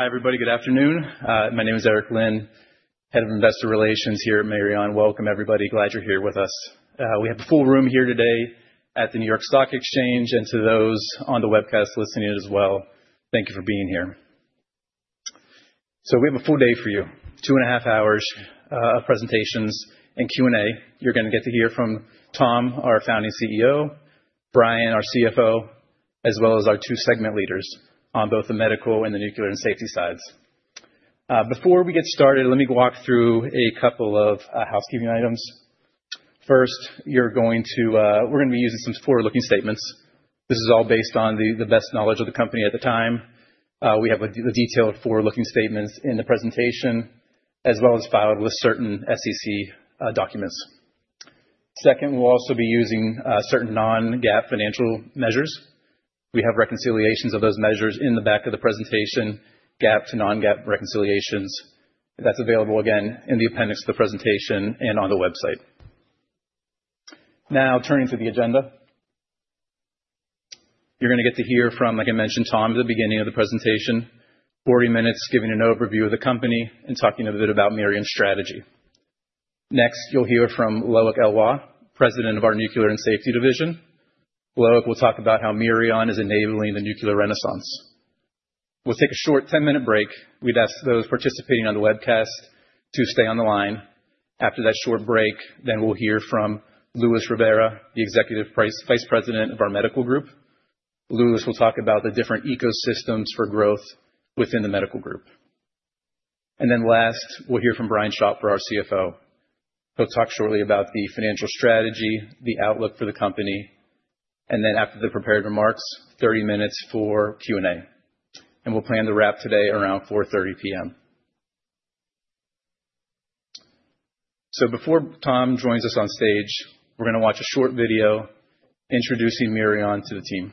Hi, everybody. Good afternoon. My name is Eric Linn, Head of Investor Relations here at Mirion. Welcome, everybody. Glad you're here with us. We have a full room here today at the New York Stock Exchange, and to those on the webcast listening as well, thank you for being here. So we have a full day for you, two and a half hours of presentations and Q&A. You're going to get to hear from Tom, our founding CEO, Brian, our CFO, as well as our two segment leaders on both the medical and the nuclear and safety sides. Before we get started, let me walk through a couple of housekeeping items. First, we're going to be using some forward-looking statements. This is all based on the best knowledge of the company at the time. We have the detailed forward-looking statements in the presentation, as well as filed with certain SEC documents. Second, we'll also be using certain non-GAAP financial measures. We have reconciliations of those measures in the back of the presentation, GAAP to non-GAAP reconciliations. That's available, again, in the appendix to the presentation and on the website. Now, turning to the agenda, you're going to get to hear from, like I mentioned, Tom at the beginning of the presentation, 40 minutes giving an overview of the company and talking a bit about Mirion's strategy. Next, you'll hear from Loïc Eloy, President of our Nuclear and Safety Division. Loïc will talk about how Mirion is enabling the nuclear renaissance. We'll take a short 10-minute break. We'd ask those participating on the webcast to stay on the line. After that short break, then we'll hear from Luis Rivera, the Executive Vice President of our Medical Group. Luis will talk about the different ecosystems for growth within the Medical Group. And then last, we'll hear from Brian Schopfer, our CFO. He'll talk shortly about the financial strategy, the outlook for the company, and then after the prepared remarks, 30 minutes for Q&A. And we'll plan to wrap today around 4:30 P.M. So before Tom joins us on stage, we're going to watch a short video introducing Mirion to the team.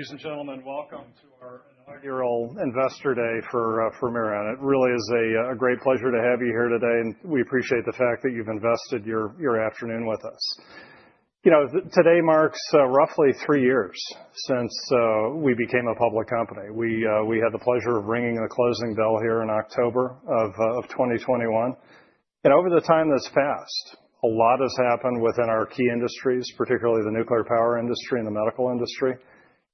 Ladies and gentlemen, welcome to our inaugural Investor Day for Mirion. It really is a great pleasure to have you here today, and we appreciate the fact that you've invested your afternoon with us. You know, today marks roughly three years since we became a public company. We had the pleasure of ringing the closing bell here in October of 2021, and over the time that's passed, a lot has happened within our key industries, particularly the nuclear power industry and the medical industry,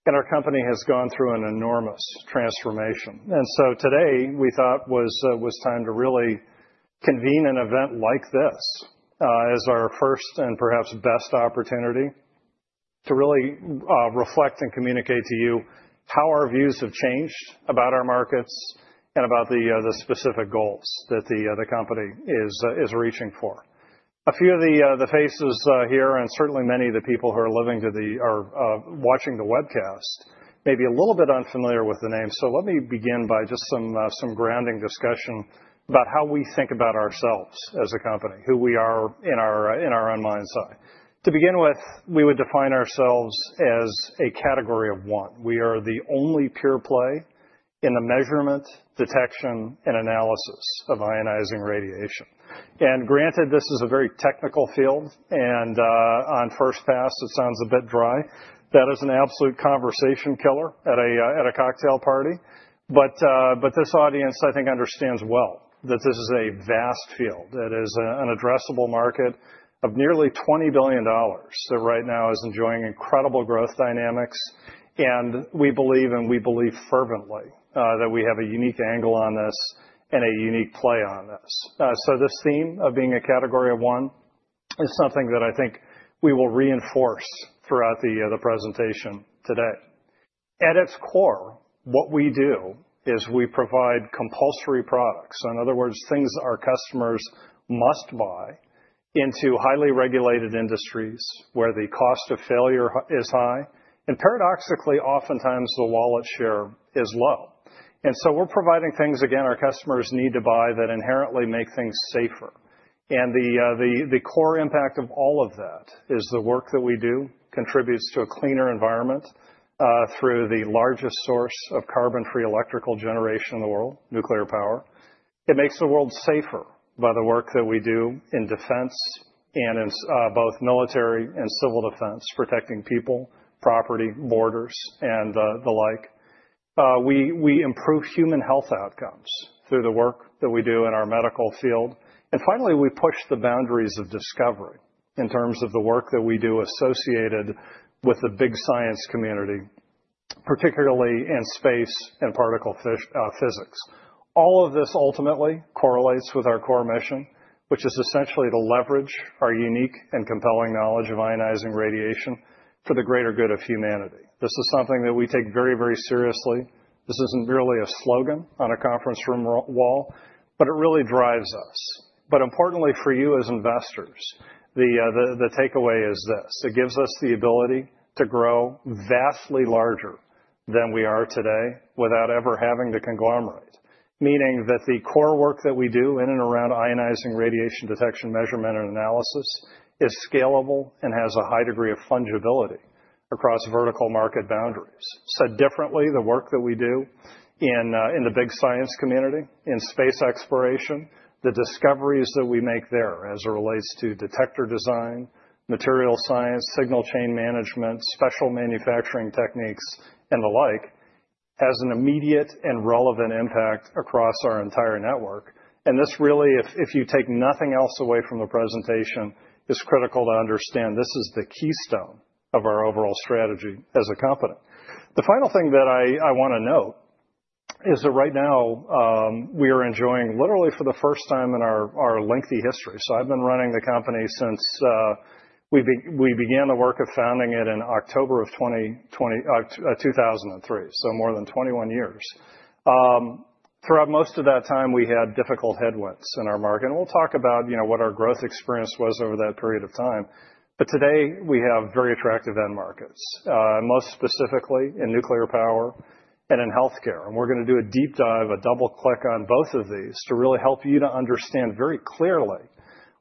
and our company has gone through an enormous transformation, and so today, we thought it was time to really convene an event like this as our first and perhaps best opportunity to really reflect and communicate to you how our views have changed about our markets and about the specific goals that the company is reaching for. A few of the faces here, and certainly many of the people who are listening to the webcast, may be a little bit unfamiliar with the name. So let me begin by just some grounding discussion about how we think about ourselves as a company, who we are in our own mindset. To begin with, we would define ourselves as a category of one. We are the only pure play in the measurement, detection, and analysis of ionizing radiation. And granted, this is a very technical field, and on first pass, it sounds a bit dry. That is an absolute conversation killer at a cocktail party. But this audience, I think, understands well that this is a vast field. It is an addressable market of nearly $20 billion that right now is enjoying incredible growth dynamics. And we believe, and we believe fervently, that we have a unique angle on this and a unique play on this. So this theme of being a category of one is something that I think we will reinforce throughout the presentation today. At its core, what we do is we provide compulsory products. In other words, things our customers must buy into highly regulated industries where the cost of failure is high. And paradoxically, oftentimes, the wallet share is low. And so we're providing things, again, our customers need to buy that inherently make things safer. And the core impact of all of that is the work that we do contributes to a cleaner environment through the largest source of carbon-free electrical generation in the world, nuclear power. It makes the world safer by the work that we do in defense and in both military and civil defense, protecting people, property, borders, and the like. We improve human health outcomes through the work that we do in our medical field. Finally, we push the boundaries of discovery in terms of the work that we do associated with the big science community, particularly in space and particle physics. All of this ultimately correlates with our core mission, which is essentially to leverage our unique and compelling knowledge of ionizing radiation for the greater good of humanity. This is something that we take very, very seriously. This isn't merely a slogan on a conference room wall, but it really drives us. But importantly for you as investors, the takeaway is this: it gives us the ability to grow vastly larger than we are today without ever having to conglomerate, meaning that the core work that we do in and around ionizing radiation detection, measurement, and analysis is scalable and has a high degree of fungibility across vertical market boundaries. Said differently, the work that we do in the big science community, in space exploration, the discoveries that we make there as it relates to detector design, material science, signal chain management, special manufacturing techniques, and the like, has an immediate and relevant impact across our entire network. And this really, if you take nothing else away from the presentation, is critical to understand this is the keystone of our overall strategy as a company. The final thing that I want to note is that right now, we are enjoying literally for the first time in our lengthy history. So I've been running the company since we began the work of founding it in October of 2003, so more than 21 years. Throughout most of that time, we had difficult headwinds in our market. And we'll talk about what our growth experience was over that period of time. But today, we have very attractive end markets, most specifically in nuclear power and in healthcare. And we're going to do a deep dive, a double-click on both of these to really help you to understand very clearly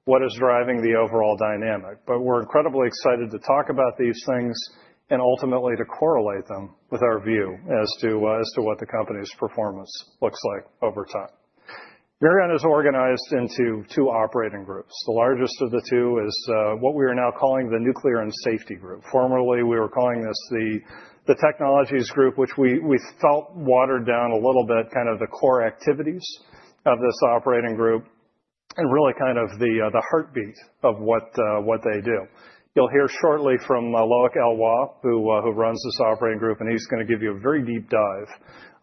what is driving the overall dynamic. But we're incredibly excited to talk about these things and ultimately to correlate them with our view as to what the company's performance looks like over time. Mirion is organized into two operating groups. The largest of the two is what we are now calling the Nuclear and Safety Group. Formerly, we were calling this the Technologies Group, which we felt watered down a little bit, kind of the core activities of this operating group and really kind of the heartbeat of what they do. You'll hear shortly from Loïc Eloy, who runs this operating group, and he's going to give you a very deep dive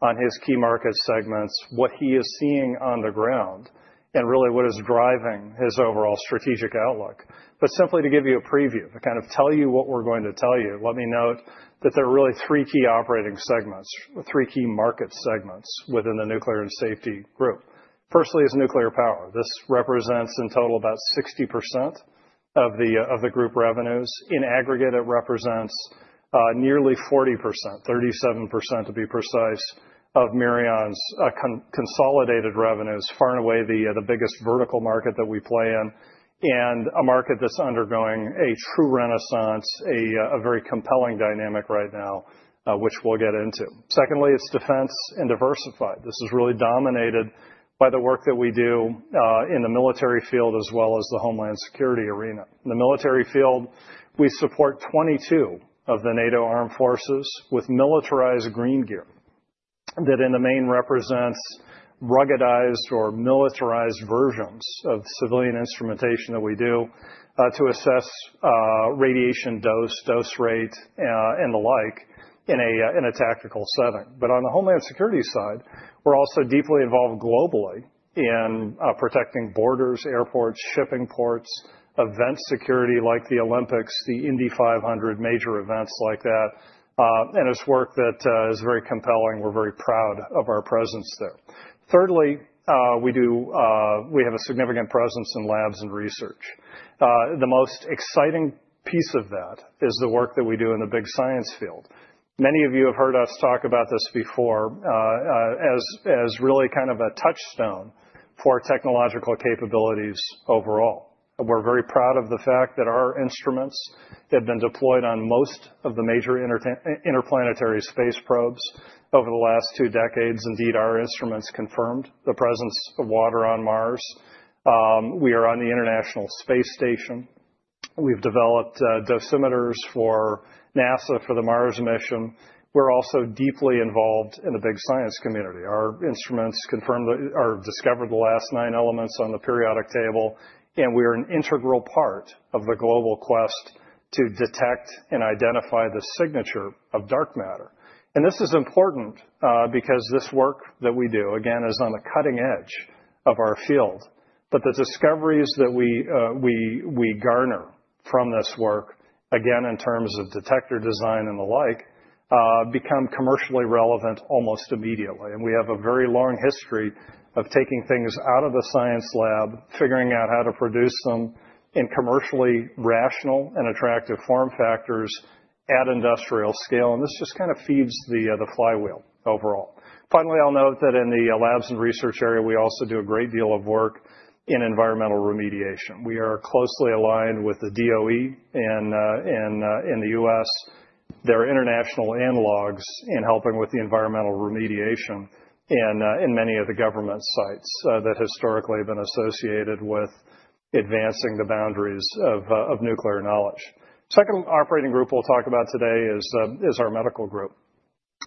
on his key market segments, what he is seeing on the ground, and really what is driving his overall strategic outlook. But simply to give you a preview, to kind of tell you what we're going to tell you, let me note that there are really three key operating segments, three key market segments within the Nuclear and Safety Group. Firstly is nuclear power. This represents in total about 60% of the group revenues. In aggregate, it represents nearly 40%, 37% to be precise, of Mirion's consolidated revenues, far and away the biggest vertical market that we play in and a market that's undergoing a true renaissance, a very compelling dynamic right now, which we'll get into. Secondly, it's defense and diversified. This is really dominated by the work that we do in the military field as well as the homeland security arena. In the military field, we support 22 of the NATO armed forces with militarized green gear that in the main represents ruggedized or militarized versions of civilian instrumentation that we do to assess radiation dose, dose rate, and the like in a tactical setting. But on the homeland security side, we're also deeply involved globally in protecting borders, airports, shipping ports, event security like the Olympics, the Indy 500, major events like that. And it's work that is very compelling. We're very proud of our presence there. Thirdly, we have a significant presence in labs and research. The most exciting piece of that is the work that we do in the big science field. Many of you have heard us talk about this before as really kind of a touchstone for technological capabilities overall. We're very proud of the fact that our instruments have been deployed on most of the major interplanetary space probes over the last two decades. Indeed, our instruments confirmed the presence of water on Mars. We are on the International Space Station. We've developed dosimeters for NASA for the Mars mission. We're also deeply involved in the big science community. Our instruments confirmed or discovered the last nine elements on the periodic table, and we are an integral part of the global quest to detect and identify the signature of dark matter. And this is important because this work that we do, again, is on the cutting edge of our field. But the discoveries that we garner from this work, again, in terms of detector design and the like, become commercially relevant almost immediately. And we have a very long history of taking things out of the science lab, figuring out how to produce them in commercially rational and attractive form factors at industrial scale. And this just kind of feeds the flywheel overall. Finally, I'll note that in the labs and research area, we also do a great deal of work in environmental remediation. We are closely aligned with the DOE in the U.S. They're international analogs in helping with the environmental remediation in many of the government sites that historically have been associated with advancing the boundaries of nuclear knowledge. The second operating group we'll talk about today is our medical group.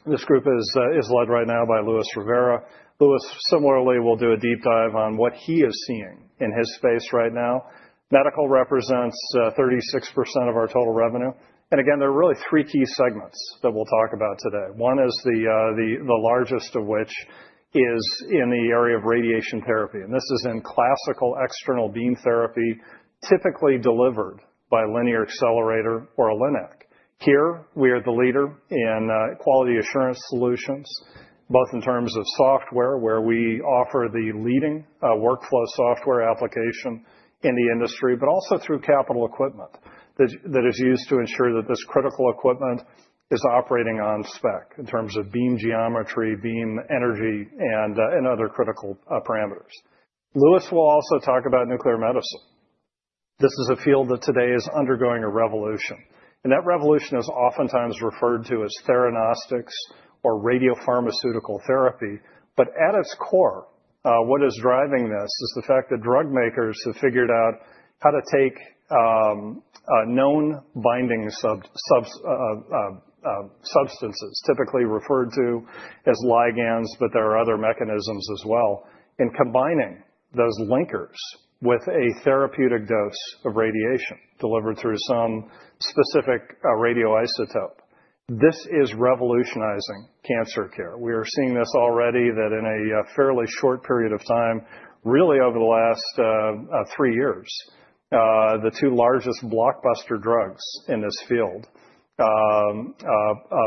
This group is led right now by Luis Rivera. Luis, similarly, will do a deep dive on what he is seeing in his space right now. Medical represents 36% of our total revenue, and again, there are really three key segments that we'll talk about today. One is the largest of which is in the area of radiation therapy, and this is in classical external beam therapy, typically delivered by linear accelerator or a linac. Here, we are the leader in quality assurance solutions, both in terms of software, where we offer the leading workflow software application in the industry, but also through capital equipment that is used to ensure that this critical equipment is operating on spec in terms of beam geometry, beam energy, and other critical parameters. Luis will also talk about nuclear medicine. This is a field that today is undergoing a revolution. And that revolution is oftentimes referred to as theranostics or radiopharmaceutical therapy. But at its core, what is driving this is the fact that drug makers have figured out how to take known binding substances, typically referred to as ligands, but there are other mechanisms as well, and combining those ligands with a therapeutic dose of radiation delivered through some specific radioisotope. This is revolutionizing cancer care. We are seeing this already that in a fairly short period of time, really over the last three years, the two largest blockbuster drugs in this field,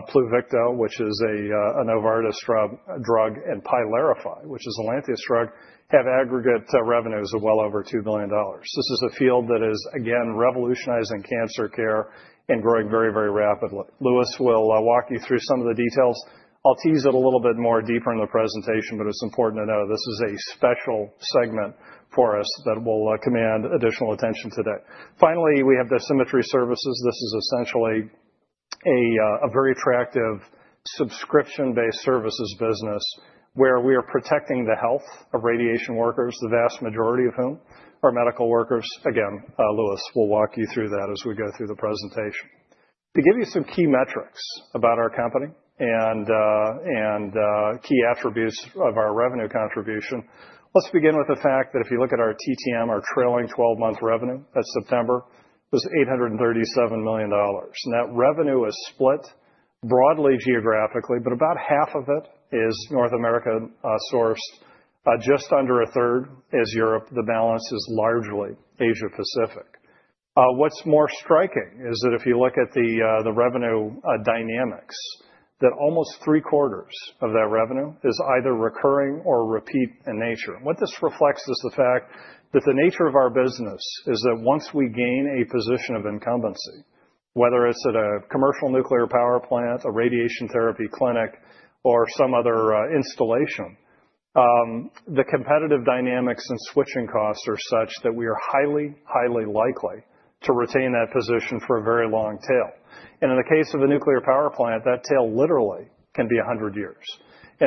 Pluvicto, which is a Novartis drug, and Pylarify, which is a Lantheus drug, have aggregate revenues of well over $2 billion. This is a field that is, again, revolutionizing cancer care and growing very, very rapidly. Luis will walk you through some of the details. I'll tease it a little bit more deeper in the presentation, but it's important to know this is a special segment for us that will command additional attention today. Finally, we have dosimetry services. This is essentially a very attractive subscription-based services business where we are protecting the health of radiation workers, the vast majority of whom are medical workers. Again, Luis will walk you through that as we go through the presentation. To give you some key metrics about our company and key attributes of our revenue contribution, let's begin with the fact that if you look at our TTM, our trailing 12-month revenue as September was $837 million. And that revenue is split broadly geographically, but about half of it is North America sourced. Just under a third is Europe. The balance is largely Asia-Pacific. What's more striking is that if you look at the revenue dynamics, that almost three-quarters of that revenue is either recurring or repeat in nature. What this reflects is the fact that the nature of our business is that once we gain a position of incumbency, whether it's at a commercial nuclear power plant, a radiation therapy clinic, or some other installation, the competitive dynamics and switching costs are such that we are highly, highly likely to retain that position for a very long tail. In the case of a nuclear power plant, that tail literally can be 100 years.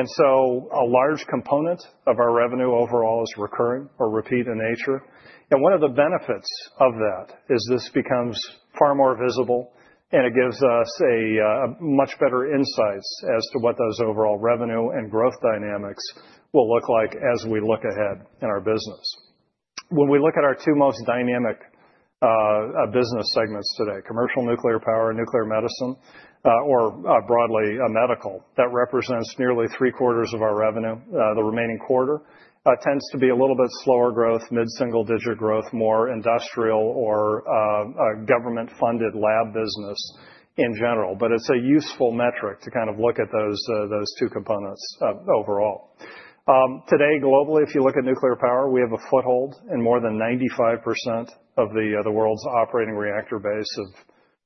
So a large component of our revenue overall is recurring or repeat in nature. One of the benefits of that is this becomes far more visible, and it gives us a much better insight as to what those overall revenue and growth dynamics will look like as we look ahead in our business. When we look at our two most dynamic business segments today, commercial nuclear power and nuclear medicine, or broadly medical, that represents nearly three-quarters of our revenue. The remaining quarter tends to be a little bit slower growth, mid-single-digit growth, more industrial or government-funded lab business in general. It is a useful metric to kind of look at those two components overall. Today, globally, if you look at nuclear power, we have a foothold in more than 95% of the world's operating reactor base of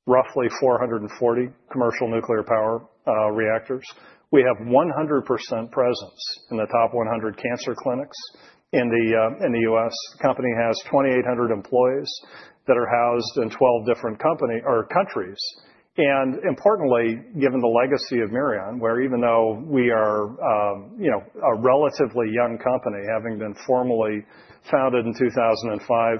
roughly 440 commercial nuclear power reactors. We have 100% presence in the top 100 cancer clinics in the U.S. The company has 2,800 employees that are housed in 12 different countries, and importantly, given the legacy of Mirion, where even though we are a relatively young company, having been formally founded in 2005,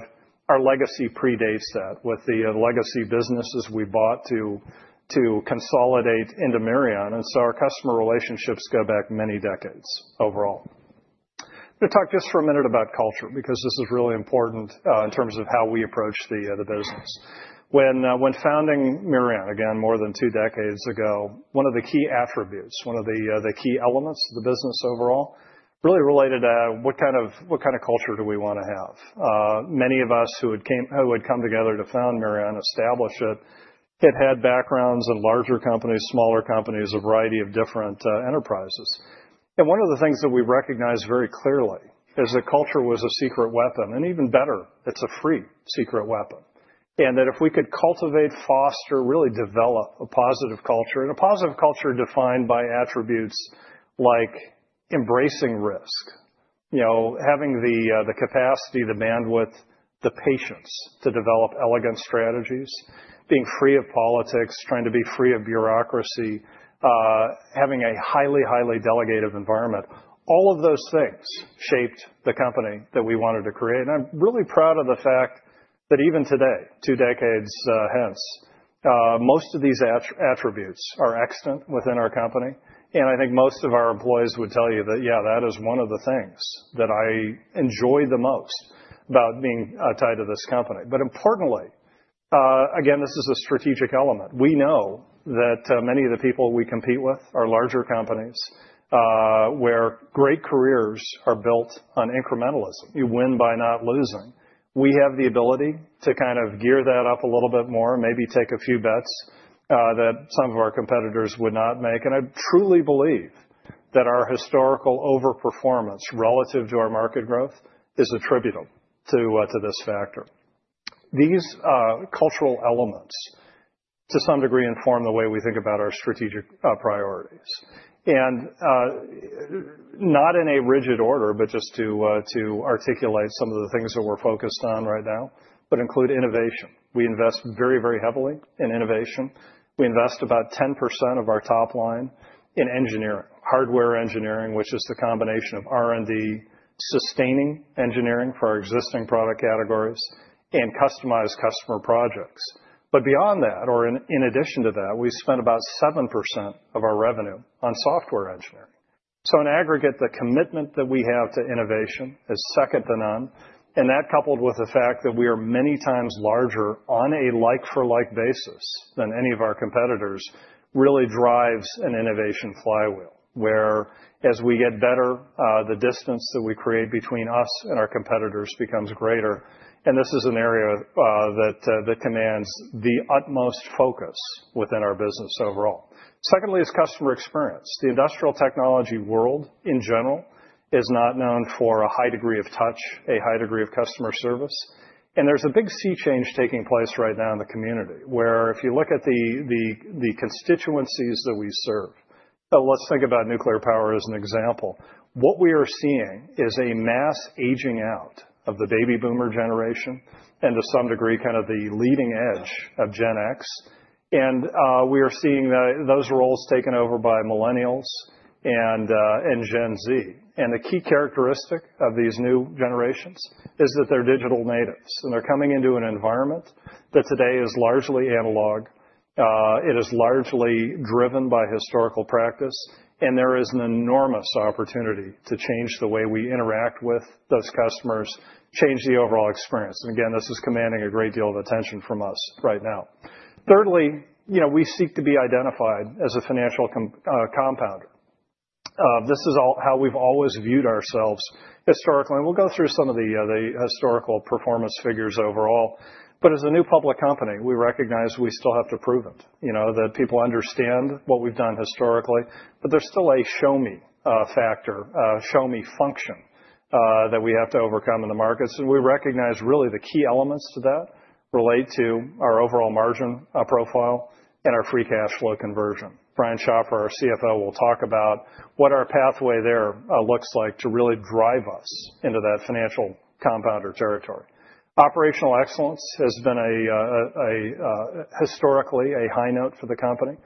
our legacy predates that with the legacy businesses we bought to consolidate into Mirion, and so our customer relationships go back many decades overall. I'm going to talk just for a minute about culture because this is really important in terms of how we approach the business. When founding Mirion, again, more than two decades ago, one of the key attributes, one of the key elements of the business overall, really related to what kind of culture do we want to have. Many of us who had come together to found Mirion, establish it, had had backgrounds in larger companies, smaller companies, a variety of different enterprises. And one of the things that we recognize very clearly is that culture was a secret weapon. And even better, it's a free secret weapon. And that if we could cultivate, foster, really develop a positive culture, and a positive culture defined by attributes like embracing risk, having the capacity, the bandwidth, the patience to develop elegant strategies, being free of politics, trying to be free of bureaucracy, having a highly, highly delegative environment, all of those things shaped the company that we wanted to create. I'm really proud of the fact that even today, two decades hence, most of these attributes are extant within our company. I think most of our employees would tell you that, yeah, that is one of the things that I enjoy the most about being tied to this company. But importantly, again, this is a strategic element. We know that many of the people we compete with are larger companies where great careers are built on incrementalism. You win by not losing. We have the ability to kind of gear that up a little bit more, maybe take a few bets that some of our competitors would not make. I truly believe that our historical overperformance relative to our market growth is attributable to this factor. These cultural elements, to some degree, inform the way we think about our strategic priorities. Not in a rigid order, but just to articulate some of the things that we're focused on right now, but include innovation. We invest very, very heavily in innovation. We invest about 10% of our top line in engineering, hardware engineering, which is the combination of R&D, sustaining engineering for our existing product categories, and customized customer projects. But beyond that, or in addition to that, we spend about 7% of our revenue on software engineering. So in aggregate, the commitment that we have to innovation is second to none. And that, coupled with the fact that we are many times larger on a like-for-like basis than any of our competitors, really drives an innovation flywheel where, as we get better, the distance that we create between us and our competitors becomes greater. And this is an area that commands the utmost focus within our business overall. Secondly, it's customer experience. The industrial technology world, in general, is not known for a high degree of touch, a high degree of customer service. And there's a big sea change taking place right now in the community where, if you look at the constituencies that we serve, let's think about nuclear power as an example. What we are seeing is a mass aging out of the baby boomer generation and, to some degree, kind of the leading edge of Gen X. And we are seeing those roles taken over by Millennials and Gen Z. And the key characteristic of these new generations is that they're digital natives. And they're coming into an environment that today is largely analog. It is largely driven by historical practice. And there is an enormous opportunity to change the way we interact with those customers, change the overall experience. And again, this is commanding a great deal of attention from us right now. Thirdly, we seek to be identified as a financial compounder. This is how we've always viewed ourselves historically. And we'll go through some of the historical performance figures overall. But as a new public company, we recognize we still have to prove it, that people understand what we've done historically, but there's still a show-me factor, show-me function that we have to overcome in the markets. And we recognize really the key elements to that relate to our overall margin profile and our free cash flow conversion. Brian Schopfer, our CFO, will talk about what our pathway there looks like to really drive us into that financial compounder territory. Operational excellence has been historically a high note for the company.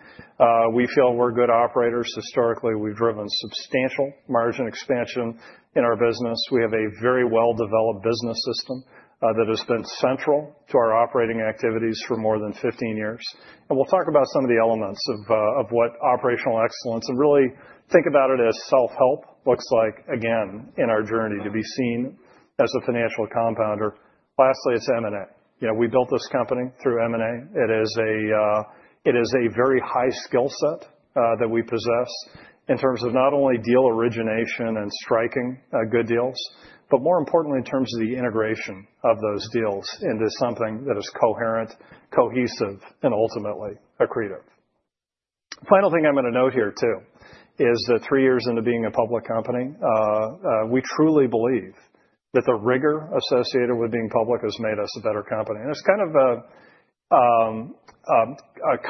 We feel we're good operators. Historically, we've driven substantial margin expansion in our business. We have a very well-developed business system that has been central to our operating activities for more than 15 years, and we'll talk about some of the elements of what operational excellence and really think about it as self-help looks like, again, in our journey to be seen as a financial compounder. Lastly, it's M&A. We built this company through M&A. It is a very high skill set that we possess in terms of not only deal origination and striking good deals, but more importantly, in terms of the integration of those deals into something that is coherent, cohesive, and ultimately accretive. Final thing I'm going to note here, too, is that three years into being a public company, we truly believe that the rigor associated with being public has made us a better company, and it's kind of a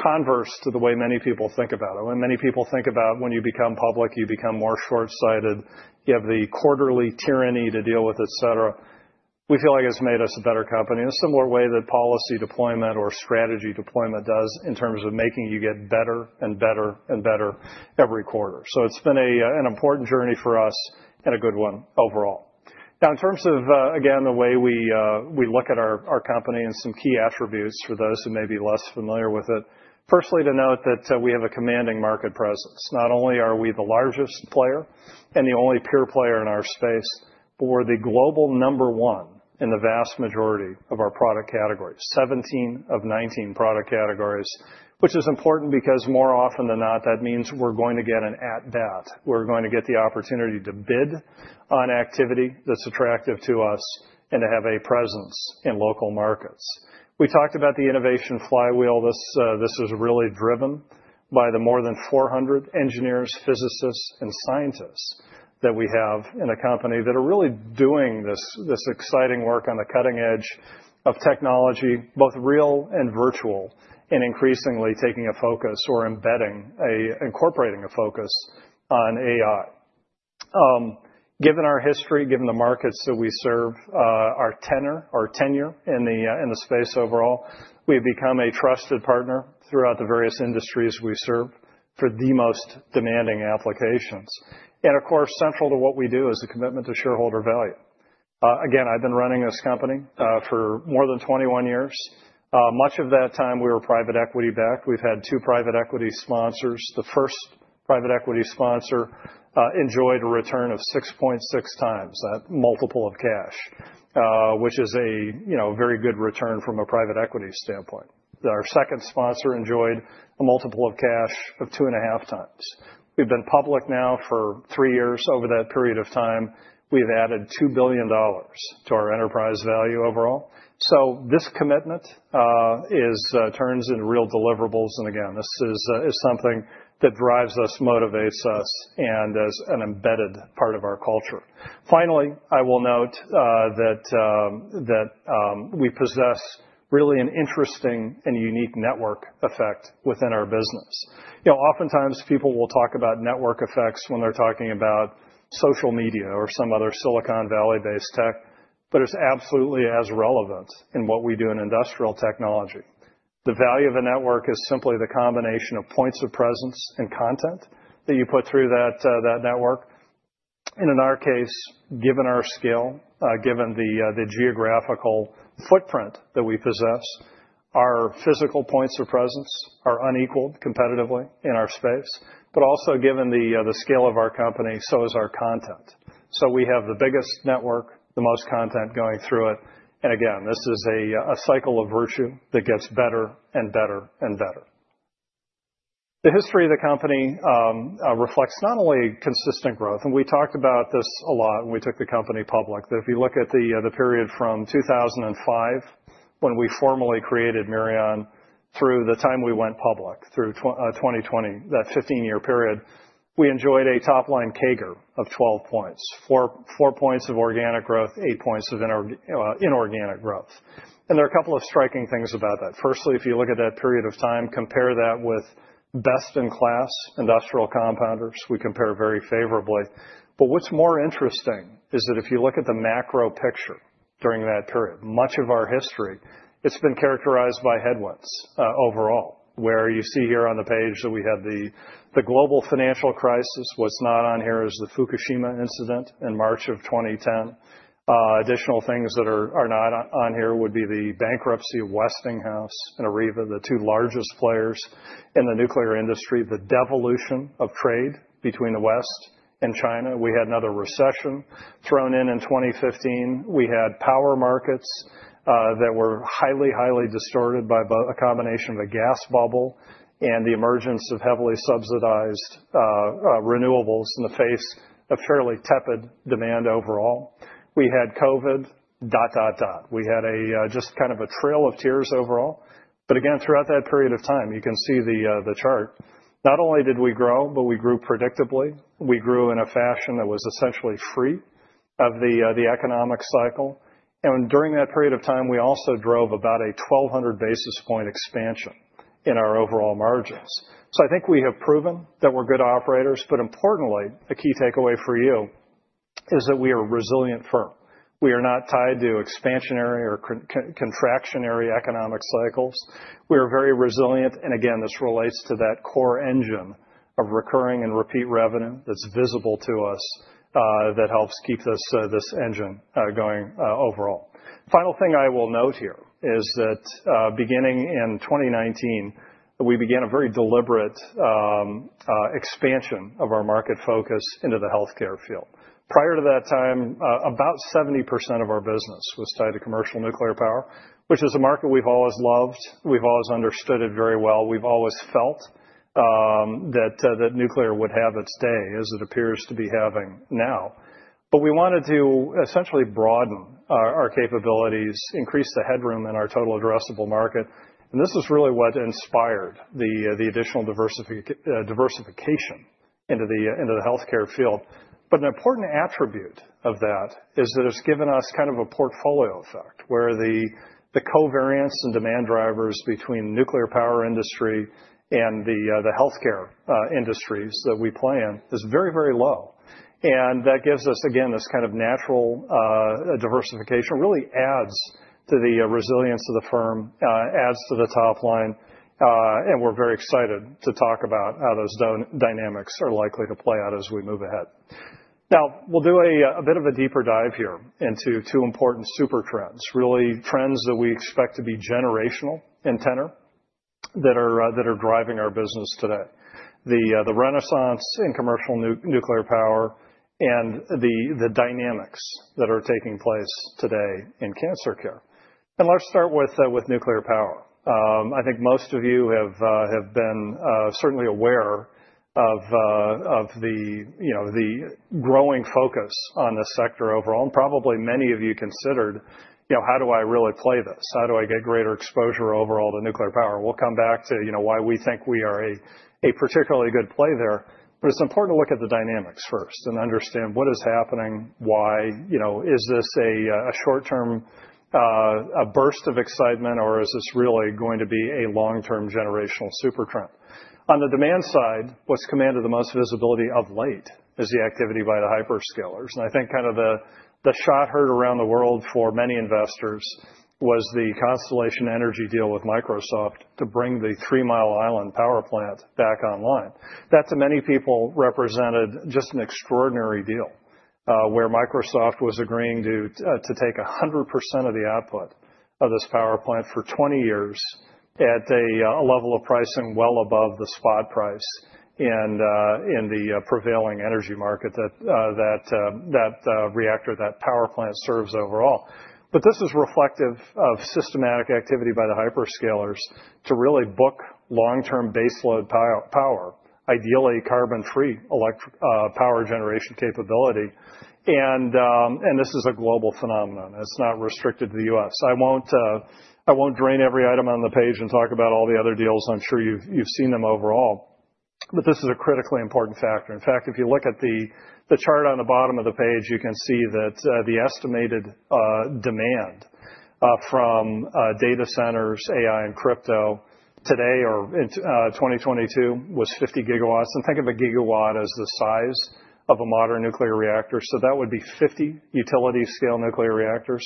converse to the way many people think about it. When many people think about when you become public, you become more short-sighted, you have the quarterly tyranny to deal with, et cetera. We feel like it's made us a better company in a similar way that policy deployment or strategy deployment does in terms of making you get better and better and better every quarter. So it's been an important journey for us and a good one overall. Now, in terms of, again, the way we look at our company and some key attributes for those who may be less familiar with it, firstly, to note that we have a commanding market presence. Not only are we the largest player and the only peer player in our space, but we're the global number one in the vast majority of our product categories, 17 of 19 product categories, which is important because more often than not, that means we're going to get an at-bat. We're going to get the opportunity to bid on activity that's attractive to us and to have a presence in local markets. We talked about the innovation flywheel. This is really driven by the more than 400 engineers, physicists, and scientists that we have in the company that are really doing this exciting work on the cutting edge of technology, both real and virtual, and increasingly taking a focus or embedding, incorporating a focus on AI. Given our history, given the markets that we serve, our tenure in the space overall, we've become a trusted partner throughout the various industries we serve for the most demanding applications, and of course, central to what we do is a commitment to shareholder value. Again, I've been running this company for more than 21 years. Much of that time, we were private equity-backed. We've had two private equity sponsors. The first private equity sponsor enjoyed a return of 6.6 times that multiple of cash, which is a very good return from a private equity standpoint. Our second sponsor enjoyed a multiple of cash of two and a half times. We've been public now for three years. Over that period of time, we've added $2 billion to our enterprise value overall, so this commitment turns into real deliverables. Again, this is something that drives us, motivates us, and is an embedded part of our culture. Finally, I will note that we possess really an interesting and unique network effect within our business. Oftentimes, people will talk about network effects when they're talking about social media or some other Silicon Valley-based tech, but it's absolutely as relevant in what we do in industrial technology. The value of a network is simply the combination of points of presence and content that you put through that network. In our case, given our scale, given the geographical footprint that we possess, our physical points of presence are unequaled competitively in our space, but also given the scale of our company, so is our content. We have the biggest network, the most content going through it. Again, this is a cycle of virtue that gets better and better and better. The history of the company reflects not only consistent growth, and we talked about this a lot when we took the company public, that if you look at the period from 2005 when we formally created Mirion through the time we went public through 2020, that 15-year period, we enjoyed a top-line CAGR of 12 points, 4 points of organic growth, 8 points of inorganic growth. There are a couple of striking things about that. Firstly, if you look at that period of time, compare that with best-in-class industrial compounders, we compare very favorably. But what's more interesting is that if you look at the macro picture during that period, much of our history, it's been characterized by headwinds overall, where you see here on the page that we had the global financial crisis. What's not on here is the Fukushima incident in March of 2010. Additional things that are not on here would be the bankruptcy of Westinghouse and Areva, the two largest players in the nuclear industry, the devolution of trade between the West and China. We had another recession thrown in in 2015. We had power markets that were highly, highly distorted by a combination of a gas bubble and the emergence of heavily subsidized renewables in the face of fairly tepid demand overall. We had COVID, dot, dot, dot. We had just kind of a trail of tears overall. But again, throughout that period of time, you can see the chart. Not only did we grow, but we grew predictably. We grew in a fashion that was essentially free of the economic cycle. During that period of time, we also drove about a 1,200 basis points expansion in our overall margins. I think we have proven that we're good operators. Importantly, a key takeaway for you is that we are a resilient firm. We are not tied to expansionary or contractionary economic cycles. We are very resilient. Again, this relates to that core engine of recurring and repeat revenue that's visible to us that helps keep this engine going overall. The final thing I will note here is that beginning in 2019, we began a very deliberate expansion of our market focus into the healthcare field. Prior to that time, about 70% of our business was tied to commercial nuclear power, which is a market we've always loved. We've always understood it very well. We've always felt that nuclear would have its day, as it appears to be having now. But we wanted to essentially broaden our capabilities, increase the headroom in our total addressable market. And this is really what inspired the additional diversification into the healthcare field. But an important attribute of that is that it's given us kind of a portfolio effect where the covariance and demand drivers between the nuclear power industry and the healthcare industries that we play in is very, very low. And that gives us, again, this kind of natural diversification really adds to the resilience of the firm, adds to the top line. And we're very excited to talk about how those dynamics are likely to play out as we move ahead. Now, we'll do a bit of a deeper dive here into two important super trends, really trends that we expect to be generational in nature that are driving our business today, the renaissance in commercial nuclear power and the dynamics that are taking place today in cancer care. And let's start with nuclear power. I think most of you have been certainly aware of the growing focus on this sector overall. And probably many of you considered, "How do I really play this? How do I get greater exposure overall to nuclear power?" We'll come back to why we think we are a particularly good play there. But it's important to look at the dynamics first and understand what is happening, why is this a short-term burst of excitement, or is this really going to be a long-term generational super trend? On the demand side, what's commanded the most visibility of late is the activity by the hyperscalers. I think kind of the shot heard around the world for many investors was the Constellation Energy deal with Microsoft to bring the Three Mile Island power plant back online. That, to many people, represented just an extraordinary deal where Microsoft was agreeing to take 100% of the output of this power plant for 20 years at a level of pricing well above the spot price in the prevailing energy market that reactor, that power plant serves overall. This is reflective of systematic activity by the hyperscalers to really book long-term baseload power, ideally carbon-free power generation capability. This is a global phenomenon. It's not restricted to the U.S. I won't drain every item on the page and talk about all the other deals. I'm sure you've seen them overall. But this is a critically important factor. In fact, if you look at the chart on the bottom of the page, you can see that the estimated demand from data centers, AI, and crypto today or in 2022 was 50 gigawatts. And think of a gigawatt as the size of a modern nuclear reactor. So that would be 50 utility-scale nuclear reactors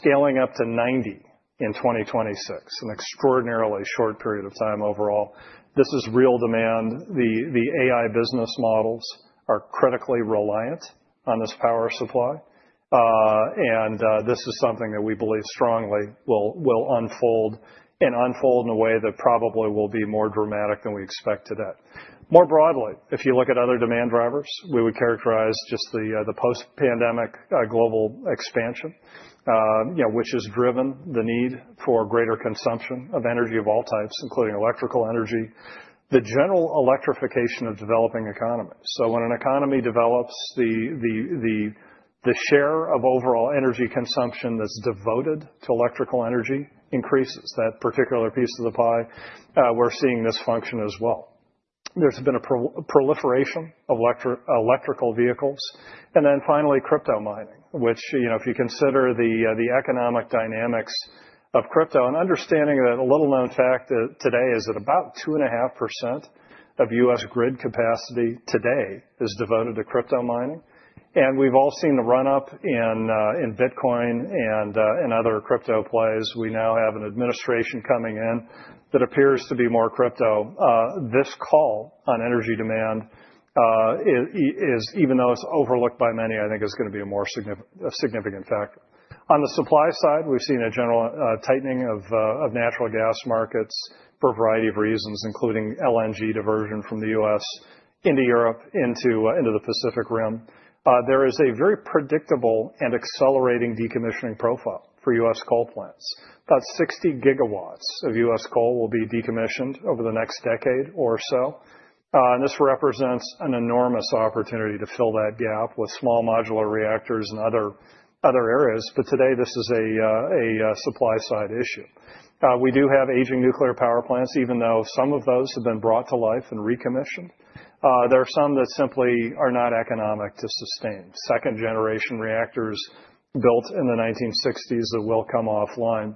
scaling up to 90 in 2026, an extraordinarily short period of time overall. This is real demand. The AI business models are critically reliant on this power supply. And this is something that we believe strongly will unfold and unfold in a way that probably will be more dramatic than we expected it. More broadly, if you look at other demand drivers, we would characterize just the post-pandemic global expansion, which has driven the need for greater consumption of energy of all types, including electrical energy, the general electrification of developing economies. So when an economy develops, the share of overall energy consumption that's devoted to electrical energy increases. That particular piece of the pie, we're seeing this function as well. There's been a proliferation of electric vehicles. And then finally, crypto mining, which if you consider the economic dynamics of crypto and understanding that a little-known fact today is that about 2.5% of U.S. grid capacity today is devoted to crypto mining. And we've all seen the run-up in Bitcoin and other crypto plays. We now have an administration coming in that appears to be more crypto. This call on energy demand, even though it's overlooked by many, I think is going to be a significant factor. On the supply side, we've seen a general tightening of natural gas markets for a variety of reasons, including LNG diversion from the U.S. into Europe, into the Pacific Rim. There is a very predictable and accelerating decommissioning profile for U.S. coal plants. About 60 gigawatts of U.S. coal will be decommissioned over the next decade or so, and this represents an enormous opportunity to fill that gap with small modular reactors and other areas, but today, this is a supply-side issue. We do have aging nuclear power plants, even though some of those have been brought to life and recommissioned. There are some that simply are not economic to sustain, second-generation reactors built in the 1960s that will come offline.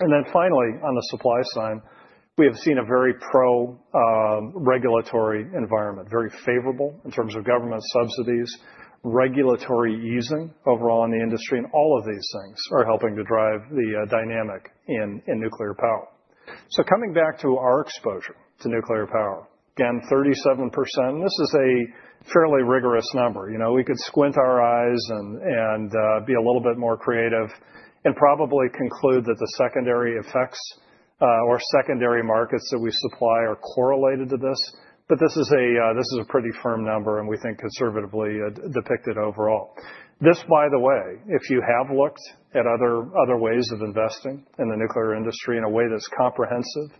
And then finally, on the supply side, we have seen a very pro-regulatory environment, very favorable in terms of government subsidies, regulatory easing overall in the industry. And all of these things are helping to drive the dynamic in nuclear power. So coming back to our exposure to nuclear power, again, 37%. This is a fairly rigorous number. We could squint our eyes and be a little bit more creative and probably conclude that the secondary effects or secondary markets that we supply are correlated to this. But this is a pretty firm number, and we think conservatively depicted overall. This, by the way, if you have looked at other ways of investing in the nuclear industry in a way that's comprehensive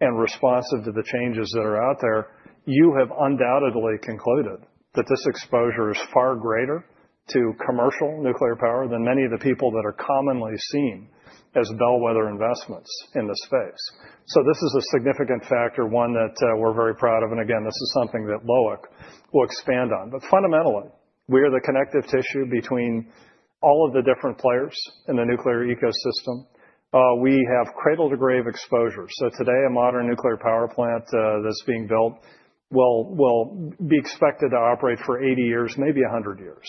and responsive to the changes that are out there, you have undoubtedly concluded that this exposure is far greater to commercial nuclear power than many of the people that are commonly seen as bellwether investments in this space. So this is a significant factor, one that we're very proud of. And again, this is something that Loïc will expand on. But fundamentally, we are the connective tissue between all of the different players in the nuclear ecosystem. We have cradle-to-grave exposure. So today, a modern nuclear power plant that's being built will be expected to operate for 80 years, maybe 100 years.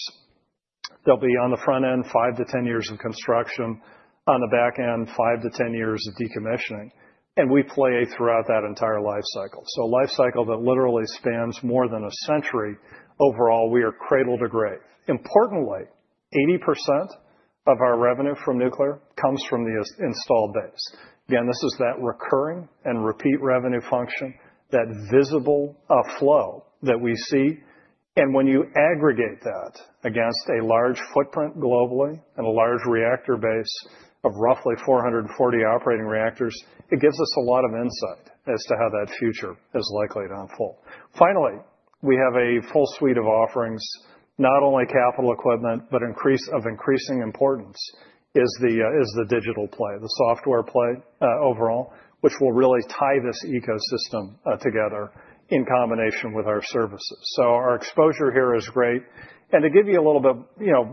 They'll be on the front end, five to 10 years of construction, on the back end, five to 10 years of decommissioning. We play throughout that entire life cycle. A life cycle that literally spans more than a century overall, we are cradle-to-grave. Importantly, 80% of our revenue from nuclear comes from the installed base. Again, this is that recurring and repeat revenue function, that visible flow that we see. When you aggregate that against a large footprint globally and a large reactor base of roughly 440 operating reactors, it gives us a lot of insight as to how that future is likely to unfold. Finally, we have a full suite of offerings, not only capital equipment, but of increasing importance is the digital play, the software play overall, which will really tie this ecosystem together in combination with our services. Our exposure here is great. To give you a little bit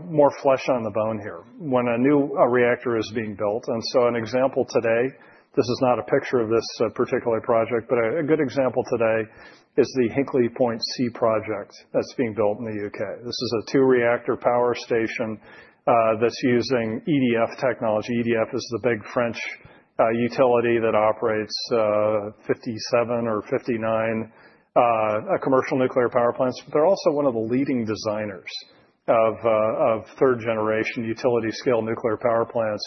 more flesh on the bone here, when a new reactor is being built, and so an example today, this is not a picture of this particular project, but a good example today is the Hinkley Point C project that's being built in the U.K. This is a two-reactor power station that's using EDF technology. EDF is the big French utility that operates 57 or 59 commercial nuclear power plants. But they're also one of the leading designers of third-generation utility-scale nuclear power plants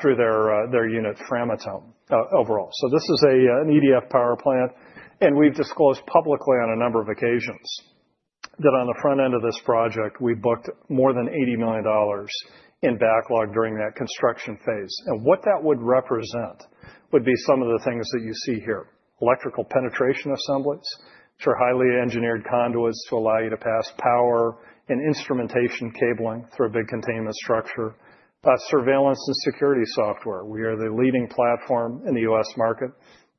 through their unit, Framatome, overall. So this is an EDF power plant. And we've disclosed publicly on a number of occasions that on the front end of this project, we booked more than $80 million in backlog during that construction phase. What that would represent would be some of the things that you see here: electrical penetration assemblies, which are highly engineered conduits to allow you to pass power and instrumentation cabling through a big containment structure, surveillance and security software. We are the leading platform in the U.S. market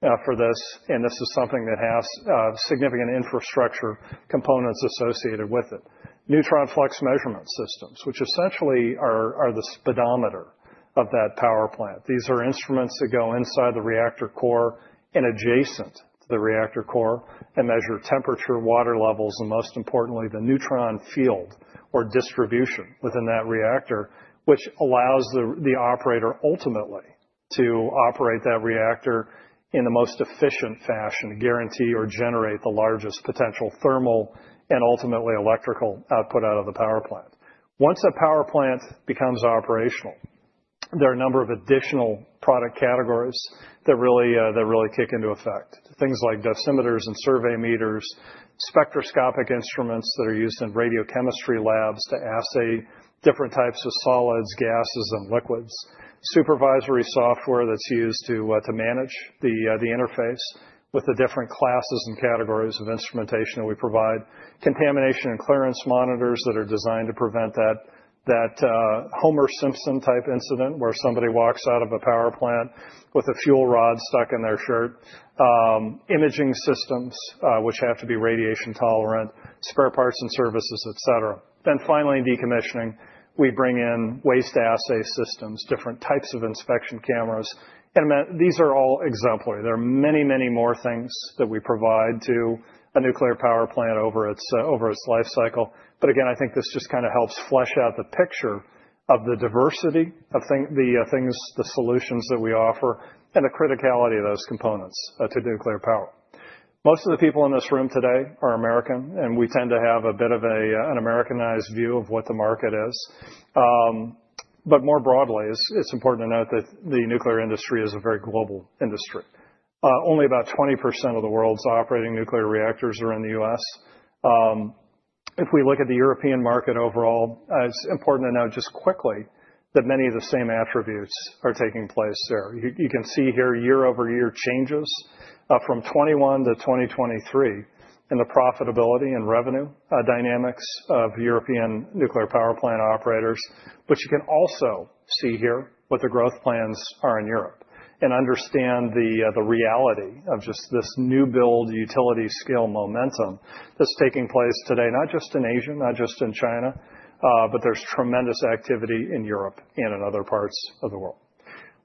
for this. And this is something that has significant infrastructure components associated with it: neutron flux measurement systems, which essentially are the speedometer of that power plant. These are instruments that go inside the reactor core and adjacent to the reactor core and measure temperature, water levels, and most importantly, the neutron field or distribution within that reactor, which allows the operator ultimately to operate that reactor in the most efficient fashion, guarantee or generate the largest potential thermal and ultimately electrical output out of the power plant. Once a power plant becomes operational, there are a number of additional product categories that really kick into effect, things like dosimeters and survey meters, spectroscopic instruments that are used in radiochemistry labs to assay different types of solids, gases, and liquids, supervisory software that's used to manage the interface with the different classes and categories of instrumentation that we provide, contamination and clearance monitors that are designed to prevent that Homer Simpson type incident where somebody walks out of a power plant with a fuel rod stuck in their shirt, imaging systems, which have to be radiation tolerant, spare parts and services, etc., then finally, in decommissioning, we bring in waste assay systems, different types of inspection cameras, and these are all exemplary. There are many, many more things that we provide to a nuclear power plant over its life cycle. But again, I think this just kind of helps flesh out the picture of the diversity of the solutions that we offer and the criticality of those components to nuclear power. Most of the people in this room today are American, and we tend to have a bit of an Americanized view of what the market is. But more broadly, it's important to note that the nuclear industry is a very global industry. Only about 20% of the world's operating nuclear reactors are in the U.S. If we look at the European market overall, it's important to note just quickly that many of the same attributes are taking place there. You can see here year-over-year changes from 2021 to 2023 in the profitability and revenue dynamics of European nuclear power plant operators. But you can also see here what the growth plans are in Europe and understand the reality of just this new-build utility-scale momentum that's taking place today, not just in Asia, not just in China, but there's tremendous activity in Europe and in other parts of the world.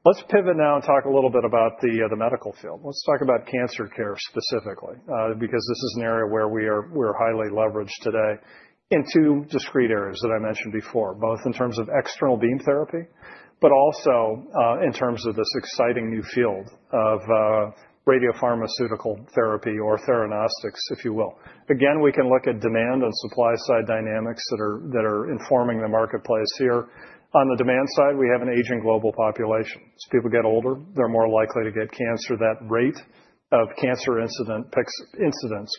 Let's pivot now and talk a little bit about the medical field. Let's talk about cancer care specifically because this is an area where we are highly leveraged today in two discrete areas that I mentioned before, both in terms of external beam therapy, but also in terms of this exciting new field of radiopharmaceutical therapy or theranostics, if you will. Again, we can look at demand and supply-side dynamics that are informing the marketplace here. On the demand side, we have an aging global population. As people get older, they're more likely to get cancer. That rate of cancer incidents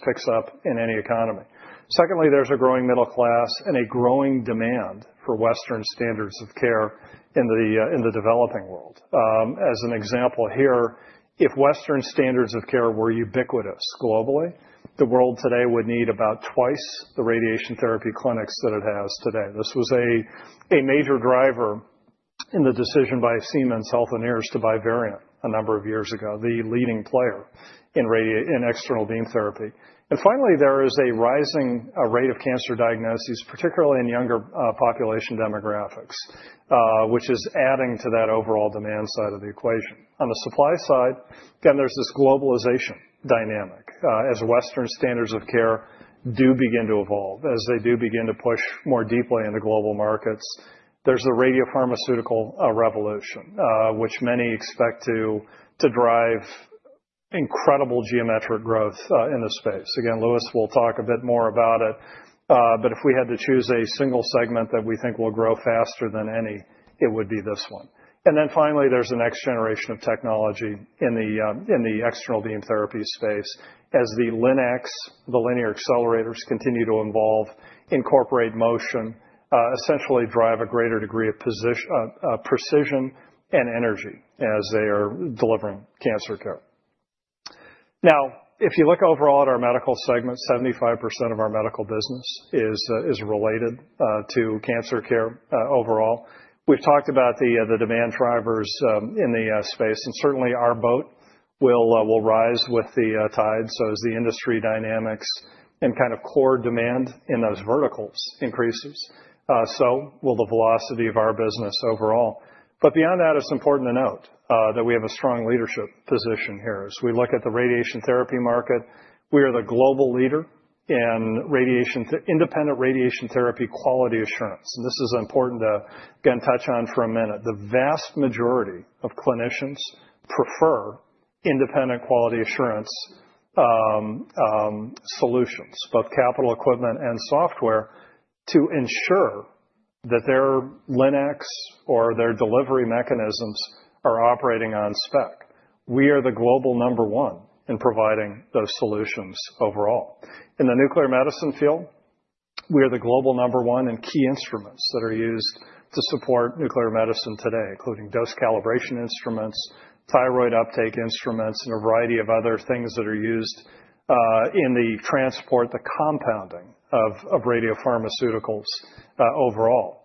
picks up in any economy. Secondly, there's a growing middle class and a growing demand for Western standards of care in the developing world. As an example here, if Western standards of care were ubiquitous globally, the world today would need about twice the radiation therapy clinics that it has today. This was a major driver in the decision by Siemens Healthineers to buy Varian a number of years ago, the leading player in external beam therapy, and finally, there is a rising rate of cancer diagnoses, particularly in younger population demographics, which is adding to that overall demand side of the equation. On the supply side, again, there's this globalization dynamic as Western standards of care do begin to evolve, as they do begin to push more deeply into global markets. There's a radiopharmaceutical revolution, which many expect to drive incredible geometric growth in the space. Again, Luis will talk a bit more about it, but if we had to choose a single segment that we think will grow faster than any, it would be this one, and then finally, there's a next generation of technology in the external beam therapy space as the linacs, the linear accelerators continue to evolve, incorporate motion, essentially drive a greater degree of precision and energy as they are delivering cancer care. Now, if you look overall at our medical segment, 75% of our medical business is related to cancer care overall. We've talked about the demand drivers in the space, and certainly our boat will rise with the tides. So as the industry dynamics and kind of core demand in those verticals increases, so will the velocity of our business overall. But beyond that, it's important to note that we have a strong leadership position here. As we look at the radiation therapy market, we are the global leader in independent radiation therapy quality assurance. And this is important to, again, touch on for a minute. The vast majority of clinicians prefer independent quality assurance solutions, both capital equipment and software, to ensure that their linac or their delivery mechanisms are operating on spec. We are the global number one in providing those solutions overall. In the nuclear medicine field, we are the global number one in key instruments that are used to support nuclear medicine today, including dose calibration instruments, thyroid uptake instruments, and a variety of other things that are used in the transport, the compounding of radiopharmaceuticals overall.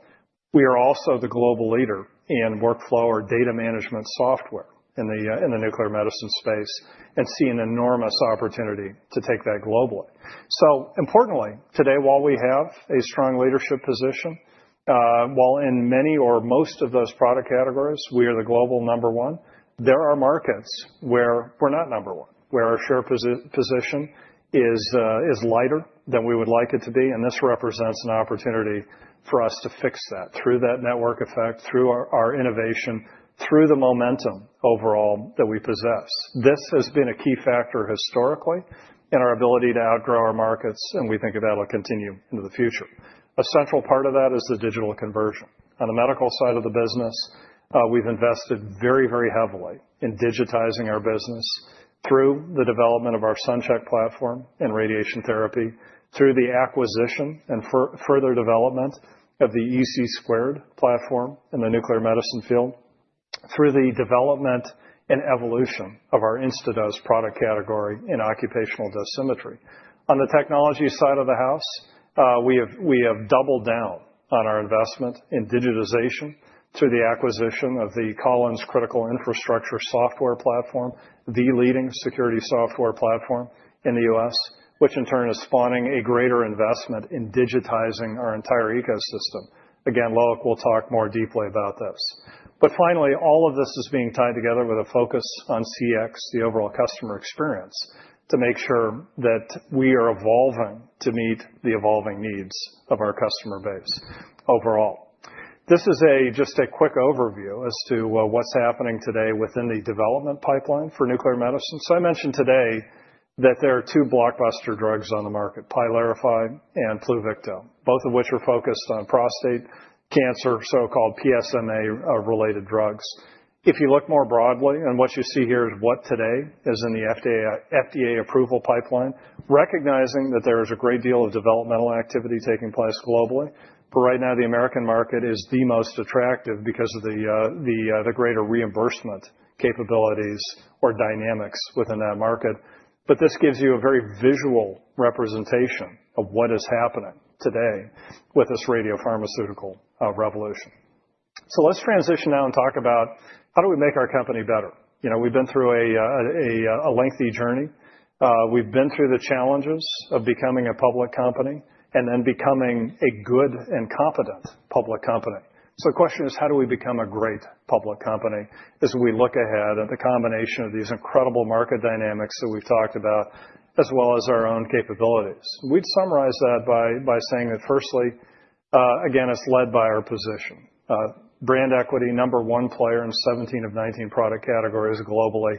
We are also the global leader in workflow or data management software in the nuclear medicine space and see an enormous opportunity to take that globally, so importantly, today, while we have a strong leadership position, while in many or most of those product categories, we are the global number one, there are markets where we're not number one, where our share position is lighter than we would like it to be, and this represents an opportunity for us to fix that through that network effect, through our innovation, through the momentum overall that we possess. This has been a key factor historically in our ability to outgrow our markets, and we think that will continue into the future. A central part of that is the digital conversion. On the medical side of the business, we've invested very, very heavily in digitizing our business through the development of our SunCHECK platform in radiation therapy, through the acquisition and further development of the EC² softwar platform in the nuclear medicine field, through the development and evolution of our Instadose product category in occupational dosimetry. On the technology side of the house, we have doubled down on our investment in digitization through the acquisition of the Collins Critical Infrastructure Software Platform, the leading security software platform in the U.S., which in turn is spawning a greater investment in digitizing our entire ecosystem. Again, Loïc will talk more deeply about this, but finally, all of this is being tied together with a focus on CX, the overall customer experience, to make sure that we are evolving to meet the evolving needs of our customer base overall. This is just a quick overview as to what's happening today within the development pipeline for nuclear medicine. So I mentioned today that there are two blockbuster drugs on the market, Pylarify and Pluvicto, both of which are focused on prostate cancer, so-called PSMA-related drugs. If you look more broadly, and what you see here is what today is in the FDA approval pipeline, recognizing that there is a great deal of developmental activity taking place globally. But right now, the American market is the most attractive because of the greater reimbursement capabilities or dynamics within that market. But this gives you a very visual representation of what is happening today with this radiopharmaceutical revolution. So let's transition now and talk about how do we make our company better. We've been through a lengthy journey. We've been through the challenges of becoming a public company and then becoming a good and competent public company. So the question is, how do we become a great public company as we look ahead at the combination of these incredible market dynamics that we've talked about, as well as our own capabilities? We'd summarize that by saying that, firstly, again, it's led by our position. Brand equity, number one player in 17 of 19 product categories globally,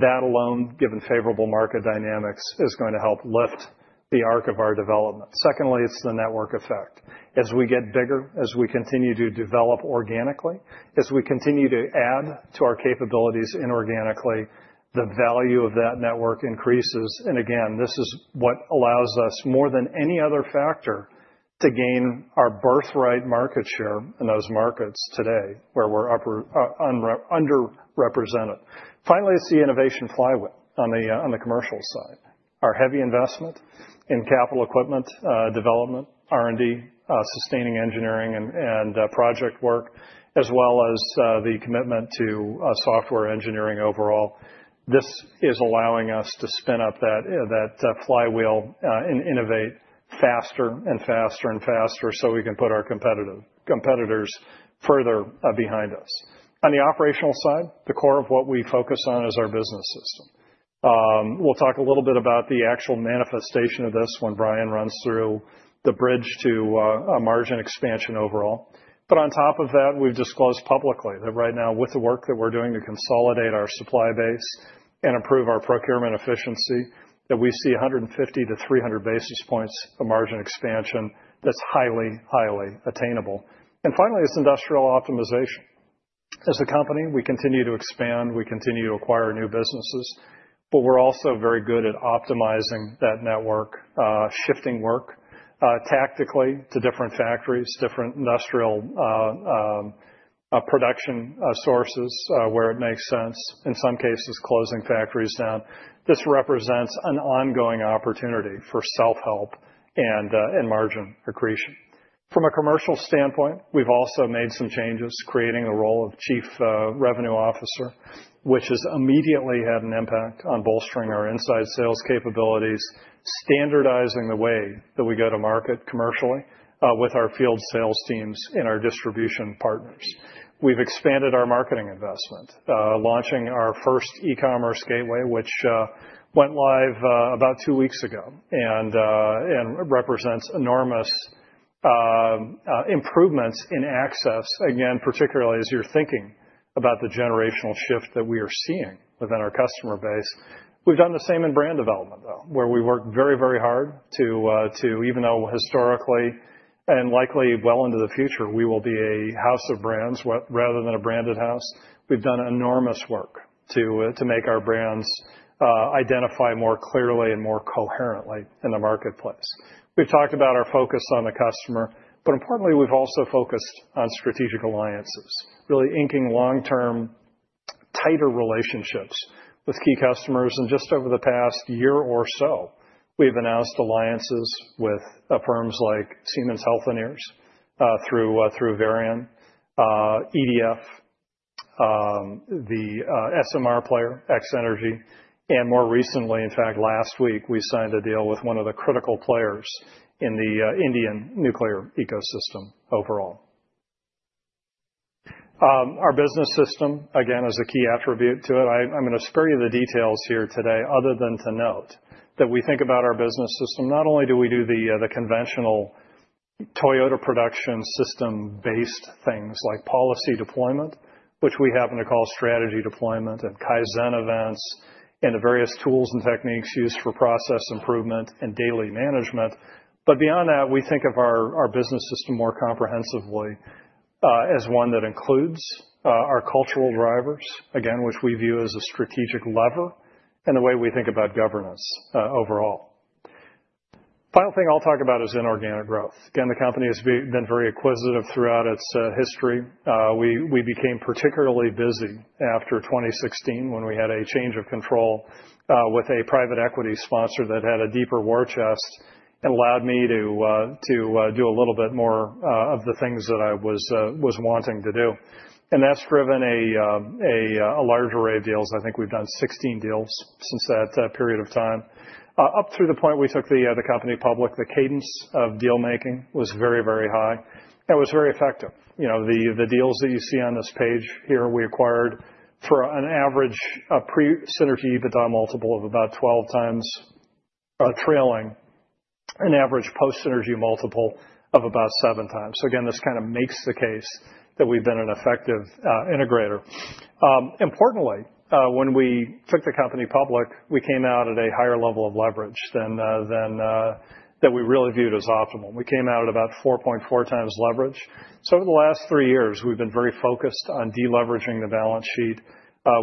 that alone, given favorable market dynamics, is going to help lift the arc of our development. Secondly, it's the network effect. As we get bigger, as we continue to develop organically, as we continue to add to our capabilities inorganically, the value of that network increases. And again, this is what allows us, more than any other factor, to gain our birthright market share in those markets today where we're underrepresented. Finally, it's the innovation flywheel on the commercial side. Our heavy investment in capital equipment development, R&D, sustaining engineering, and project work, as well as the commitment to software engineering overall, this is allowing us to spin up that flywheel and innovate faster and faster and faster so we can put our competitors further behind us. On the operational side, the core of what we focus on is our business system. We'll talk a little bit about the actual manifestation of this when Brian runs through the bridge to margin expansion overall. But on top of that, we've disclosed publicly that right now, with the work that we're doing to consolidate our supply base and improve our procurement efficiency, that we see 150 to 300 basis points of margin expansion that's highly, highly attainable. And finally, it's industrial optimization. As a company, we continue to expand. We continue to acquire new businesses, but we're also very good at optimizing that network, shifting work tactically to different factories, different industrial production sources where it makes sense, in some cases, closing factories down. This represents an ongoing opportunity for self-help and margin accretion. From a commercial standpoint, we've also made some changes, creating the role of Chief Revenue Officer, which has immediately had an impact on bolstering our inside sales capabilities, standardizing the way that we go to market commercially with our field sales teams and our distribution partners. We've expanded our marketing investment, launching our first e-commerce gateway, which went live about two weeks ago and represents enormous improvements in access. Again, particularly as you're thinking about the generational shift that we are seeing within our customer base. We've done the same in brand development, though, where we've worked very, very hard to, even though historically and likely well into the future, we will be a house of brands rather than a branded house. We've done enormous work to make our brands identify more clearly and more coherently in the marketplace. We've talked about our focus on the customer, but importantly, we've also focused on strategic alliances, really inking long-term, tighter relationships with key customers. And just over the past year or so, we've announced alliances with firms like Siemens Healthineers through Varian, EDF, the SMR player, X-energy, and more recently, in fact, last week, we signed a deal with one of the critical players in the Indian nuclear ecosystem overall. Our business system, again, is a key attribute to it. I'm going to spare you the details here today other than to note that we think about our business system. Not only do we do the conventional Toyota Production System-based things like policy deployment, which we happen to call strategy deployment and Kaizen events, and the various tools and techniques used for process improvement and daily management. But beyond that, we think of our business system more comprehensively as one that includes our cultural drivers, again, which we view as a strategic lever in the way we think about governance overall. Final thing I'll talk about is inorganic growth. Again, the company has been very acquisitive throughout its history. We became particularly busy after 2016 when we had a change of control with a private equity sponsor that had a deeper war chest and allowed me to do a little bit more of the things that I was wanting to do, and that's driven a large array of deals. I think we've done 16 deals since that period of time. Up through the point we took the company public, the cadence of deal-making was very, very high. It was very effective. The deals that you see on this page here, we acquired for an average pre-synergy EBITDA multiple of about 12 times, trailing an average post-synergy multiple of about 7 times, so again, this kind of makes the case that we've been an effective integrator. Importantly, when we took the company public, we came out at a higher level of leverage than we really viewed as optimal. We came out at about 4.4 times leverage. So over the last three years, we've been very focused on deleveraging the balance sheet.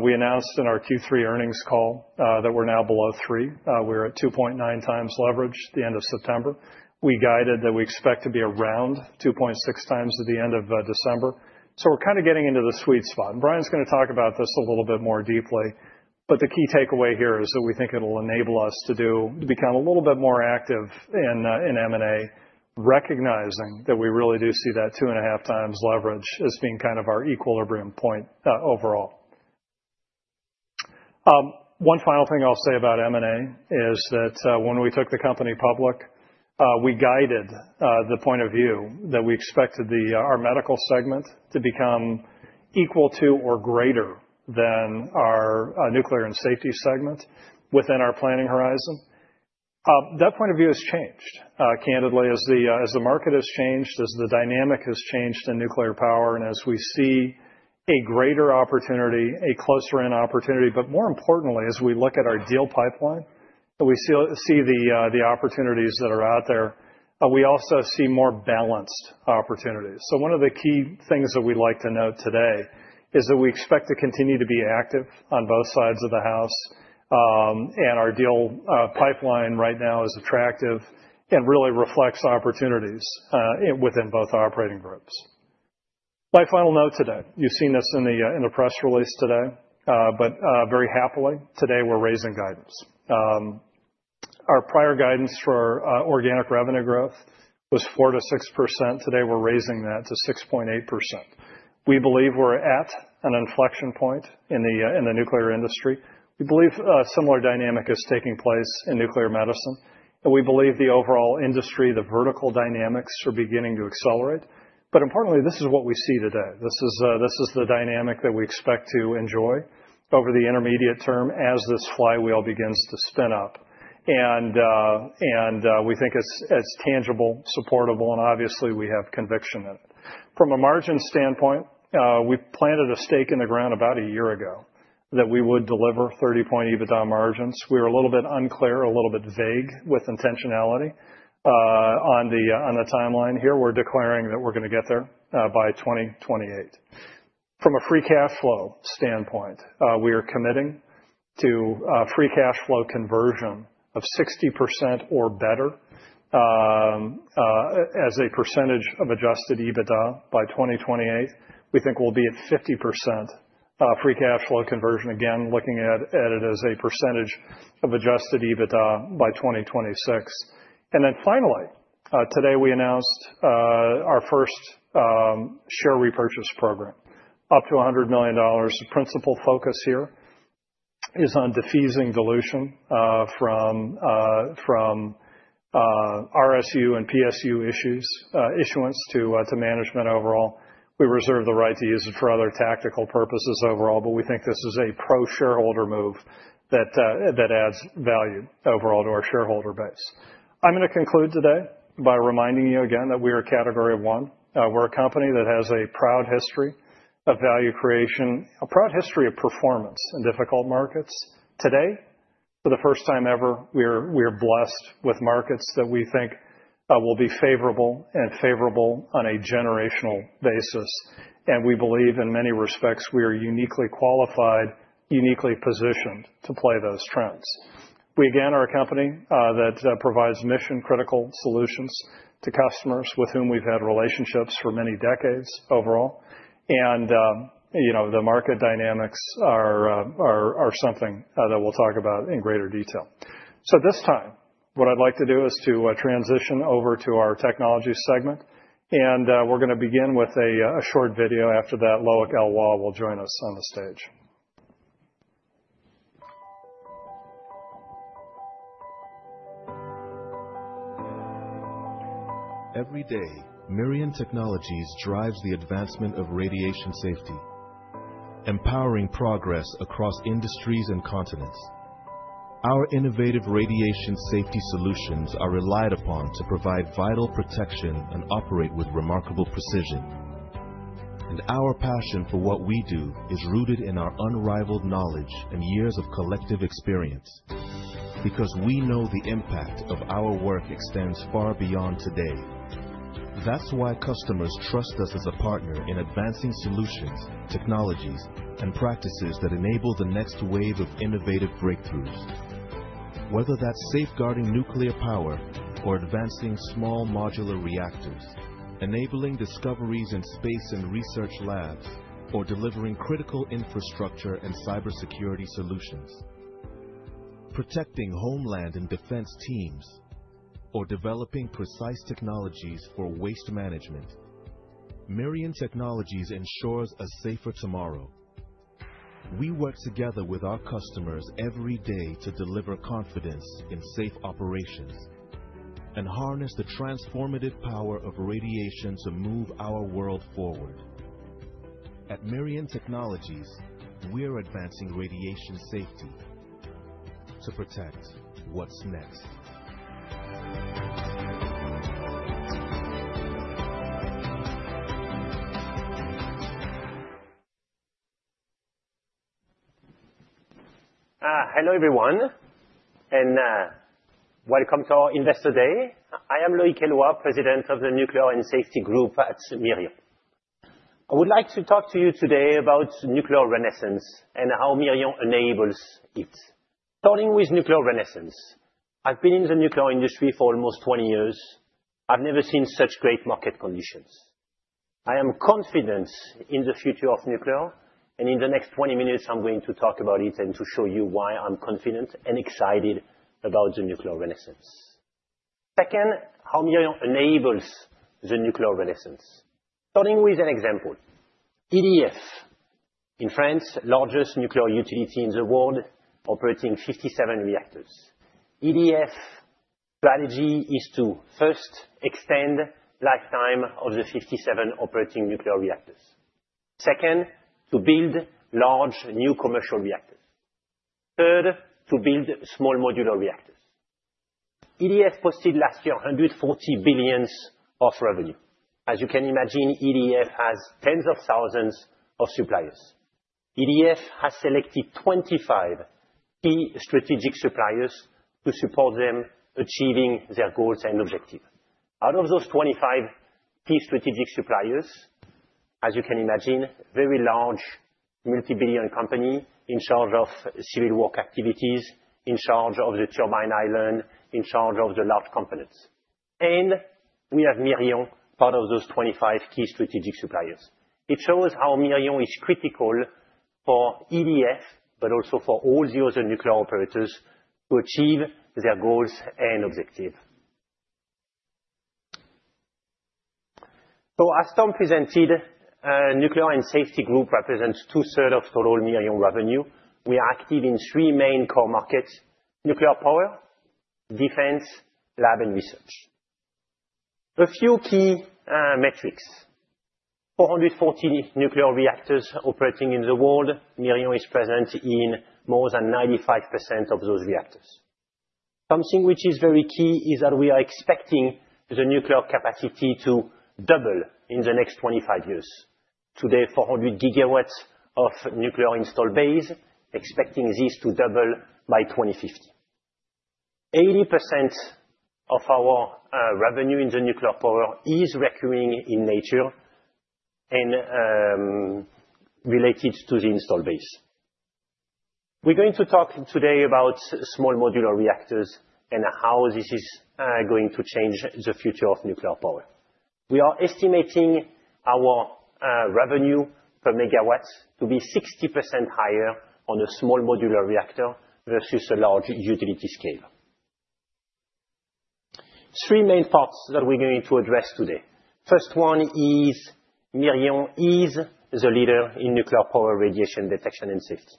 We announced in our Q3 earnings call that we're now below 3. We're at 2.9 times leverage at the end of September. We guided that we expect to be around 2.6 times at the end of December. So we're kind of getting into the sweet spot. And Brian's going to talk about this a little bit more deeply. But the key takeaway here is that we think it'll enable us to become a little bit more active in M&A, recognizing that we really do see that 2.5 times leverage as being kind of our equilibrium point overall. One final thing I'll say about M&A is that when we took the company public, we guided the point of view that we expected our medical segment to become equal to or greater than our nuclear and safety segment within our planning horizon. That point of view has changed, candidly, as the market has changed, as the dynamic has changed in nuclear power, and as we see a greater opportunity, a closer-in opportunity. But more importantly, as we look at our deal pipeline, we see the opportunities that are out there. We also see more balanced opportunities. So one of the key things that we'd like to note today is that we expect to continue to be active on both sides of the house. And our deal pipeline right now is attractive and really reflects opportunities within both operating groups. My final note today, you've seen this in the press release today, but very happily, today we're raising guidance. Our prior guidance for organic revenue growth was 4%-6%. Today, we're raising that to 6.8%. We believe we're at an inflection point in the nuclear industry. We believe a similar dynamic is taking place in nuclear medicine, and we believe the overall industry, the vertical dynamics are beginning to accelerate, but importantly, this is what we see today. This is the dynamic that we expect to enjoy over the intermediate term as this flywheel begins to spin up, and we think it's tangible, supportable, and obviously, we have conviction in it. From a margin standpoint, we planted a stake in the ground about a year ago that we would deliver 30-point EBITDA margins. We were a little bit unclear, a little bit vague with intentionality on the timeline here. We're declaring that we're going to get there by 2028. From a free cash flow standpoint, we are committing to free cash flow conversion of 60% or better as a percentage of adjusted EBITDA by 2028. We think we'll be at 50% free cash flow conversion, again, looking at it as a percentage of adjusted EBITDA by 2026. And then finally, today we announced our first share repurchase program, up to $100 million. The principal focus here is on defusing dilution from RSU and PSU issuance to management overall. We reserve the right to use it for other tactical purposes overall, but we think this is a pro-shareholder move that adds value overall to our shareholder base. I'm going to conclude today by reminding you again that we are a category of one. We're a company that has a proud history of value creation, a proud history of performance in difficult markets. Today, for the first time ever, we are blessed with markets that we think will be favorable and favorable on a generational basis. And we believe in many respects, we are uniquely qualified, uniquely positioned to play those trends. We, again, are a company that provides mission-critical solutions to customers with whom we've had relationships for many decades overall. And the market dynamics are something that we'll talk about in greater detail. So this time, what I'd like to do is to transition over to our technology segment. And we're going to begin with a short video after that. Loïc Eloy will join us on the stage. Every day, Mirion Technologies drives the advancement of radiation safety, empowering progress across industries and continents. Our innovative radiation safety solutions are relied upon to provide vital protection and operate with remarkable precision, and our passion for what we do is rooted in our unrivaled knowledge and years of collective experience because we know the impact of our work extends far beyond today. That's why customers trust us as a partner in advancing solutions, technologies, and practices that enable the next wave of innovative breakthroughs. Whether that's safeguarding nuclear power or advancing small modular reactors, enabling discoveries in space and research labs, or delivering critical infrastructure and cybersecurity solutions, protecting homeland and defense teams, or developing precise technologies for waste management, Mirion Technologies ensures a safer tomorrow. We work together with our customers every day to deliver confidence in safe operations and harness the transformative power of radiation to move our world forward. At Mirion Technologies, we're advancing radiation safety to protect what's next. Hello everyone, and welcome to our Investor Day. I am Loïc Eloy, President of the Nuclear and Safety Group at Mirion. I would like to talk to you today about nuclear renaissance and how Mirion enables it. Starting with nuclear renaissance, I've been in the nuclear industry for almost 20 years. I've never seen such great market conditions. I am confident in the future of nuclear, and in the next 20 minutes, I'm going to talk about it and to show you why I'm confident and excited about the nuclear renaissance. Second, how Mirion enables the nuclear renaissance. Starting with an example, EDF, in France, largest nuclear utility in the world, operating 57 reactors. EDF's strategy is to first extend the lifetime of the 57 operating nuclear reactors. Second, to build large new commercial reactors. Third, to build small modular reactors. EDF posted last year 140 billion of revenue. As you can imagine, EDF has tens of thousands of suppliers. EDF has selected 25 key strategic suppliers to support them achieving their goals and objectives. Out of those 25 key strategic suppliers, as you can imagine, a very large multi-billion company in charge of civil work activities, in charge of the turbine island, in charge of the large components, and we have Mirion, part of those 25 key strategic suppliers. It shows how Mirion is critical for EDF, but also for all the other nuclear operators to achieve their goals and objectives. So as Tom presented, Nuclear and Safety Group represents two-thirds of total Mirion revenue. We are active in three main core markets: nuclear power, defense, lab, and research. A few key metrics: 440 nuclear reactors operating in the world. Mirion is present in more than 95% of those reactors. Something which is very key is that we are expecting the nuclear capacity to double in the next 25 years. Today, 400 gigawatts of nuclear installed base, expecting this to double by 2050. 80% of our revenue in the nuclear power is recurring in nature and related to the installed base. We're going to talk today about small modular reactors and how this is going to change the future of nuclear power. We are estimating our revenue per megawatt to be 60% higher on a small modular reactor versus a large utility scale. Three main parts that we're going to address today. First one is Mirion is the leader in nuclear power radiation detection and safety.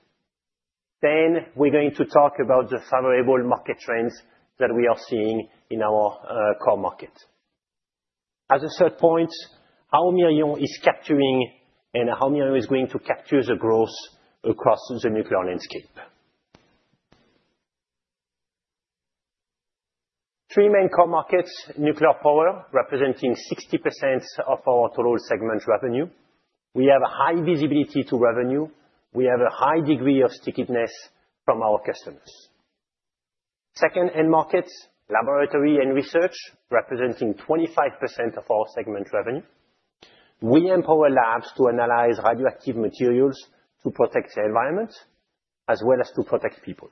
Then we're going to talk about the favorable market trends that we are seeing in our core market. As a third point, how Mirion is capturing and how Mirion is going to capture the growth across the nuclear landscape. Three main core markets: nuclear power, representing 60% of our total segment revenue. We have a high visibility to revenue. We have a high degree of stickiness from our customers. Second end markets: laboratory and research, representing 25% of our segment revenue. We empower labs to analyze radioactive materials to protect the environment as well as to protect people.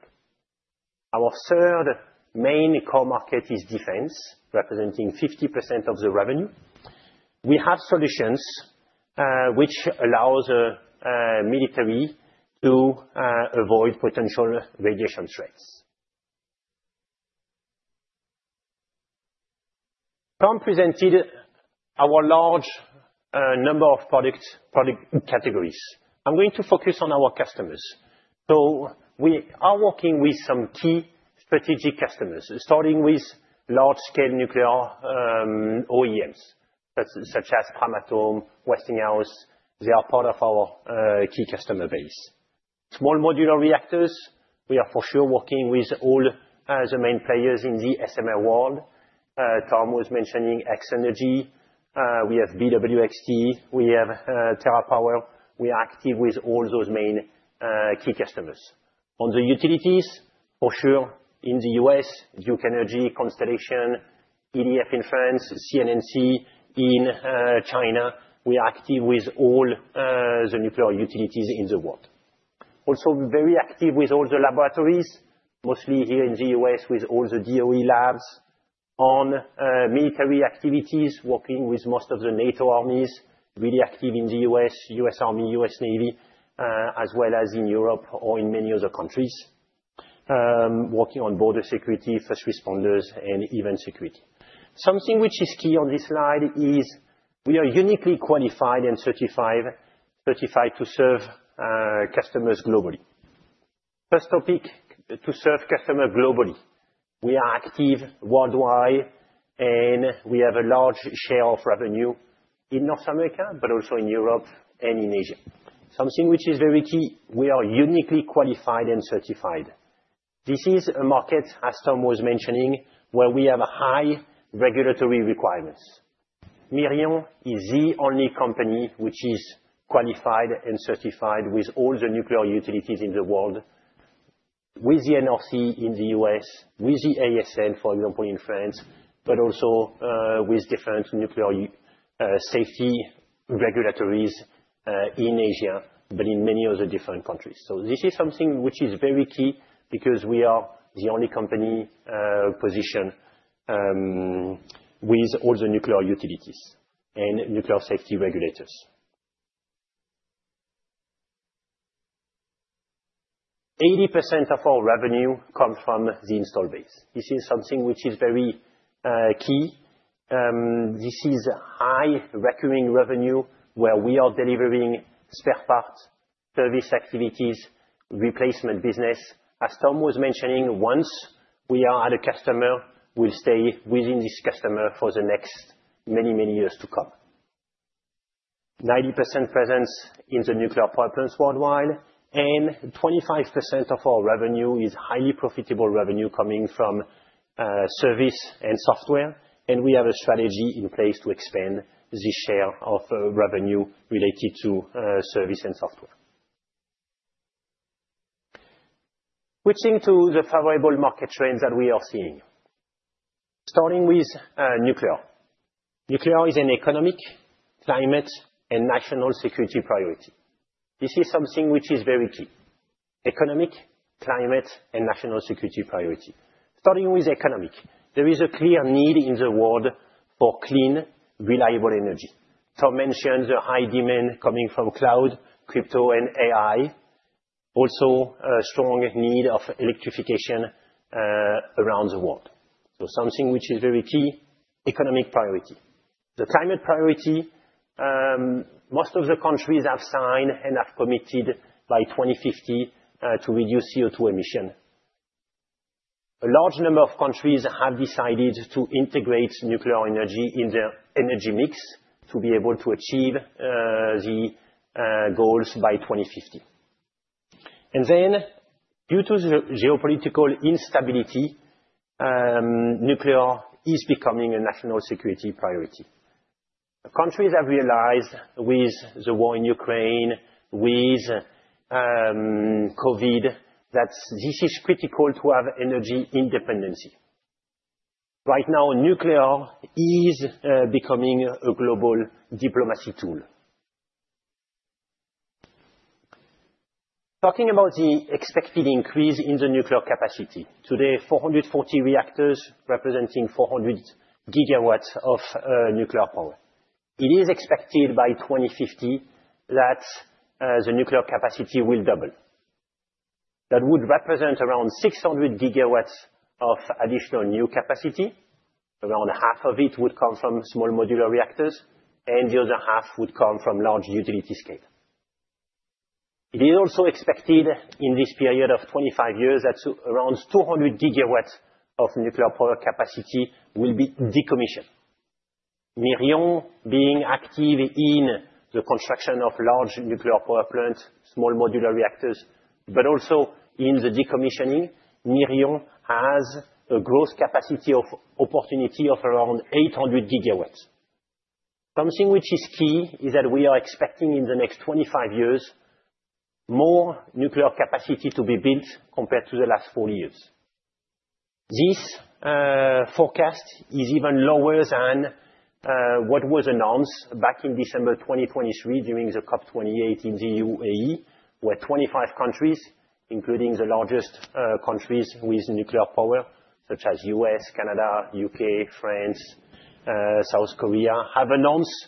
Our third main core market is defense, representing 50% of the revenue. We have solutions which allow the military to avoid potential radiation threats. Tom presented our large number of product categories. I'm going to focus on our customers, so we are working with some key strategic customers, starting with large-scale nuclear OEMs such as Framatome, Westinghouse. They are part of our key customer base. Small modular reactors, we are for sure working with all the main players in the SMR world. Tom was mentioning X-energy. We have BWXT. We have TerraPower. We are active with all those main key customers. On the utilities, for sure, in the U.S., Duke Energy, Constellation, EDF in France, CNNC in China. We are active with all the nuclear utilities in the world. Also, very active with all the laboratories, mostly here in the U.S. with all the DOE labs. On military activities, working with most of the NATO armies, really active in the U.S., U.S. Army, U.S. Navy, as well as in Europe or in many other countries, working on border security, first responders, and event security. Something which is key on this slide is we are uniquely qualified and certified to serve customers globally. First topic, to serve customers globally. We are active worldwide, and we have a large share of revenue in North America, but also in Europe and in Asia. Something which is very key, we are uniquely qualified and certified. This is a market, as Tom was mentioning, where we have high regulatory requirements. Mirion is the only company which is qualified and certified with all the nuclear utilities in the world, with the NRC in the U.S., with the ASN, for example, in France, but also with different nuclear safety regulatories in Asia, but in many other different countries. So this is something which is very key because we are the only company positioned with all the nuclear utilities and nuclear safety regulators. 80% of our revenue comes from the installed base. This is something which is very key. This is high recurring revenue where we are delivering spare parts, service activities, replacement business. As Tom was mentioning, once we are at a customer, we'll stay within this customer for the next many, many years to come. 90% presence in the nuclear pipelines worldwide, and 25% of our revenue is highly profitable revenue coming from service and software. We have a strategy in place to expand this share of revenue related to service and software. Switching to the favorable market trends that we are seeing. Starting with nuclear. Nuclear is an economic, climate, and national security priority. This is something which is very key. Economic, climate, and national security priority. Starting with economic, there is a clear need in the world for clean, reliable energy. Tom mentioned the high demand coming from cloud, crypto, and AI. Also, a strong need of electrification around the world. Something which is very key, economic priority. The climate priority, most of the countries have signed and have committed by 2050 to reduce CO2 emissions. A large number of countries have decided to integrate nuclear energy in their energy mix to be able to achieve the goals by 2050. Due to the geopolitical instability, nuclear is becoming a national security priority. Countries have realized with the war in Ukraine, with COVID, that this is critical to have energy independence. Right now, nuclear is becoming a global diplomacy tool. Talking about the expected increase in the nuclear capacity, today, 440 reactors representing 400 gigawatts of nuclear power. It is expected by 2050 that the nuclear capacity will double. That would represent around 600 gigawatts of additional new capacity. Around half of it would come from small modular reactors, and the other half would come from large utility scale. It is also expected in this period of 25 years that around 200 gigawatts of nuclear power capacity will be decommissioned. Mirion being active in the construction of large nuclear power plants, small modular reactors, but also in the decommissioning, Mirion has a gross capacity of opportunity of around 800 gigawatts. Something which is key is that we are expecting in the next 25 years more nuclear capacity to be built compared to the last 40 years. This forecast is even lower than what was announced back in December 2023 during the COP28 in the UAE, where 25 countries, including the largest countries with nuclear power, such as the U.S., Canada, the U.K., France, South Korea, have announced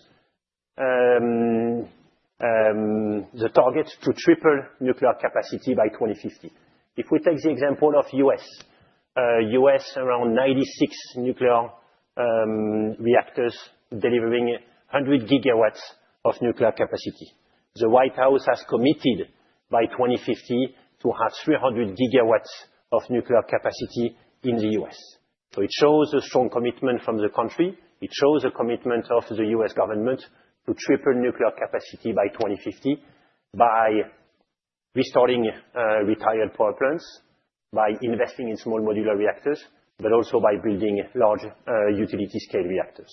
the target to triple nuclear capacity by 2050. If we take the example of the U.S., the U.S. has around 96 nuclear reactors delivering 100 gigawatts of nuclear capacity. The White House has committed by 2050 to have 300 gigawatts of nuclear capacity in the U.S. So it shows a strong commitment from the country. It shows a commitment of the U.S. government to triple nuclear capacity by 2050 by restoring retired power plants, by investing in small modular reactors, but also by building large utility-scale reactors.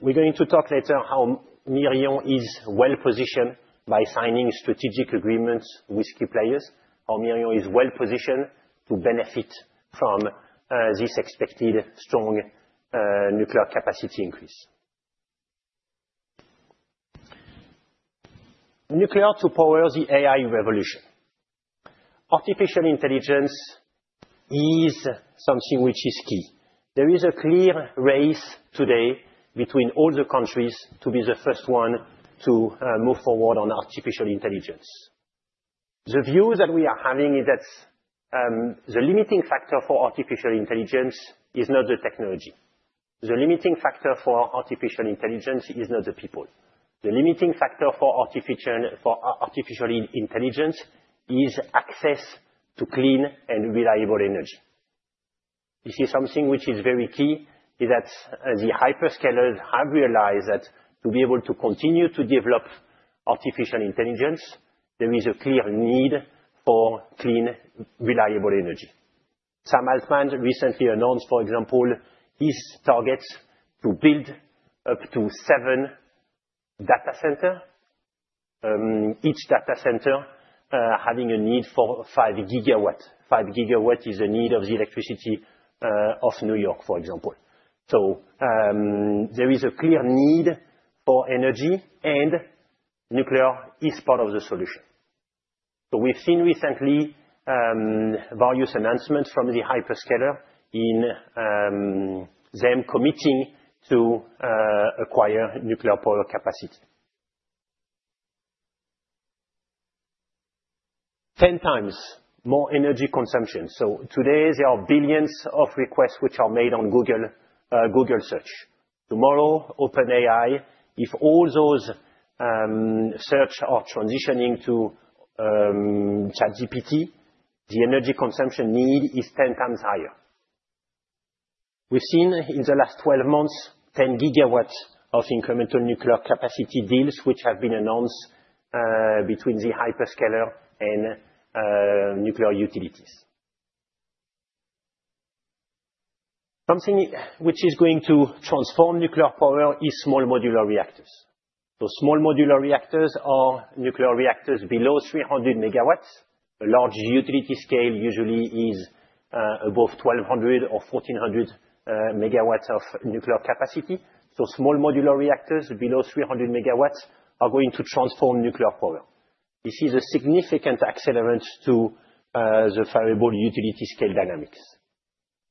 We're going to talk later how Mirion is well-positioned by signing strategic agreements with key players. How Mirion is well-positioned to benefit from this expected strong nuclear capacity increase. Nuclear to power the AI revolution. Artificial intelligence is something which is key. There is a clear race today between all the countries to be the first one to move forward on artificial intelligence. The view that we are having is that the limiting factor for artificial intelligence is not the technology. The limiting factor for artificial intelligence is not the people. The limiting factor for artificial intelligence is access to clean and reliable energy. This is something which is very key is that the hyperscalers have realized that to be able to continue to develop artificial intelligence, there is a clear need for clean, reliable energy. Sam Altman recently announced, for example, his target to build up to seven data centers, each data center having a need for five gigawatts. Five gigawatts is the need of the electricity of New York, for example. So there is a clear need for energy, and nuclear is part of the solution. So we've seen recently various announcements from the hyperscalers in them committing to acquire nuclear power capacity. Ten times more energy consumption. So today, there are billions of requests which are made on Google Search. Tomorrow, OpenAI, if all those searches are transitioning to ChatGPT, the energy consumption need is ten times higher. We've seen in the last 12 months, 10 gigawatts of incremental nuclear capacity deals which have been announced between the hyperscaler and nuclear utilities. Something which is going to transform nuclear power is small modular reactors. So small modular reactors are nuclear reactors below 300 megawatts. A large utility scale usually is above 1,200 or 1,400 megawatts of nuclear capacity. So small modular reactors below 300 megawatts are going to transform nuclear power. This is a significant accelerant to the favorable utility-scale dynamics.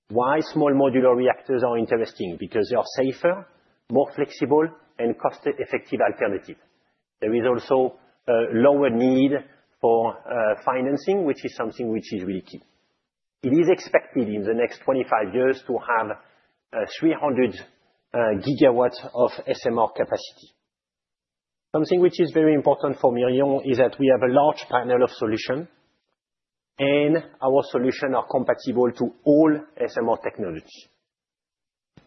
Why small modular reactors are interesting? Because they are safer, more flexible, and cost-effective alternatives. There is also a lower need for financing, which is something which is really key. It is expected in the next 25 years to have 300 gigawatts of SMR capacity. Something which is very important for Mirion is that we have a large panel of solutions, and our solutions are compatible to all SMR technologies.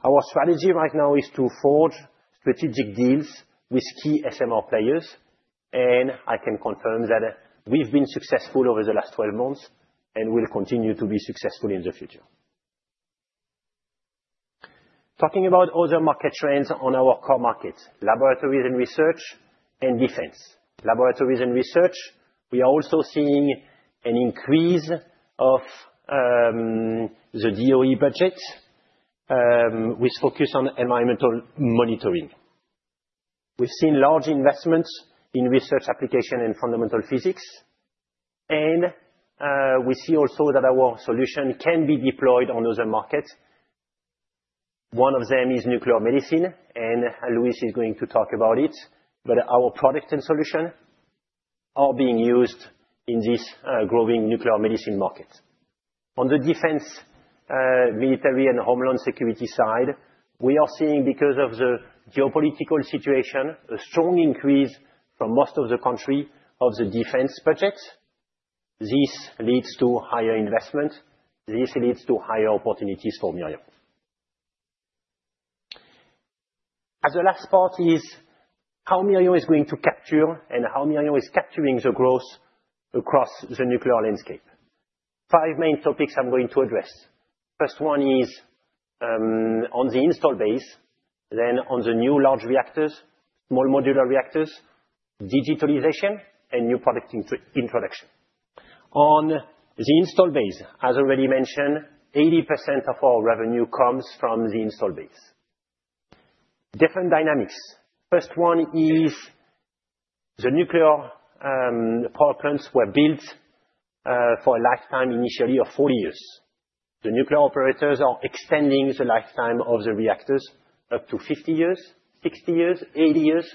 Our strategy right now is to forge strategic deals with key SMR players, and I can confirm that we've been successful over the last 12 months and will continue to be successful in the future. Talking about other market trends on our core markets, laboratories and research and defense. Laboratories and research, we are also seeing an increase of the DOE budget with focus on environmental monitoring. We've seen large investments in research application and fundamental physics, and we see also that our solution can be deployed on other markets. One of them is nuclear medicine, and Luis is going to talk about it, but our product and solution are being used in this growing nuclear medicine market. On the defense, military, and homeland security side, we are seeing, because of the geopolitical situation, a strong increase from most of the country of the defense budgets. This leads to higher investment. This leads to higher opportunities for Mirion. As the last part is how Mirion is going to capture and how Mirion is capturing the growth across the nuclear landscape. Five main topics I'm going to address. First one is on the installed base, then on the new large reactors, small modular reactors, digitalization, and new product introduction. On the installed base, as already mentioned, 80% of our revenue comes from the installed base. Different dynamics. First one is the nuclear power plants were built for a lifetime initially of 40 years. The nuclear operators are extending the lifetime of the reactors up to 50 years, 60 years, 80 years,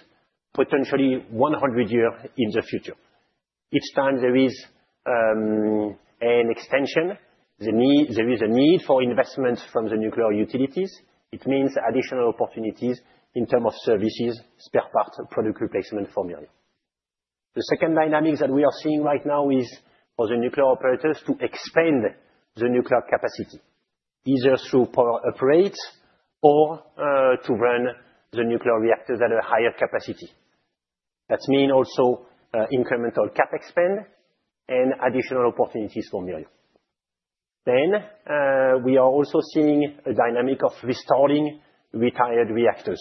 potentially 100 years in the future. Each time there is an extension, there is a need for investment from the nuclear utilities. It means additional opportunities in terms of services, spare parts, product replacement for Mirion. The second dynamic that we are seeing right now is for the nuclear operators to expand the nuclear capacity, either through power upgrades or to run the nuclear reactors at a higher capacity. That means also incremental CapEx and additional opportunities for Mirion. We are also seeing a dynamic of restoring retired reactors.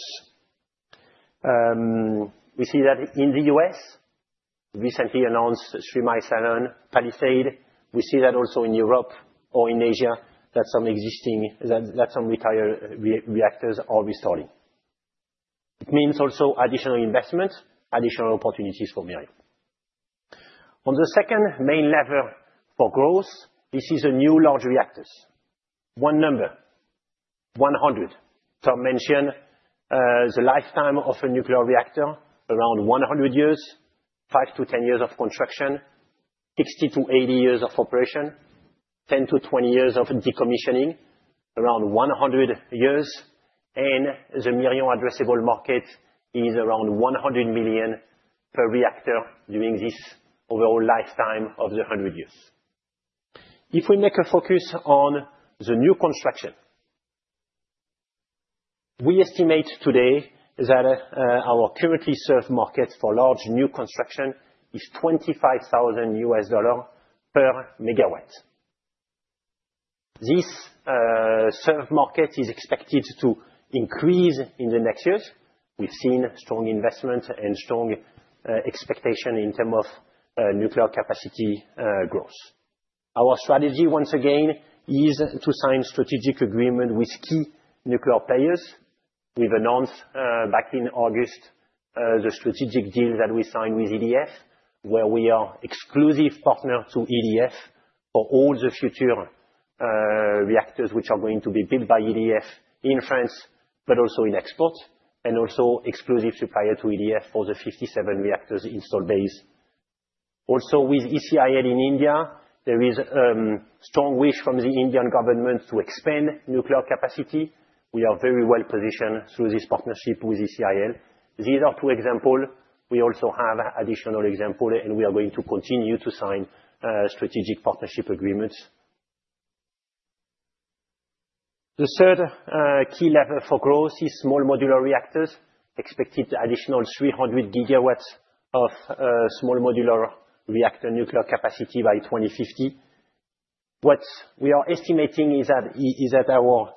We see that in the U.S., recently announced Three Mile Island, Palisades. We see that also in Europe or in Asia, that some retired reactors are restoring. It means also additional investment, additional opportunities for Mirion. On the second main lever for growth, this is the new large reactors. One number, 100. Tom mentioned the lifetime of a nuclear reactor, around 100 years, five to 10 years of construction, 60 to 80 years of operation, 10 to 20 years of decommissioning, around 100 years, and the Mirion addressable market is around $100 million per reactor during this overall lifetime of the 100 years. If we make a focus on the new construction, we estimate today that our currently served market for large new construction is $25,000 per megawatt. This served market is expected to increase in the next year. We've seen strong investment and strong expectation in terms of nuclear capacity growth. Our strategy, once again, is to sign strategic agreements with key nuclear players. We've announced back in August the strategic deal that we signed with EDF, where we are an exclusive partner to EDF for all the future reactors which are going to be built by EDF in France, but also in export, and also an exclusive supplier to EDF for the 57 reactors installed base. Also, with ECIL in India, there is a strong wish from the Indian government to expand nuclear capacity. We are very well-positioned through this partnership with ECIL. These are two examples. We also have additional examples, and we are going to continue to sign strategic partnership agreements. The third key lever for growth is small modular reactors. Expected additional 300 gigawatts of small modular reactor nuclear capacity by 2050. What we are estimating is that our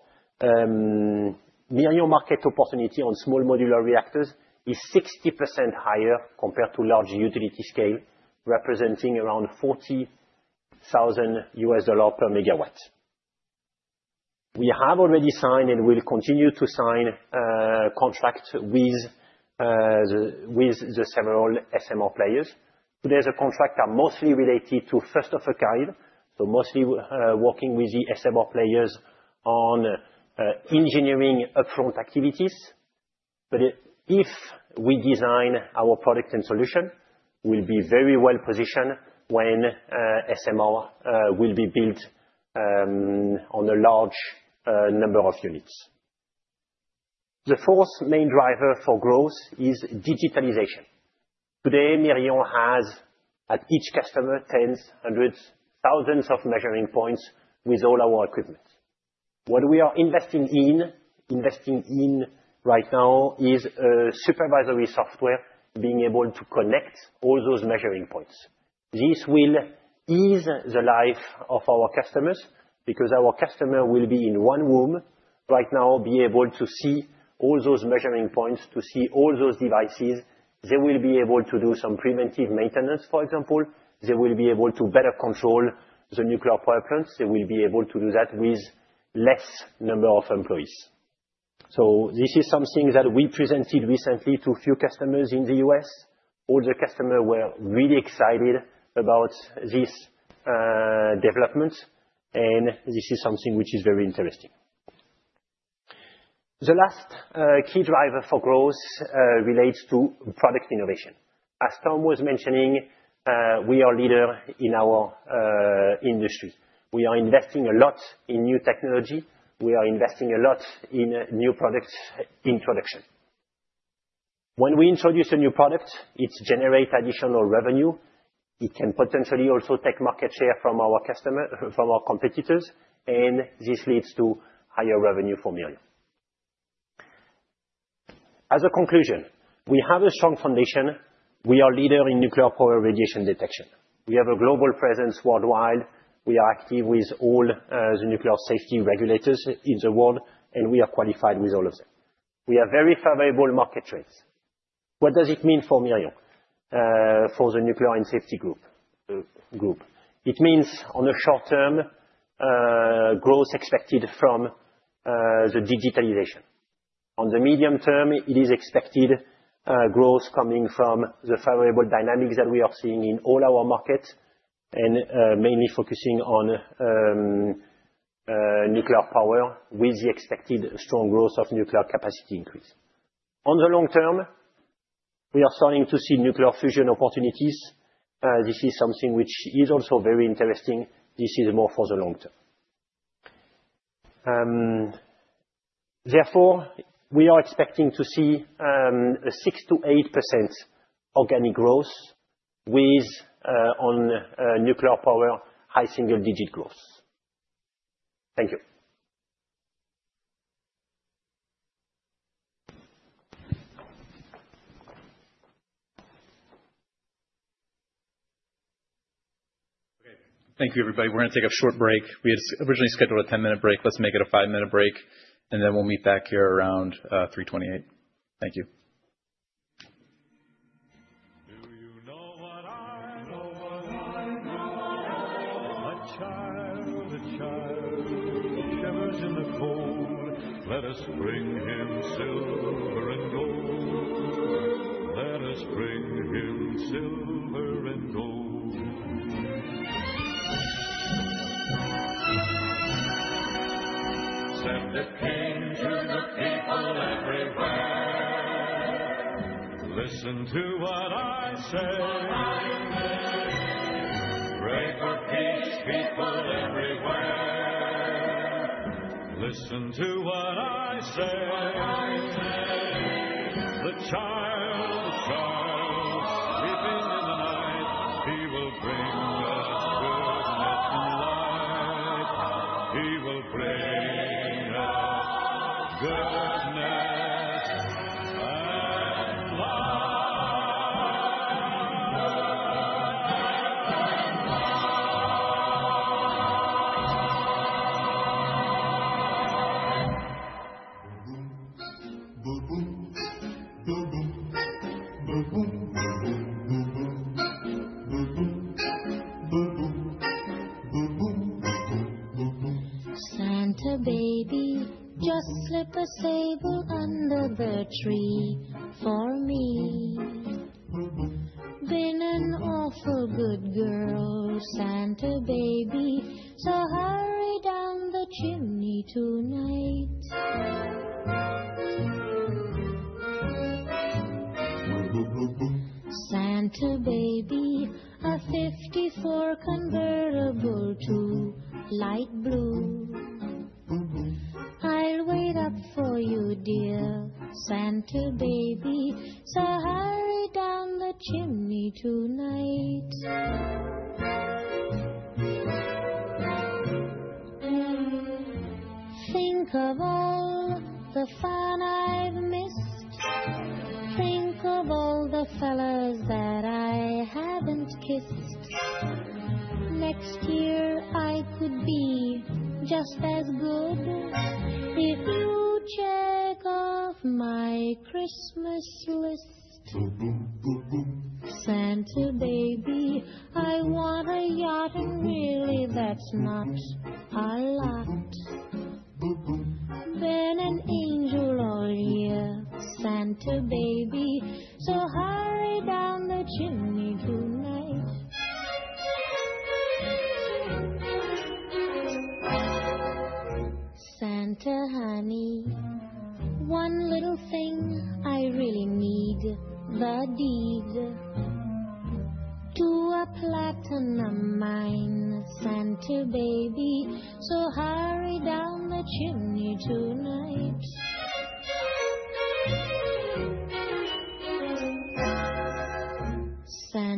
Mirion market opportunity on small modular reactors is 60% higher compared to large utility scale, representing around $40,000 per megawatt. We have already signed and will continue to sign contracts with several SMR players. Today, the contracts are mostly related to first of a kind, so mostly working with the SMR players on engineering upfront activities. But if we design our product and solution, we'll be very well-positioned when SMR will be built on a large number of units. The fourth main driver for growth is digitalization. Today, Mirion has at each customer tens, hundreds, thousands of measuring points with all our equipment. What we are investing in right now is supervisory software being able to connect all those measuring points. This will ease the life of our customers because our customers will be in one room right now, be able to see all those measuring points, to see all those devices. They will be able to do some preventive maintenance, for example. They will be able to better control the nuclear power plants. They will be able to do that with a lesser number of employees. So this is something that we presented recently to a few customers in the U.S. All the customers were really excited about this development, and this is something which is very interesting. The last key driver for growth relates to product innovation. As Tom was mentioning, we are a leader in our industry. We are investing a lot in new technology. We are investing a lot in new products in production. When we introduce a new product, it generates additional revenue. It can potentially also take market share from our competitors, and this leads to higher revenue for Mirion. As a conclusion, we have a strong foundation. We are a leader in nuclear power radiation detection. We have a global presence worldwide. We are active with all the nuclear safety regulators in the world, and we are qualified with all of them. We have very favorable market trends. What does it mean for Mirion, for the Nuclear and Safety Group? It means, on the short term, growth expected from the digitalization. On the medium term, it is expected growth coming from the favorable dynamics that we are seeing in all our markets, and mainly focusing on nuclear power with the expected strong growth of nuclear capacity increase. On the long term, we are starting to see nuclear fusion opportunities. This is something which is also very interesting. This is more for the long term. Therefore, we are expecting to see 6%-8% organic growth with nuclear power, high single-digit growth. Thank you. Okay. Thank you, everybody. We're going to take a short break. We had originally scheduled a 10-minute break. Let's make it a 5-minute break, and then we'll meet back here around 3:28 P.M. Thank you. Do you know what I know? A child, a child shivers in the cold. Let us bring him silver and gold. Let us bring him silver and gold. Send a king to the people everywhere. Listen to what I say. Pray for peace, people everywhere. Listen to what I say. The child, a child sleeping in the night, he will bring us goodness and light. He will bring us goodness and light. Santa baby, just slip a sable under the tree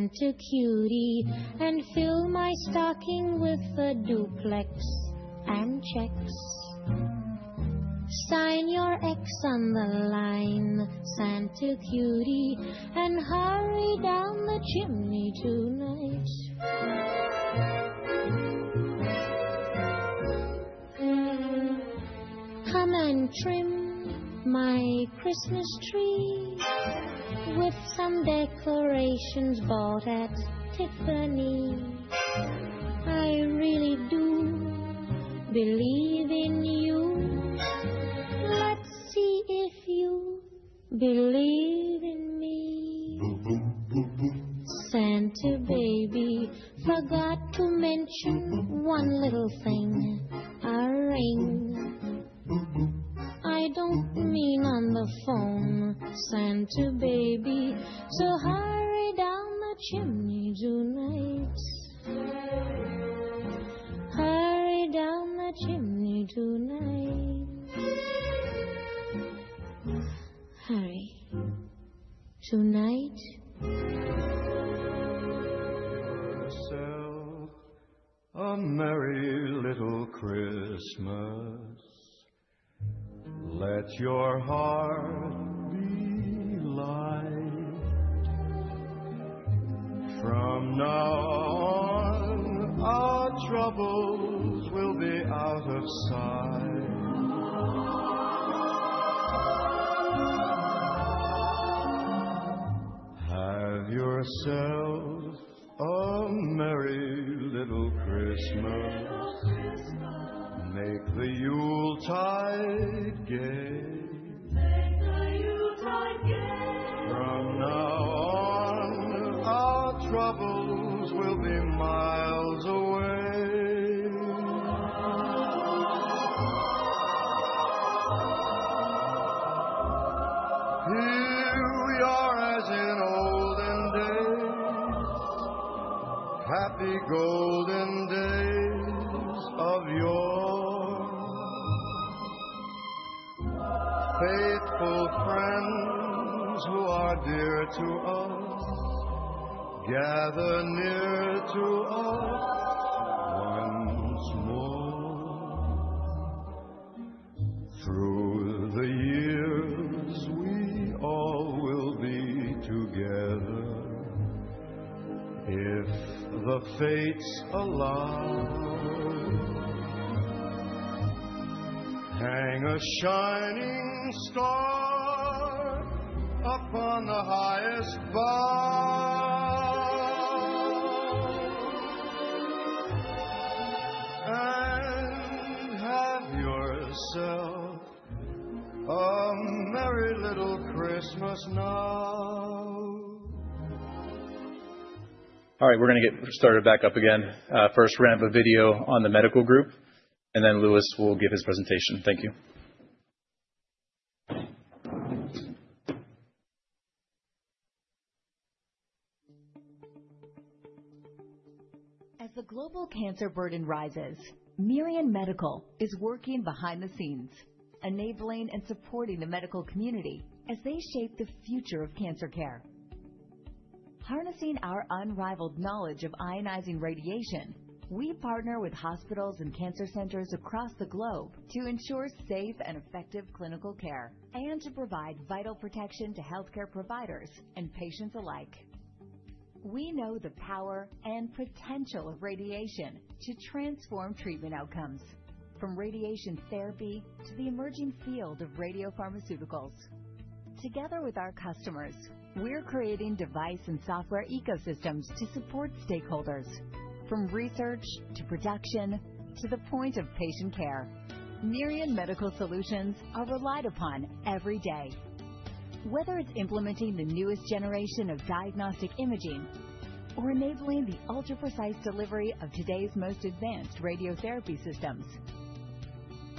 for me. been an awful good girl, Santa baby, so hurry down the chimney tonight. Santa baby, a '54 convertible too light blue. I'll wait up for you dear. Santa baby, so hurry down the chimney tonight. Think of all the fun I've missed. Think of all the fellas that I haven't kissed. Next year, I could be just as good if you check off my Christmas list. Santa baby, I want a yacht, and really that's not a lot. Been an angel all year, Santa baby, so hurry down the chimney tonight. Santa honey, one little thing I really need: the deed to a platinum mine, Santa honey, so hurry down the chimney tonight. Santa cutie, and fill my stocking with a duplex and checks. Sign your 'x' on the line, Santa cutie, and hurry down the chimney tonight. Come and trim my Christmas tree with some decorations bought at Tiffany's. I really do believe in you. Let's see if you believe in me. Santa baby, forgot to mention one little thing: Harnessing our unrivaled knowledge of ionizing radiation, we partner with hospitals and cancer centers across the globe to ensure safe and effective clinical care and to provide vital protection to healthcare providers and patients alike. We know the power and potential of radiation to transform treatment outcomes, from radiation therapy to the emerging field of radiopharmaceuticals. Together with our customers, we're creating device and software ecosystems to support stakeholders. From research to production to the point of patient care, Mirion Medical Solutions are relied upon every day. Whether it's implementing the newest generation of diagnostic imaging or enabling the ultra-precise delivery of today's most advanced radiotherapy systems,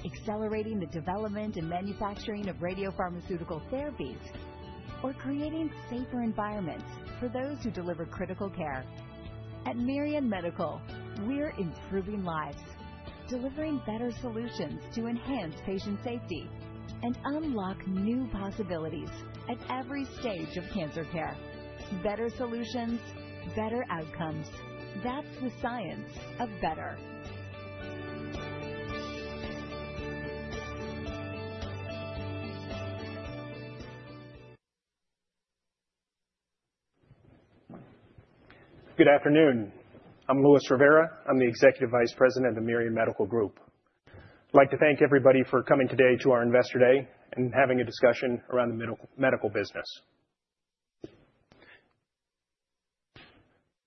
accelerating the development and manufacturing of radiopharmaceutical therapies, or creating safer environments for those who deliver critical care. At Mirion Medical, we're improving lives, delivering better solutions to enhance patient safety and unlock new possibilities at every stage of cancer care. Better solutions, better outcomes. That's the science of better. Good afternoon. I'm Luis Rivera. I'm the Executive Vice President of the Mirion Medical Group. I'd like to thank everybody for coming today to our Investor Day and having a discussion around the medical business.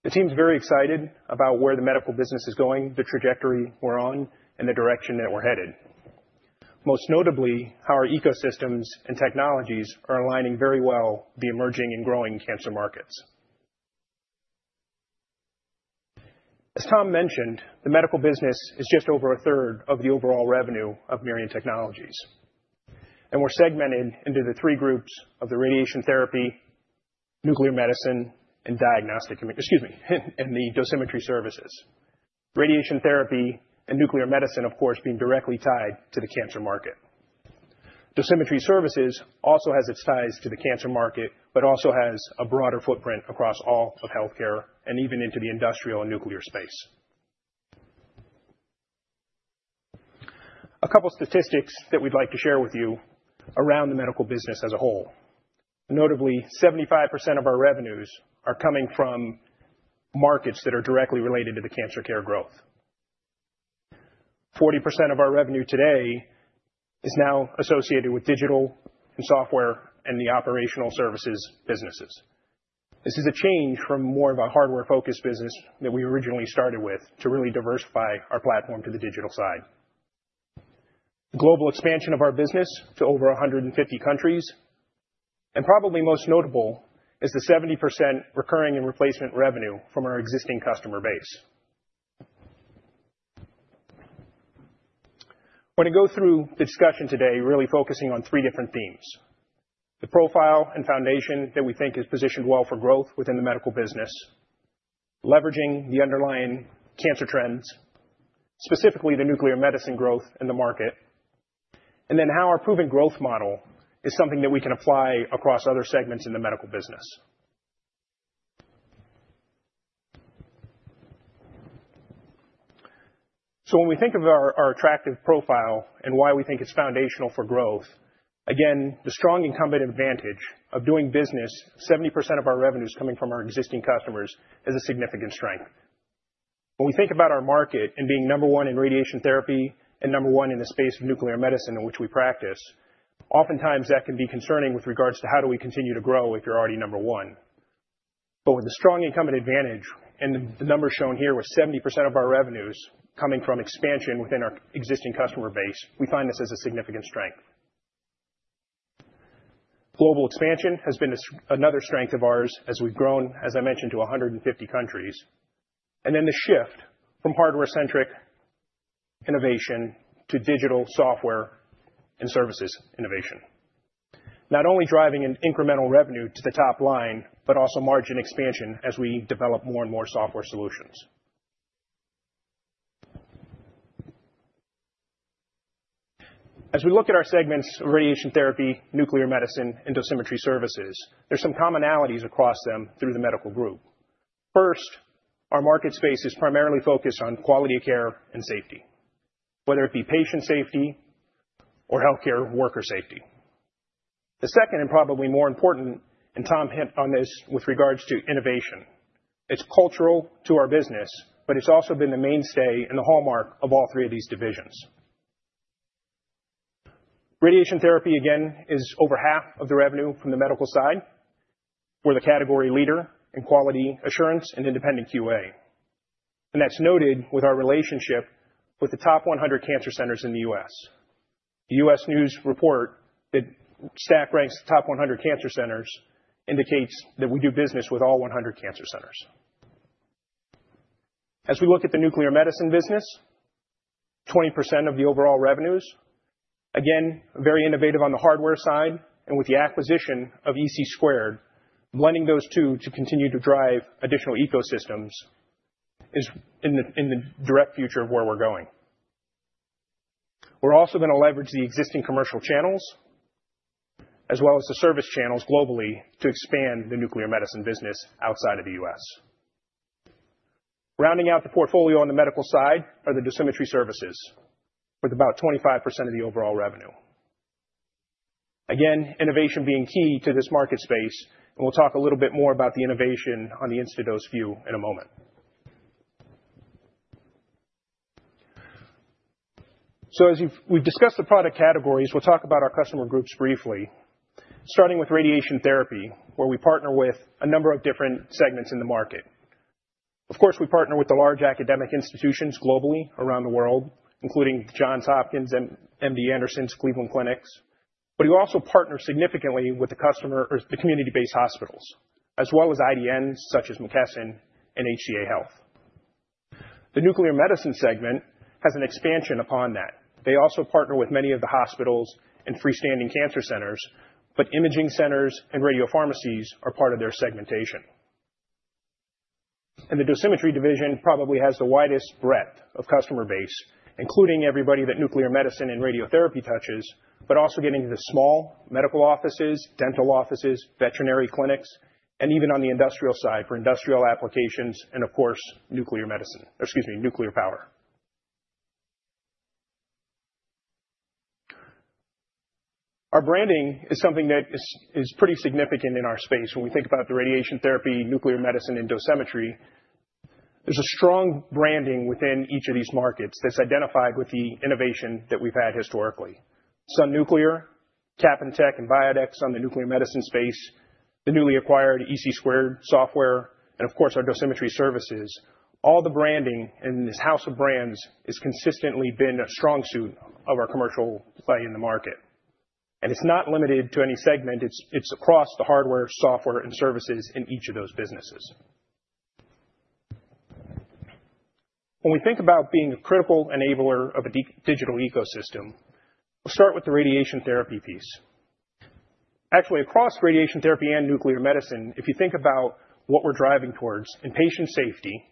The team's very excited about where the medical business is going, the trajectory we're on, and the direction that we're headed. Most notably, how our ecosystems and technologies are aligning very well with the emerging and growing cancer markets. As Tom mentioned, the medical business is just over a third of the overall revenue of Mirion Technologies, and we're segmented into the three groups of the radiation therapy, nuclear medicine, and diagnostic—excuse me—and the dosimetry services. Radiation therapy and nuclear medicine, of course, being directly tied to the cancer market. Dosimetry services also has its ties to the cancer market but also has a broader footprint across all of healthcare and even into the industrial and nuclear space. A couple of statistics that we'd like to share with you around the medical business as a whole. Notably, 75% of our revenues are coming from markets that are directly related to the cancer care growth. 40% of our revenue today is now associated with digital and software and the operational services businesses. This is a change from more of a hardware-focused business that we originally started with to really diversify our platform to the digital side. Global expansion of our business to over 150 countries, and probably most notable is the 70% recurring and replacement revenue from our existing customer base. When I go through the discussion today, really focusing on three different themes: the profile and foundation that we think is positioned well for growth within the medical business, leveraging the underlying cancer trends, specifically the nuclear medicine growth in the market, and then how our proven growth model is something that we can apply across other segments in the medical business. So when we think of our attractive profile and why we think it's foundational for growth, again, the strong incumbent advantage of doing business, 70% of our revenues coming from our existing customers, is a significant strength. When we think about our market and being number one in radiation therapy and number one in the space of nuclear medicine in which we practice, oftentimes that can be concerning with regards to how do we continue to grow if you're already number one. But with the strong incumbent advantage and the number shown here with 70% of our revenues coming from expansion within our existing customer base, we find this as a significant strength. Global expansion has been another strength of ours as we've grown, as I mentioned, to 150 countries, and then the shift from hardware-centric innovation to digital software and services innovation. Not only driving an incremental revenue to the top line, but also margin expansion as we develop more and more software solutions. As we look at our segments of radiation therapy, nuclear medicine, and dosimetry services, there's some commonalities across them through the medical group. First, our market space is primarily focused on quality of care and safety, whether it be patient safety or healthcare worker safety. The second, and probably more important, and Tom hinted on this with regards to innovation. It's cultural to our business, but it's also been the mainstay and the hallmark of all three of these divisions. Radiation therapy, again, is over half of the revenue from the medical side. We're the category leader in quality assurance and independent QA. And that's noted with our relationship with the top 100 cancer centers in the U.S. The U.S. News & World Report that ranks the top 100 cancer centers indicates that we do business with all 100 cancer centers. As we look at the nuclear medicine business, 20% of the overall revenues. Again, very innovative on the hardware side, and with the acquisition of EC², blending those two to continue to drive additional ecosystems is in the direct future of where we're going. We're also going to leverage the existing commercial channels as well as the service channels globally to expand the nuclear medicine business outside of the U.S. Rounding out the portfolio on the medical side are the dosimetry services with about 25% of the overall revenue. Again, innovation being key to this market space, and we'll talk a little bit more about the innovation on the InstadoseVUE in a moment. So as we've discussed the product categories, we'll talk about our customer groups briefly, starting with radiation therapy, where we partner with a number of different segments in the market. Of course, we partner with the large academic institutions globally around the world, including Johns Hopkins, MD Anderson, and Cleveland Clinic, but we also partner significantly with the customer or the community-based hospitals, as well as IDNs such as McKesson and HCA Healthcare. The nuclear medicine segment has an expansion upon that. They also partner with many of the hospitals and freestanding cancer centers, but imaging centers and radiopharmacies are part of their segmentation. The dosimetry division probably has the widest breadth of customer base, including everybody that nuclear medicine and radiotherapy touches, but also getting into the small medical offices, dental offices, veterinary clinics, and even on the industrial side for industrial applications and, of course, nuclear medicine, excuse me, nuclear power. Our branding is something that is pretty significant in our space. When we think about the radiation therapy, nuclear medicine, and dosimetry, there's a strong branding within each of these markets that's identified with the innovation that we've had historically. Sun Nuclear, Capintec, and Biodex on the nuclear medicine space, the newly acquired EC² software, and, of course, our dosimetry services. All the branding in this house of brands has consistently been a strong suit of our commercial play in the market, and it's not limited to any segment. It's across the hardware, software, and services in each of those businesses. When we think about being a critical enabler of a digital ecosystem, we'll start with the radiation therapy piece. Actually, across radiation therapy and nuclear medicine, if you think about what we're driving towards in patient safety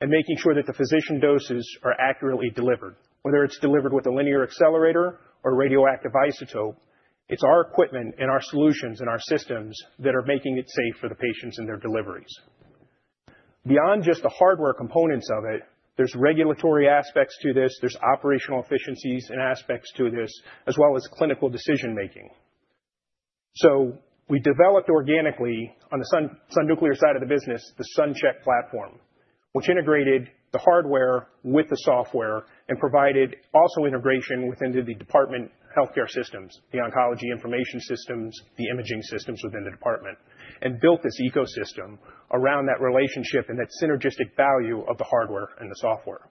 and making sure that the patient doses are accurately delivered, whether it's delivered with a linear accelerator or radioactive isotope, it's our equipment and our solutions and our systems that are making it safe for the patients and their deliveries. Beyond just the hardware components of it, there's regulatory aspects to this. There's operational efficiencies and aspects to this, as well as clinical decision-making, so we developed organically on the Sun Nuclear side of the business the SunCHECK platform, which integrated the hardware with the software and provided also integration within the department healthcare systems, the oncology information systems, the imaging systems within the department, and built this ecosystem around that relationship and that synergistic value of the hardware and the software.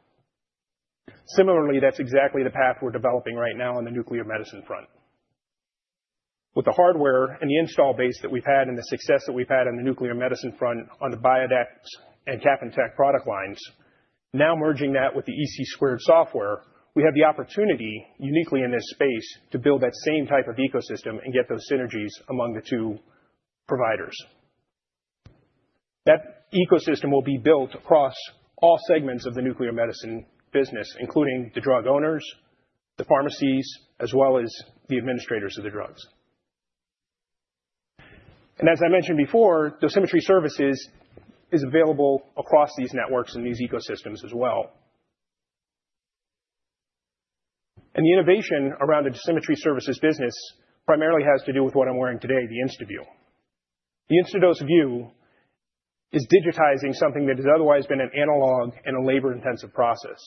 Similarly, that's exactly the path we're developing right now on the nuclear medicine front. With the hardware and the install base that we've had and the success that we've had on the nuclear medicine front on the Biodex and Capintec product lines, now merging that with the EC² software, we have the opportunity uniquely in this space to build that same type of ecosystem and get those synergies among the two providers. That ecosystem will be built across all segments of the nuclear medicine business, including the drug owners, the pharmacies, as well as the administrators of the drugs. And as I mentioned before, dosimetry services is available across these networks and these ecosystems as well. And the innovation around the dosimetry services business primarily has to do with what I'm wearing today, the InstadoseVUE. The InstadoseVUE is digitizing something that has otherwise been an analog and a labor-intensive process.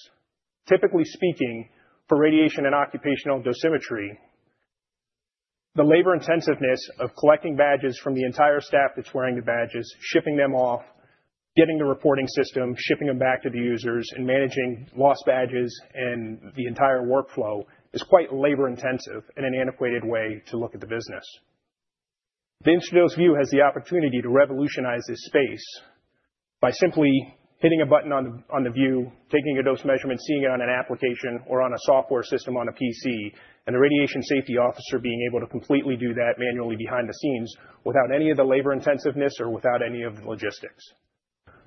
Typically speaking, for radiation and occupational dosimetry, the labor-intensiveness of collecting badges from the entire staff that's wearing the badges, shipping them off, getting the reporting system, shipping them back to the users, and managing lost badges and the entire workflow is quite labor-intensive in an antiquated way to look at the business. The InstadoseVUE has the opportunity to revolutionize this space by simply hitting a button on the view, taking a dose measurement, seeing it on an application or on a software system on a PC, and the radiation safety officer being able to completely do that manually behind the scenes without any of the labor-intensiveness or without any of the logistics.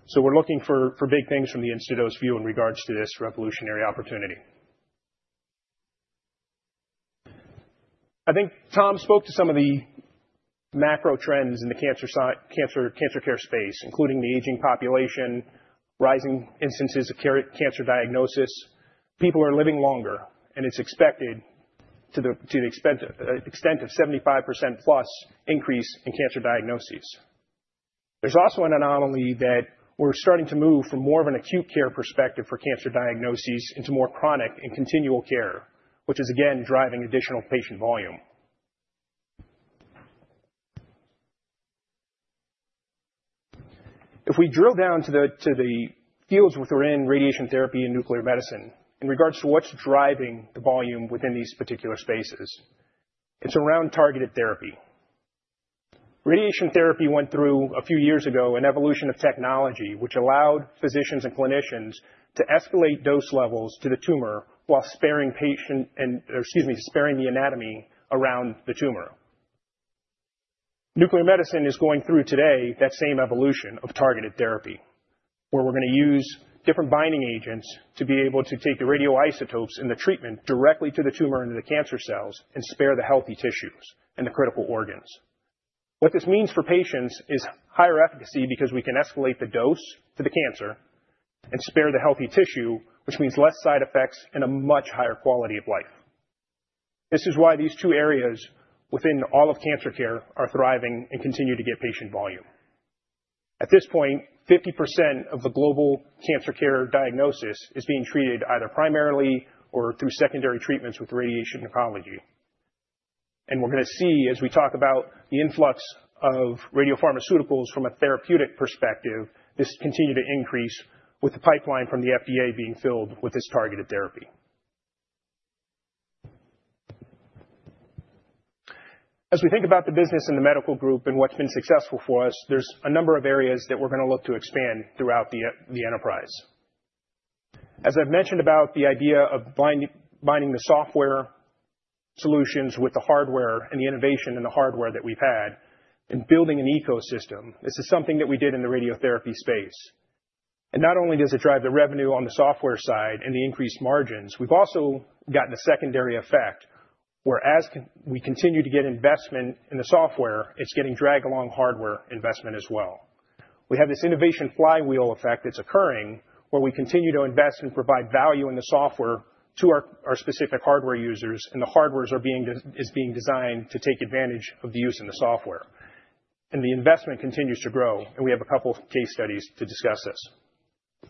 So we're looking for big things from the InstadoseVUE in regards to this revolutionary opportunity. I think Tom spoke to some of the macro trends in the cancer care space, including the aging population, rising instances of cancer diagnosis. People are living longer, and it's expected to the extent of 75% plus increase in cancer diagnoses. There's also an anomaly that we're starting to move from more of an acute care perspective for cancer diagnoses into more chronic and continual care, which is, again, driving additional patient volume. If we drill down to the fields within radiation therapy and nuclear medicine in regards to what's driving the volume within these particular spaces, it's around targeted therapy. Radiation therapy went through a few years ago an evolution of technology which allowed physicians and clinicians to escalate dose levels to the tumor while sparing patient, excuse me, sparing the anatomy around the tumor. Nuclear medicine is going through today that same evolution of targeted therapy where we're going to use different binding agents to be able to take the radioisotopes in the treatment directly to the tumor and to the cancer cells and spare the healthy tissues and the critical organs. What this means for patients is higher efficacy because we can escalate the dose to the cancer and spare the healthy tissue, which means less side effects and a much higher quality of life. This is why these two areas within all of cancer care are thriving and continue to get patient volume. At this point, 50% of the global cancer care diagnosis is being treated either primarily or through secondary treatments with radiation oncology. We're going to see as we talk about the influx of radiopharmaceuticals from a therapeutic perspective, this continue to increase with the pipeline from the FDA being filled with this targeted therapy. As we think about the business in the medical group and what's been successful for us, there's a number of areas that we're going to look to expand throughout the enterprise. As I've mentioned about the idea of binding the software solutions with the hardware and the innovation in the hardware that we've had and building an ecosystem, this is something that we did in the radiotherapy space. Not only does it drive the revenue on the software side and the increased margins. We've also gotten a secondary effect where as we continue to get investment in the software, it's getting dragged along hardware investment as well. We have this innovation flywheel effect that's occurring where we continue to invest and provide value in the software to our specific hardware users, and the hardware is being designed to take advantage of the use in the software. The investment continues to grow, and we have a couple of case studies to discuss this.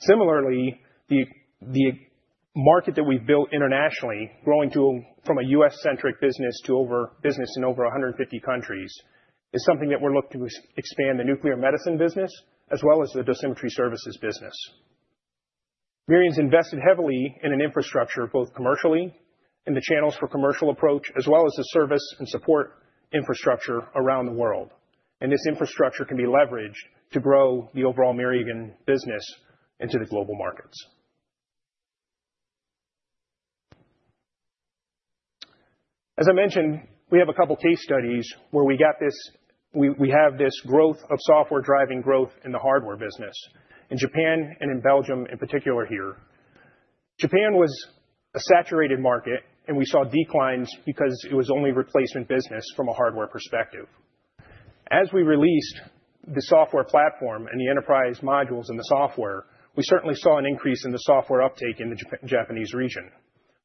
Similarly, the market that we've built internationally, growing from a U.S.-centric business to a business in over 150 countries, is something that we're looking to expand the nuclear medicine business as well as the dosimetry services business. Mirion's invested heavily in an infrastructure both commercially and the channels for commercial approach as well as the service and support infrastructure around the world. This infrastructure can be leveraged to grow the overall Mirion business into the global markets. As I mentioned, we have a couple of case studies where we have this growth of software driving growth in the hardware business in Japan and in Belgium, in particular here. Japan was a saturated market, and we saw declines because it was only replacement business from a hardware perspective. As we released the software platform and the enterprise modules and the software, we certainly saw an increase in the software uptake in the Japanese region.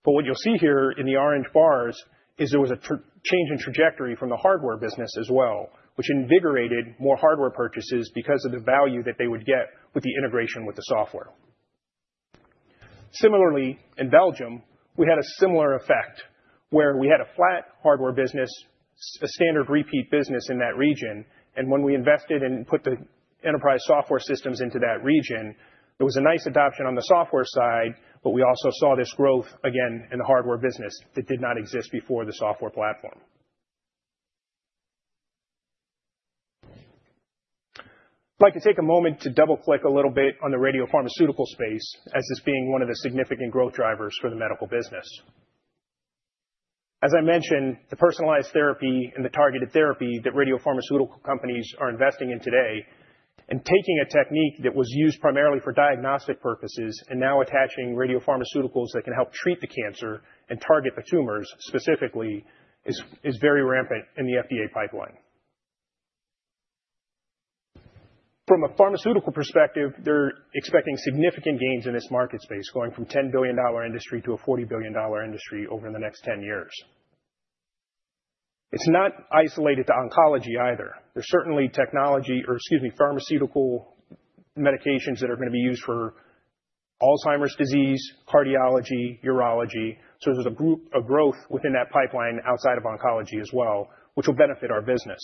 But what you'll see here in the orange bars is there was a change in trajectory from the hardware business as well, which invigorated more hardware purchases because of the value that they would get with the integration with the software. Similarly, in Belgium, we had a similar effect where we had a flat hardware business, a standard repeat business in that region, and when we invested and put the enterprise software systems into that region, there was a nice adoption on the software side, but we also saw this growth again in the hardware business that did not exist before the software platform. I'd like to take a moment to double-click a little bit on the radiopharmaceutical space as this being one of the significant growth drivers for the medical business. As I mentioned, the personalized therapy and the targeted therapy that radiopharmaceutical companies are investing in today and taking a technique that was used primarily for diagnostic purposes and now attaching radiopharmaceuticals that can help treat the cancer and target the tumors specifically is very rampant in the FDA pipeline. From a pharmaceutical perspective, they're expecting significant gains in this market space, going from a $10 billion industry to a $40 billion industry over the next 10 years. It's not isolated to oncology either. There's certainly technology, or excuse me, pharmaceutical medications that are going to be used for Alzheimer's disease, cardiology, urology. So there's a growth within that pipeline outside of oncology as well, which will benefit our business.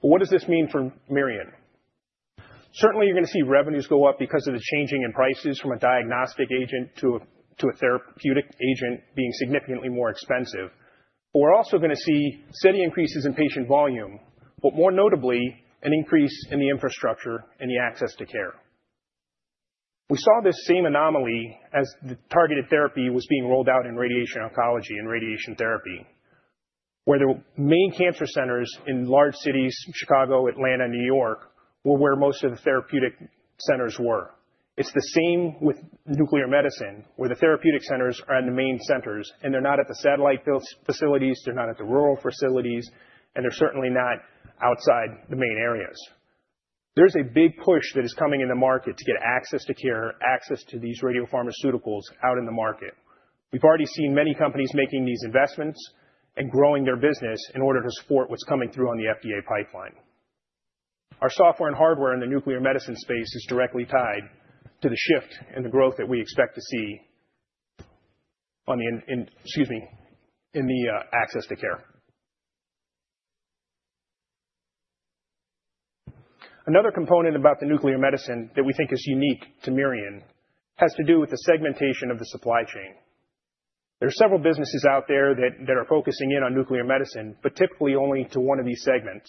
What does this mean for Mirion? Certainly, you're going to see revenues go up because of the changing in prices from a diagnostic agent to a therapeutic agent being significantly more expensive. But we're also going to see steady increases in patient volume, but more notably, an increase in the infrastructure and the access to care. We saw this same anomaly as the targeted therapy was being rolled out in radiation oncology and radiation therapy, where the main cancer centers in large cities, Chicago, Atlanta, New York, were where most of the therapeutic centers were. It's the same with nuclear medicine, where the therapeutic centers are in the main centers, and they're not at the satellite facilities, they're not at the rural facilities, and they're certainly not outside the main areas. There's a big push that is coming in the market to get access to care, access to these radiopharmaceuticals out in the market. We've already seen many companies making these investments and growing their business in order to support what's coming through on the FDA pipeline. Our software and hardware in the nuclear medicine space is directly tied to the shift in the growth that we expect to see on the, excuse me, in the access to care. Another component about the nuclear medicine that we think is unique to Mirion has to do with the segmentation of the supply chain. There are several businesses out there that are focusing in on nuclear medicine, but typically only to one of these segments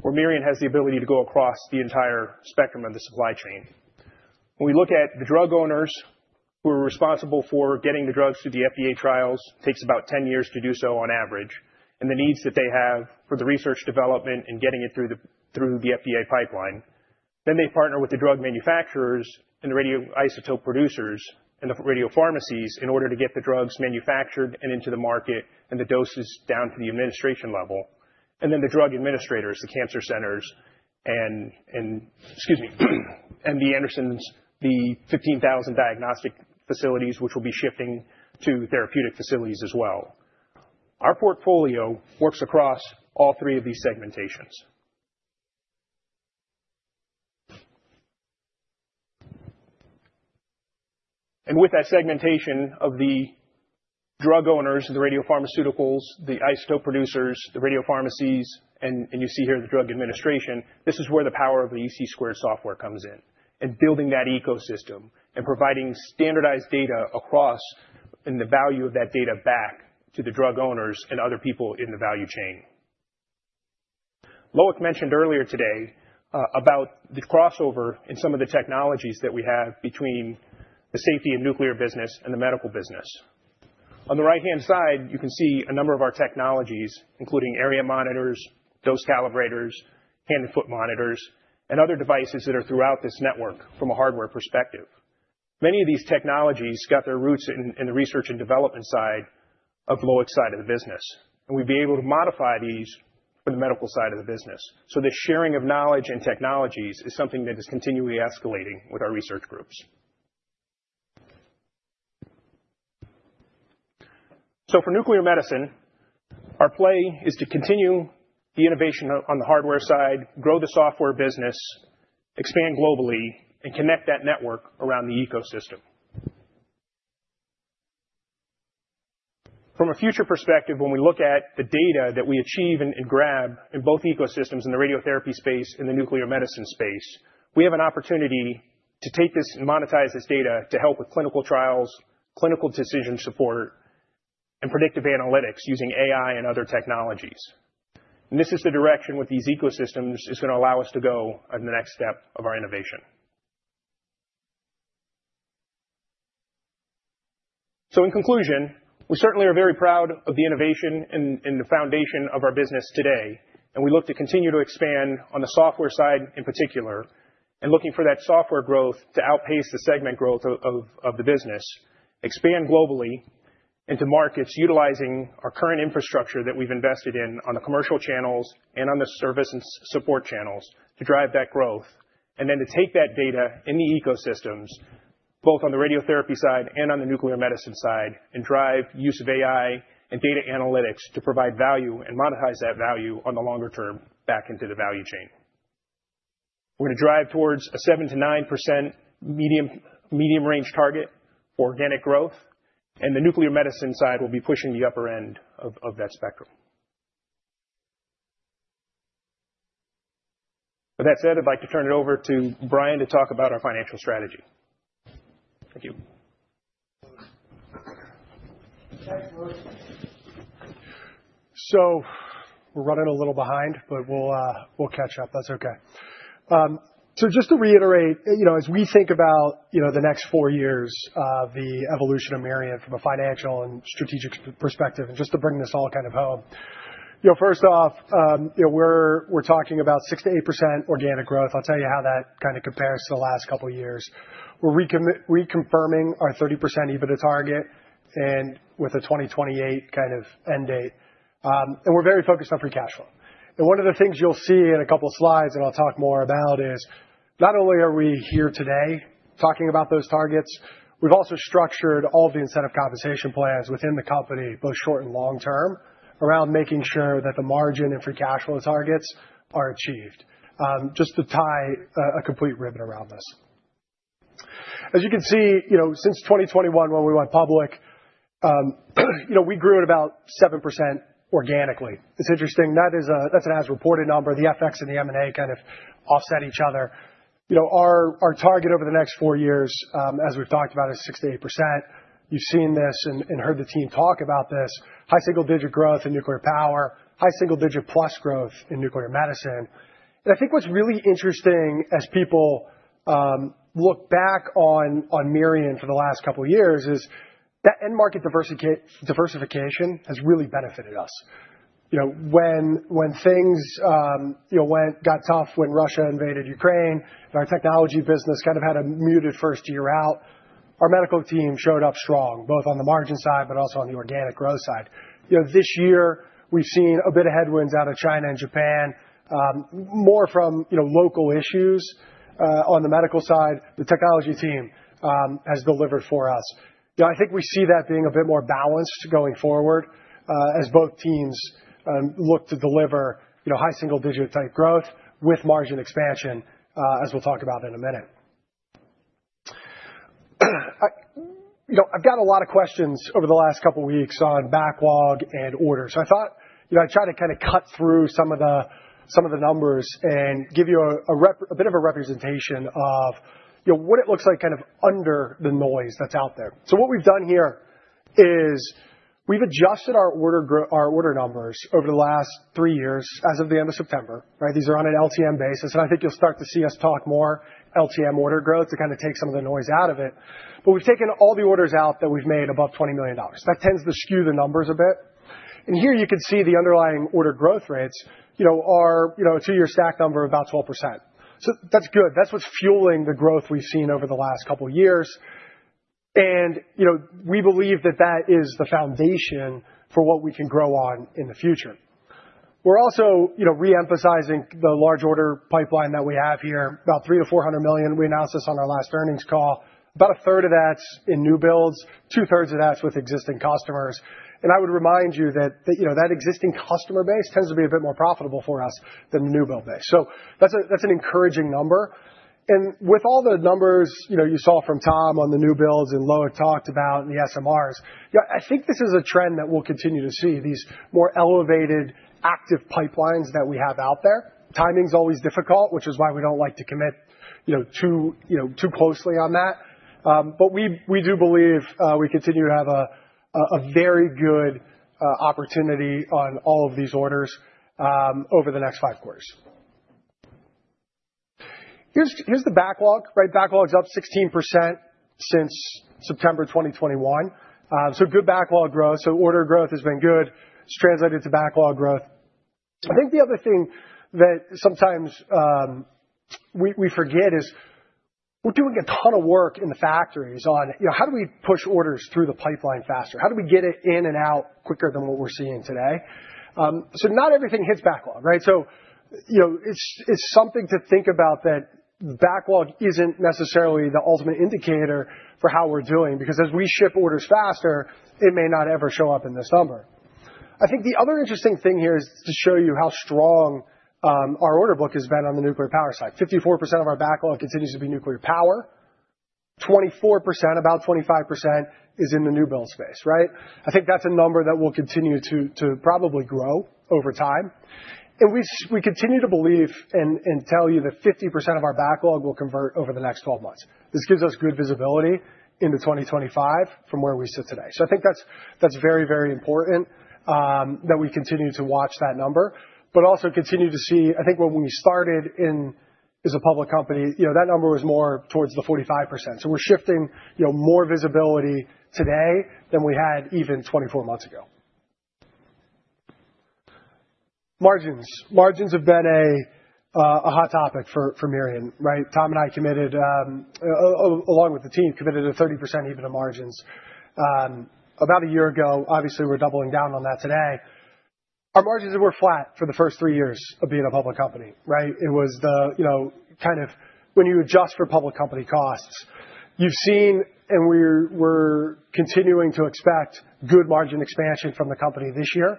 where Mirion has the ability to go across the entire spectrum of the supply chain. When we look at the drug owners who are responsible for getting the drugs through the FDA trials, takes about 10 years to do so on average, and the needs that they have for the research development and getting it through the FDA pipeline, then they partner with the drug manufacturers and the radioisotope producers and the radiopharmacies in order to get the drugs manufactured and into the market and the doses down to the administration level. And then the drug administrators, the cancer centers and, excuse me, MD Anderson, the 15,000 diagnostic facilities, which will be shifting to therapeutic facilities as well. Our portfolio works across all three of these segmentations. And with that segmentation of the drug owners, the radiopharmaceuticals, the isotope producers, the radiopharmacies, and you see here the drug administration, this is where the power of the EC² software comes in and building that ecosystem and providing standardized data across and the value of that data back to the drug owners and other people in the value chain. Loïc mentioned earlier today about the crossover in some of the technologies that we have between the safety and nuclear business and the medical business. On the right-hand side, you can see a number of our technologies, including area monitors, dose calibrators, hand and foot monitors, and other devices that are throughout this network from a hardware perspective. Many of these technologies got their roots in the research and development side of Loïc's side of the business, and we've been able to modify these for the medical side of the business. So the sharing of knowledge and technologies is something that is continually escalating with our research groups. So for nuclear medicine, our play is to continue the innovation on the hardware side, grow the software business, expand globally, and connect that network around the ecosystem. From a future perspective, when we look at the data that we achieve and grab in both ecosystems in the radiotherapy space and the nuclear medicine space, we have an opportunity to take this and monetize this data to help with clinical trials, clinical decision support, and predictive analytics using AI and other technologies, and this is the direction with these ecosystems that is going to allow us to go on the next step of our innovation. So in conclusion, we certainly are very proud of the innovation and the foundation of our business today, and we look to continue to expand on the software side in particular and looking for that software growth to outpace the segment growth of the business, expand globally into markets utilizing our current infrastructure that we've invested in on the commercial channels and on the service and support channels to drive that growth, and then to take that data in the ecosystems, both on the radiotherapy side and on the nuclear medicine side, and drive use of AI and data analytics to provide value and monetize that value on the longer term back into the value chain. We're going to drive towards a 7%-9% medium-range target for organic growth, and the nuclear medicine side will be pushing the upper end of that spectrum. With that said, I'd like to turn it over to Brian to talk about our financial strategy. Thank you. So we're running a little behind, but we'll catch up. That's okay. So just to reiterate, as we think about the next four years, the evolution of Mirion from a financial and strategic perspective, and just to bring this all kind of home, first off, we're talking about 6%-8% organic growth. I'll tell you how that kind of compares to the last couple of years. We're reconfirming our 30% EBITDA target and with a 2028 kind of end date. And we're very focused on free cash flow. One of the things you'll see in a couple of slides, and I'll talk more about, is not only are we here today talking about those targets. We've also structured all of the incentive compensation plans within the company, both short and long term, around making sure that the margin and free cash flow targets are achieved. Just to tie a complete ribbon around this. As you can see, since 2021, when we went public, we grew at about 7% organically. It's interesting. That's an as-reported number. The FX and the M&A kind of offset each other. Our target over the next four years, as we've talked about, is 6%-8%. You've seen this and heard the team talk about this: high single-digit growth in nuclear power, high single-digit plus growth in nuclear medicine. And I think what's really interesting as people look back on Mirion for the last couple of years is that end market diversification has really benefited us. When things got tough, when Russia invaded Ukraine, our technology business kind of had a muted first year out, our medical team showed up strong, both on the margin side but also on the organic growth side. This year, we've seen a bit of headwinds out of China and Japan, more from local issues on the medical side. The technology team has delivered for us. I think we see that being a bit more balanced going forward as both teams look to deliver high single-digit type growth with margin expansion, as we'll talk about in a minute. I've got a lot of questions over the last couple of weeks on backlog and orders. I thought I'd try to kind of cut through some of the numbers and give you a bit of a representation of what it looks like kind of under the noise that's out there. What we've done here is we've adjusted our order numbers over the last three years as of the end of September. These are on an LTM basis, and I think you'll start to see us talk more LTM order growth to kind of take some of the noise out of it. We've taken all the orders out that we've made above $20 million. That tends to skew the numbers a bit. Here you can see the underlying order growth rates are a two-year stack number of about 12%. That's good. That's what's fueling the growth we've seen over the last couple of years. And we believe that that is the foundation for what we can grow on in the future. We're also reemphasizing the large order pipeline that we have here, about $300 million-$400 million. We announced this on our last earnings call. About a third of that's in new builds, two-thirds of that's with existing customers. And I would remind you that that existing customer base tends to be a bit more profitable for us than the new build base. So that's an encouraging number. And with all the numbers you saw from Tom on the new builds and Loïc talked about and the SMRs, I think this is a trend that we'll continue to see, these more elevated active pipelines that we have out there. Timing's always difficult, which is why we don't like to commit too closely on that. But we do believe we continue to have a very good opportunity on all of these orders over the next five quarters. Here's the backlog. Backlog's up 16% since September 2021. So good backlog growth. So order growth has been good. It's translated to backlog growth. I think the other thing that sometimes we forget is we're doing a ton of work in the factories on how do we push orders through the pipeline faster? How do we get it in and out quicker than what we're seeing today? So not everything hits backlog. So it's something to think about that backlog isn't necessarily the ultimate indicator for how we're doing, because as we ship orders faster, it may not ever show up in this number. I think the other interesting thing here is to show you how strong our order book has been on the nuclear power side. 54% of our backlog continues to be nuclear power. 24%, about 25%, is in the new build space. I think that's a number that will continue to probably grow over time, and we continue to believe and tell you that 50% of our backlog will convert over the next 12 months. This gives us good visibility into 2025 from where we sit today, so I think that's very, very important that we continue to watch that number, but also continue to see. I think when we started in as a public company, that number was more towards the 45%, so we're shifting more visibility today than we had even 24 months ago. Margins. Margins have been a hot topic for Mirion. Tom and I, along with the team, committed to 30% even of margins. About a year ago, obviously, we're doubling down on that today. Our margins were flat for the first three years of being a public company. It was the kind of when you adjust for public company costs. You've seen, and we're continuing to expect good margin expansion from the company this year.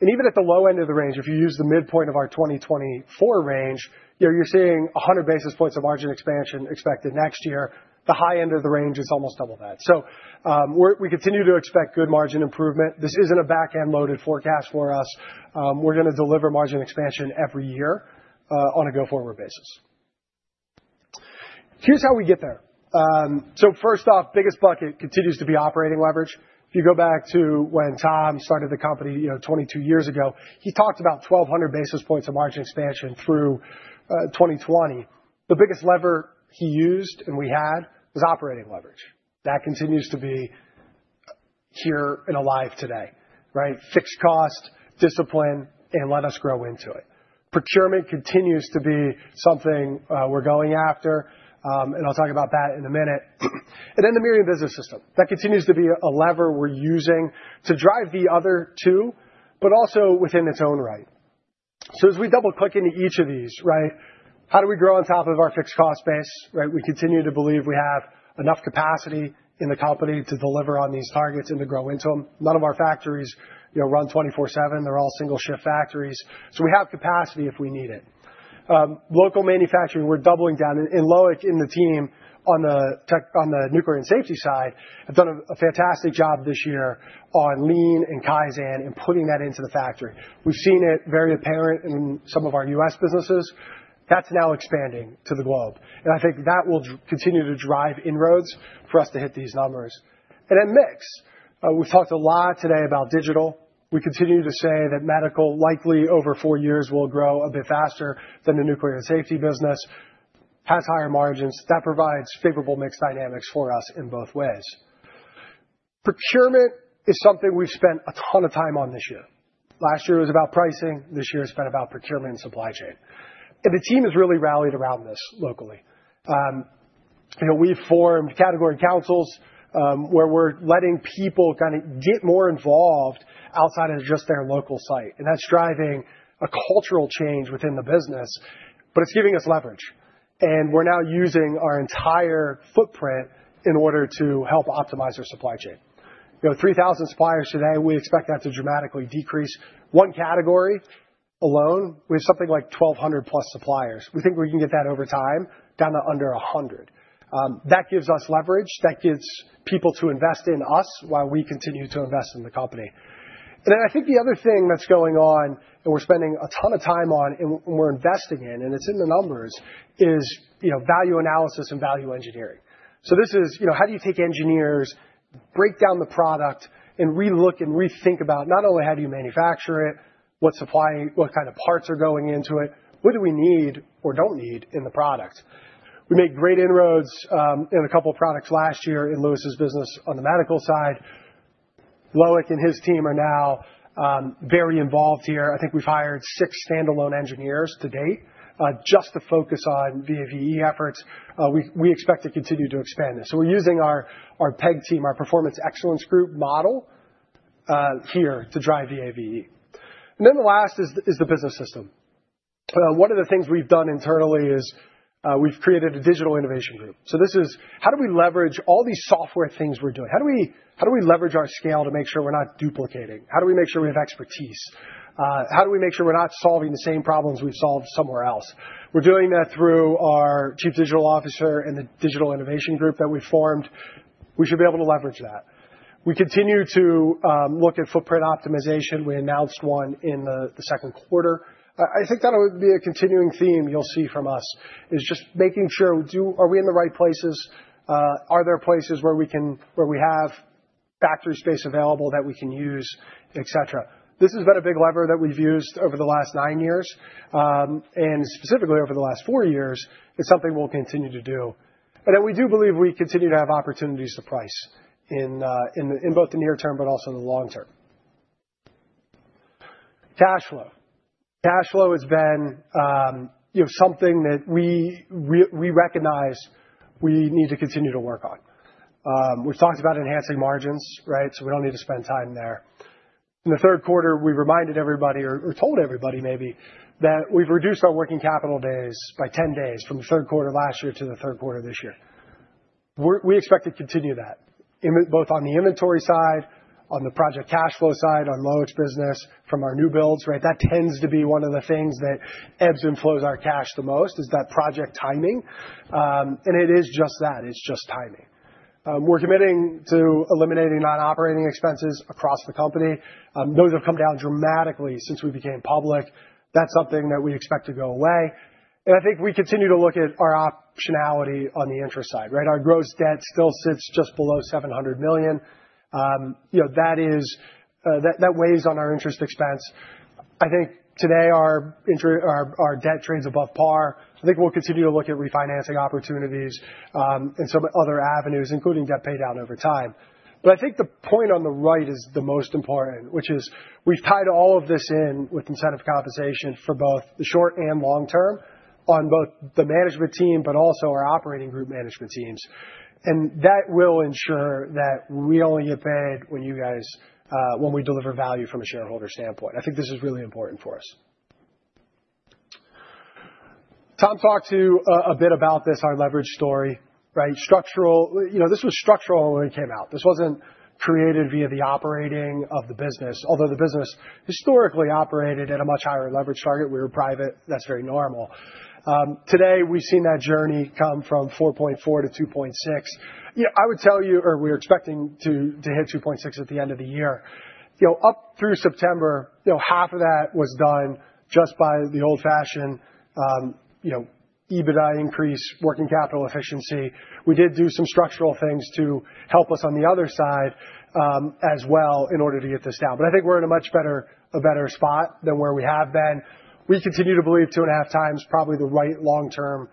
And even at the low end of the range, if you use the midpoint of our 2024 range, you're seeing 100 basis points of margin expansion expected next year. The high end of the range is almost double that. So we continue to expect good margin improvement. This isn't a back-end loaded forecast for us. We're going to deliver margin expansion every year on a go-forward basis. Here's how we get there. So first off, biggest bucket continues to be operating leverage. If you go back to when Tom started the company 22 years ago, he talked about 1,200 basis points of margin expansion through 2020. The biggest lever he used and we had was operating leverage. That continues to be here and alive today. Fixed cost, discipline, and let us grow into it. Procurement continues to be something we're going after, and I'll talk about that in a minute, and then the Mirion Business System. That continues to be a lever we're using to drive the other two, but also within its own right, so as we double-click into each of these, how do we grow on top of our fixed cost base? We continue to believe we have enough capacity in the company to deliver on these targets and to grow into them. None of our factories run 24/7. They're all single-shift factories. So we have capacity if we need it. Local manufacturing, we're doubling down. And Loïc and the team on the nuclear and safety side have done a fantastic job this year on lean and Kaizen and putting that into the factory. We've seen it very apparent in some of our U.S. businesses. That's now expanding to the globe. And I think that will continue to drive inroads for us to hit these numbers. And then mix. We've talked a lot today about digital. We continue to say that medical, likely over four years, will grow a bit faster than the nuclear and safety business, has higher margins. That provides favorable mixed dynamics for us in both ways. Procurement is something we've spent a ton of time on this year. Last year was about pricing. This year has been about procurement and supply chain. The team has really rallied around this locally. We've formed category councils where we're letting people kind of get more involved outside of just their local site. That's driving a cultural change within the business, but it's giving us leverage. We're now using our entire footprint in order to help optimize our supply chain. 3,000 suppliers today. We expect that to dramatically decrease. One category alone, we have something like 1,200 plus suppliers. We think we can get that over time down to under 100. That gives us leverage. That gives people to invest in us while we continue to invest in the company. I think the other thing that's going on, and we're spending a ton of time on, and we're investing in, and it's in the numbers, is value analysis and value engineering. This is how do you take engineers, break down the product, and relook and rethink about not only how do you manufacture it, what kind of parts are going into it, what do we need or don't need in the product. We made great inroads in a couple of products last year in Luis' business on the medical side. Loïc and his team are now very involved here. I think we've hired six standalone engineers to date just to focus on VAVE efforts. We expect to continue to expand this. So we're using our PEG team, our Performance Excellence Group model here to drive VAVE. And then the last is the business system. One of the things we've done internally is we've created a Digital Innovation Group. So this is how do we leverage all these software things we're doing? How do we leverage our scale to make sure we're not duplicating? How do we make sure we have expertise? How do we make sure we're not solving the same problems we've solved somewhere else? We're doing that through our Chief Digital Officer and the Digital Innovation Group that we formed. We should be able to leverage that. We continue to look at footprint optimization. We announced one in the second quarter. I think that would be a continuing theme you'll see from us, is just making sure are we in the right places? Are there places where we have factory space available that we can use, et cetera? This has been a big lever that we've used over the last nine years, and specifically over the last four years. It's something we'll continue to do. And then we do believe we continue to have opportunities to price in both the near term but also the long term. Cash flow has been something that we recognize we need to continue to work on. We've talked about enhancing margins, so we don't need to spend time there. In the third quarter, we reminded everybody or told everybody maybe that we've reduced our working capital days by 10 days from the third quarter last year to the third quarter this year. We expect to continue that, both on the inventory side, on the project cash flow side, on Loïc's business, from our new builds. That tends to be one of the things that ebbs and flows our cash the most, is that project timing. And it is just that. It's just timing. We're committing to eliminating non-operating expenses across the company. Those have come down dramatically since we became public. That's something that we expect to go away. And I think we continue to look at our optionality on the interest side. Our gross debt still sits just below $700 million. That weighs on our interest expense. I think today our debt trades above par. I think we'll continue to look at refinancing opportunities and some other avenues, including debt paydown over time. But I think the point on the right is the most important, which is we've tied all of this in with incentive compensation for both the short and long term on both the management team, but also our operating group management teams. And that will ensure that we only get paid when we deliver value from a shareholder standpoint. I think this is really important for us. Tom talked a bit about this, our leverage story. This was structural when we came out. This wasn't created via the operating of the business. Although the business historically operated at a much higher leverage target, we were private. That's very normal. Today, we've seen that journey come from 4.4 to 2.6. I would tell you, or we're expecting to hit 2.6 at the end of the year. Up through September, half of that was done just by the old-fashioned EBITDA increase, working capital efficiency. We did do some structural things to help us on the other side as well in order to get this down. But I think we're in a much better spot than where we have been. We continue to believe two and a half times probably the right long-term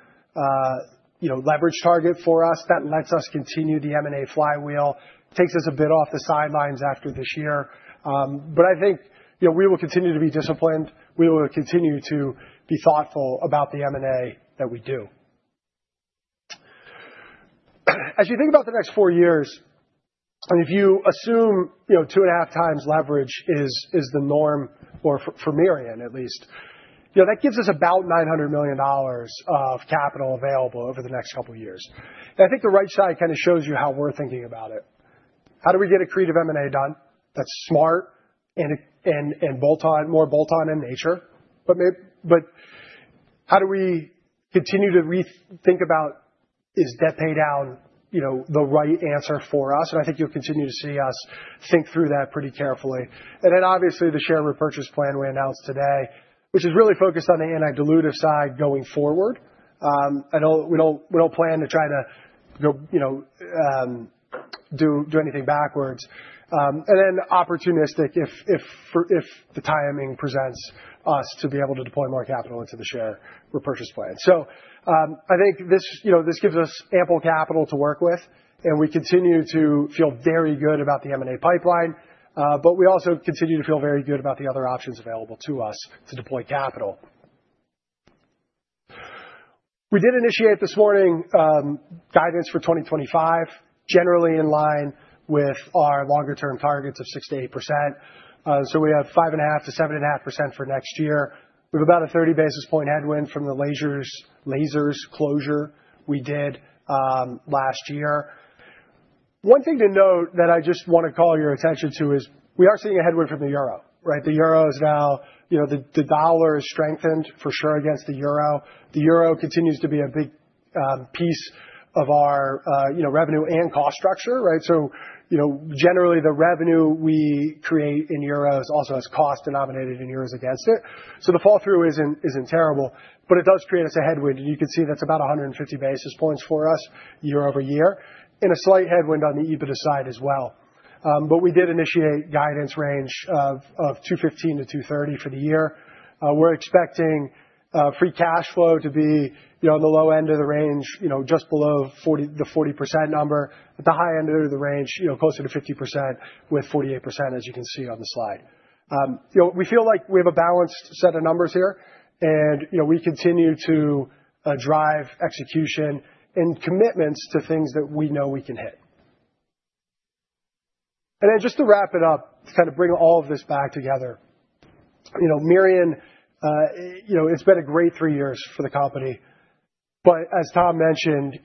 leverage target for us. That lets us continue the M&A flywheel. It takes us a bit off the sidelines after this year. But I think we will continue to be disciplined. We will continue to be thoughtful about the M&A that we do. As you think about the next four years, and if you assume two and a half times leverage is the norm for Mirion, at least, that gives us about $900 million of capital available over the next couple of years. And I think the right side kind of shows you how we're thinking about it. How do we get a creative M&A done that's smart and more bolt-on in nature? But how do we continue to rethink about is debt paydown the right answer for us? And I think you'll continue to see us think through that pretty carefully. And then obviously, the share repurchase plan we announced today, which is really focused on the antidilutive side going forward. We don't plan to try to do anything backwards. Then opportunistic, if the timing presents us to be able to deploy more capital into the share repurchase plan. So I think this gives us ample capital to work with, and we continue to feel very good about the M&A pipeline, but we also continue to feel very good about the other options available to us to deploy capital. We did initiate this morning guidance for 2025, generally in line with our longer-term targets of 6%-8%. So we have 5.5%-7.5% for next year. We have about a 30 basis point headwind from the Lazzero closure we did last year. One thing to note that I just want to call your attention to is we are seeing a headwind from the euro. The euro is now the dollar is strengthened, for sure, against the euro. The euro continues to be a big piece of our revenue and cost structure. So generally, the revenue we create in euros also has cost denominated in euros against it. So the fall through isn't terrible, but it does create us a headwind. And you can see that's about 150 basis points for us year over year and a slight headwind on the EBITDA side as well. But we did initiate guidance range of 215-230 for the year. We're expecting free cash flow to be on the low end of the range, just below the 40% number. At the high end of the range, closer to 50% with 48%, as you can see on the slide. We feel like we have a balanced set of numbers here, and we continue to drive execution and commitments to things that we know we can hit. And then just to wrap it up, to kind of bring all of this back together, Mirion, it's been a great three years for the company. But as Tom mentioned,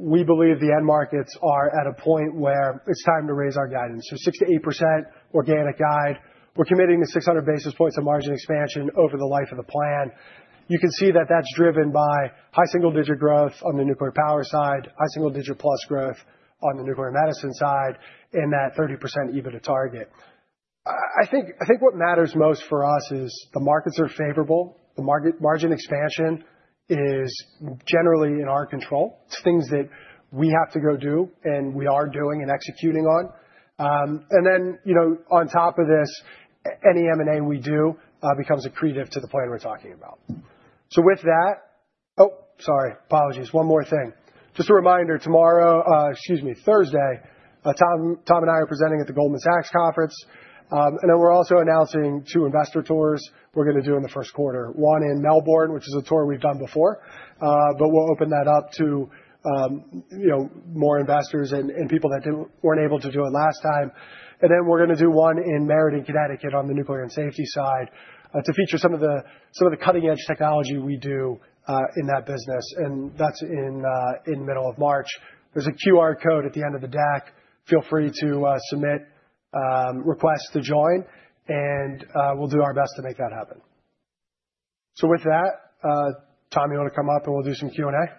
we believe the end markets are at a point where it's time to raise our guidance. So 6%-8% organic guide. We're committing to 600 basis points of margin expansion over the life of the plan. You can see that that's driven by high single-digit growth on the nuclear power side, high single-digit plus growth on the nuclear medicine side, and that 30% EBITDA target. I think what matters most for us is the markets are favorable. The margin expansion is generally in our control. It's things that we have to go do and we are doing and executing on. And then on top of this, any M&A we do becomes accretive to the plan we're talking about. So with that, oh, sorry, apologies. One more thing. Just a reminder, tomorrow, excuse me, Thursday, Tom and I are presenting at the Goldman Sachs Conference. And then we're also announcing two investor tours we're going to do in the first quarter. One in Melbourne, which is a tour we've done before, but we'll open that up to more investors and people that weren't able to do it last time. And then we're going to do one in Meriden, Connecticut, on the nuclear and safety side to feature some of the cutting-edge technology we do in that business. And that's in the middle of March. There's a QR code at the end of the deck. Feel free to submit requests to join, and we'll do our best to make that happen. So with that, Tom, you want to come up and we'll do some Q&A? Jesus.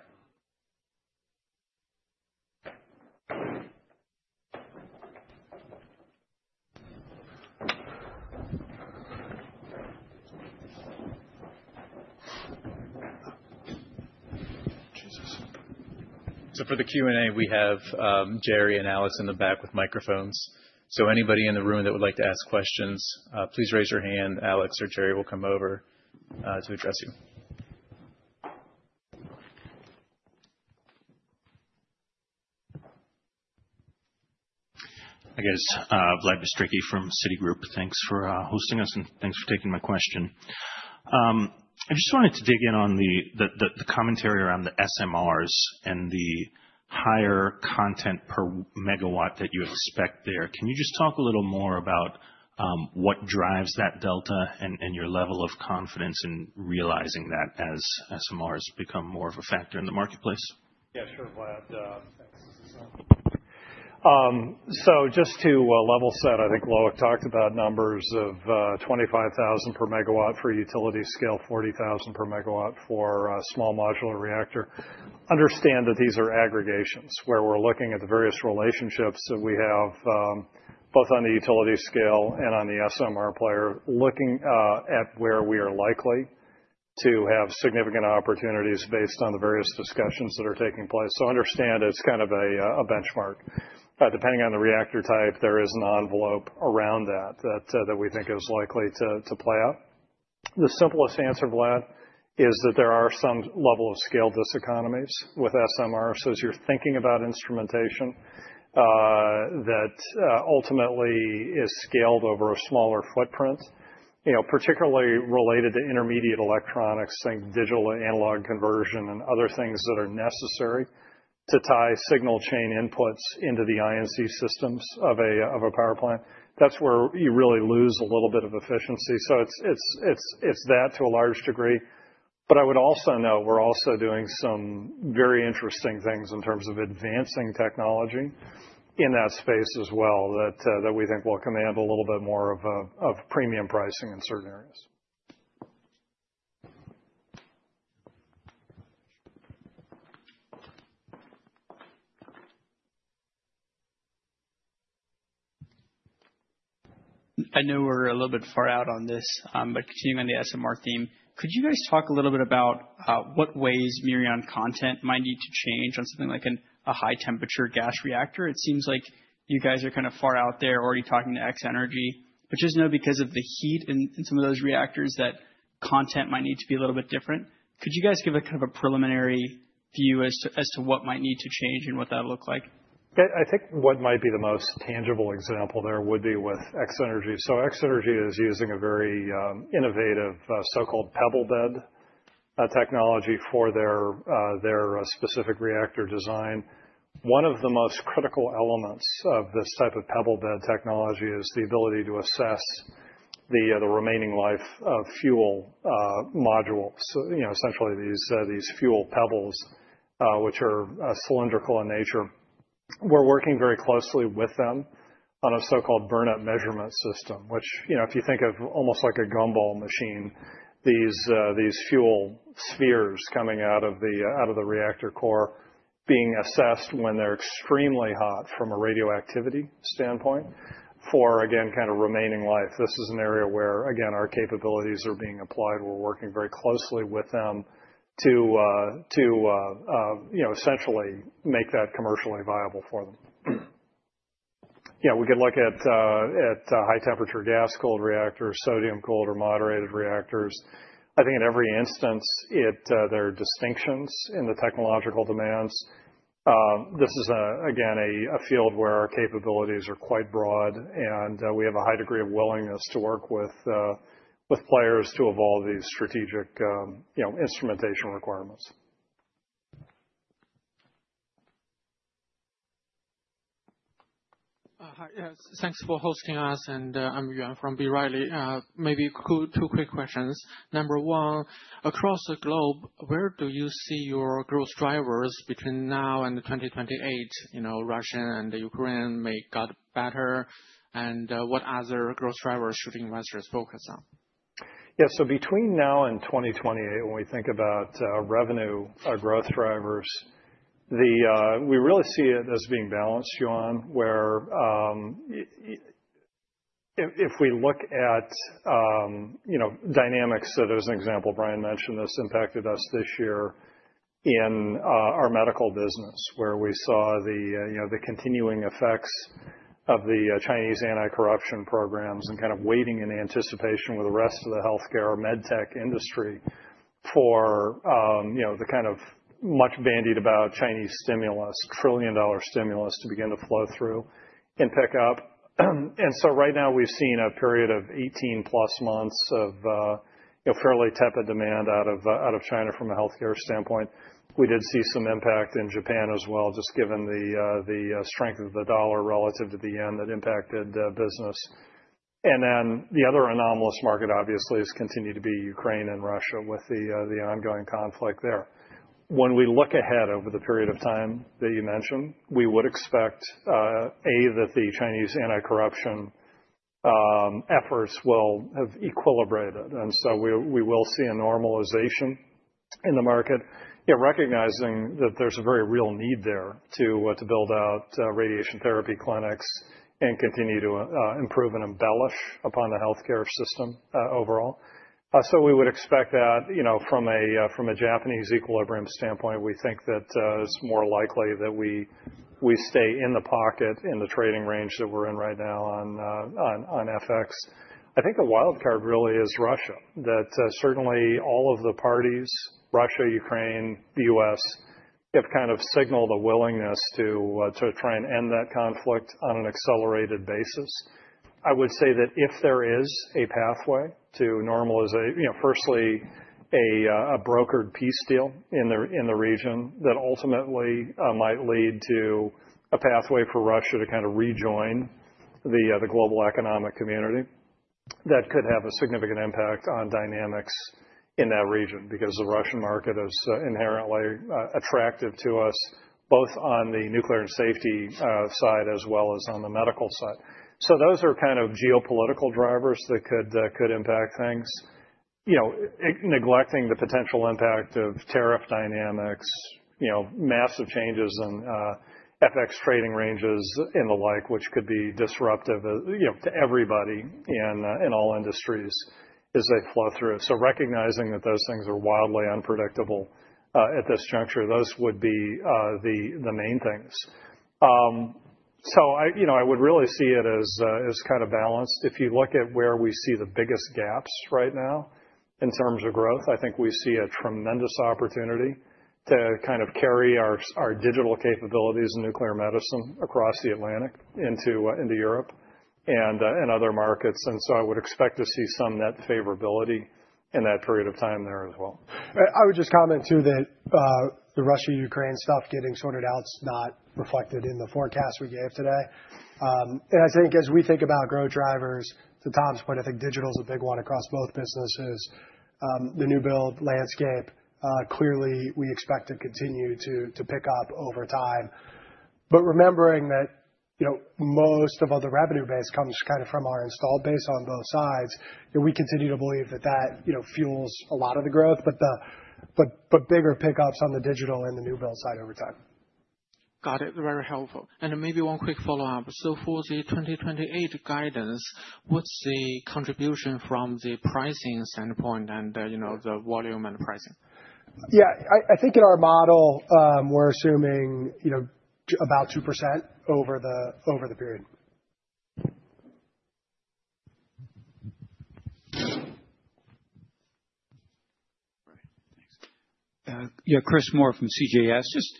So for the Q&A, we have Jerry and Alex in the back with microphones. So anybody in the room that would like to ask questions, please raise your hand. Alex or Jerry will come over to address you. Hi, guys. Vlad Bystricky from Citi. Thanks for hosting us and thanks for taking my question. I just wanted to dig in on the commentary around the SMRs and the higher content per megawatt that you expect there. Can you just talk a little more about what drives that delta and your level of confidence in realizing that as SMRs become more of a factor in the marketplace? Yeah, sure, Vlad. Thanks. So just to level set, I think Loïc talked about numbers of 25,000 per megawatt for utility scale, 40,000 per megawatt for a small modular reactor. Understand that these are aggregations where we're looking at the various relationships that we have both on the utility scale and on the SMR player, looking at where we are likely to have significant opportunities based on the various discussions that are taking place. So understand it's kind of a benchmark. Depending on the reactor type, there is an envelope around that that we think is likely to play out. The simplest answer, Vlad, is that there are some level of scale diseconomies with SMRs. So as you're thinking about instrumentation that ultimately is scaled over a smaller footprint, particularly related to intermediate electronics, think digital to analog conversion and other things that are necessary to tie signal chain inputs into the I&C systems of a power plant. That's where you really lose a little bit of efficiency. So it's that to a large degree. But I would also note we're also doing some very interesting things in terms of advancing technology in that space as well that we think will command a little bit more of premium pricing in certain areas. I know we're a little bit far out on this, but continuing on the SMR theme, could you guys talk a little bit about what ways Mirion content might need to change on something like a high-temperature gas reactor? It seems like you guys are kind of far out there already talking to X-energy, but just know because of the heat in some of those reactors that content might need to be a little bit different. Could you guys give a kind of a preliminary view as to what might need to change and what that would look like? I think what might be the most tangible example there would be with X-energy. X-energy is using a very innovative so-called pebble bed technology for their specific reactor design. One of the most critical elements of this type of pebble bed technology is the ability to assess the remaining life of fuel modules, essentially these fuel pebbles, which are cylindrical in nature. We're working very closely with them on a so-called burnup measurement system, which if you think of almost like a gumball machine, these fuel spheres coming out of the reactor core being assessed when they're extremely hot from a radioactivity standpoint for, again, kind of remaining life. This is an area where, again, our capabilities are being applied. We're working very closely with them to essentially make that commercially viable for them. We could look at high-temperature gas-cooled reactors, sodium-cooled or moderated reactors. I think in every instance, there are distinctions in the technological demands. This is, again, a field where our capabilities are quite broad, and we have a high degree of willingness to work with players to evolve these strategic instrumentation requirements. Thanks for hosting us, and I'm Yuan Zhi from B. Riley. Maybe two quick questions. Number one, across the globe, where do you see your growth drivers between now and 2028? Russia and Ukraine may get better. And what other growth drivers should investors focus on? Yeah, so between now and 2028, when we think about revenue growth drivers, we really see it as being balanced, Yuan, where if we look at dynamics, so there's an example Brian mentioned that's impacted us this year in our medical business, where we saw the continuing effects of the Chinese anti-corruption programs and kind of waiting in anticipation with the rest of the healthcare or med tech industry for the kind of much bandied about Chinese stimulus, trillion-dollar stimulus to begin to flow through and pick up. And so right now, we've seen a period of 18-plus months of fairly tepid demand out of China from a healthcare standpoint. We did see some impact in Japan as well, just given the strength of the dollar relative to the yen that impacted business, and then the other anomalous market, obviously, has continued to be Ukraine and Russia with the ongoing conflict there. When we look ahead over the period of time that you mentioned, we would expect, A, that the Chinese anti-corruption efforts will have equilibrated, and so we will see a normalization in the market, recognizing that there's a very real need there to build out radiation therapy clinics and continue to improve and embellish upon the healthcare system overall, so we would expect that from a Japanese equilibrium standpoint, we think that it's more likely that we stay in the pocket, in the trading range that we're in right now on FX. I think the wild card really is Russia, that certainly all of the parties, Russia, Ukraine, the U.S., have kind of signaled a willingness to try and end that conflict on an accelerated basis. I would say that if there is a pathway to normalization, firstly, a brokered peace deal in the region that ultimately might lead to a pathway for Russia to kind of rejoin the global economic community, that could have a significant impact on dynamics in that region because the Russian market is inherently attractive to us, both on the nuclear and safety side as well as on the medical side, so those are kind of geopolitical drivers that could impact things, neglecting the potential impact of tariff dynamics, massive changes in FX trading ranges and the like, which could be disruptive to everybody in all industries as they flow through. Recognizing that those things are wildly unpredictable at this juncture, those would be the main things. I would really see it as kind of balanced. If you look at where we see the biggest gaps right now in terms of growth, I think we see a tremendous opportunity to kind of carry our digital capabilities and nuclear medicine across the Atlantic into Europe and other markets. I would expect to see some net favorability in that period of time there as well. I would just comment too that the Russia-Ukraine stuff getting sorted out is not reflected in the forecast we gave today. I think as we think about growth drivers, to Tom's point, I think digital is a big one across both businesses, the new build landscape. Clearly, we expect to continue to pick up over time. But, remembering that most of the revenue base comes kind of from our installed base on both sides, we continue to believe that that fuels a lot of the growth, but bigger pickups on the digital and the new build side over time. Got it. Very helpful. And maybe one quick follow-up. So, for the 2028 guidance, what's the contribution from the pricing standpoint and the volume and pricing? Yeah, I think in our model, we're assuming about 2% over the period. Yeah, Chris Moore from CJS. Just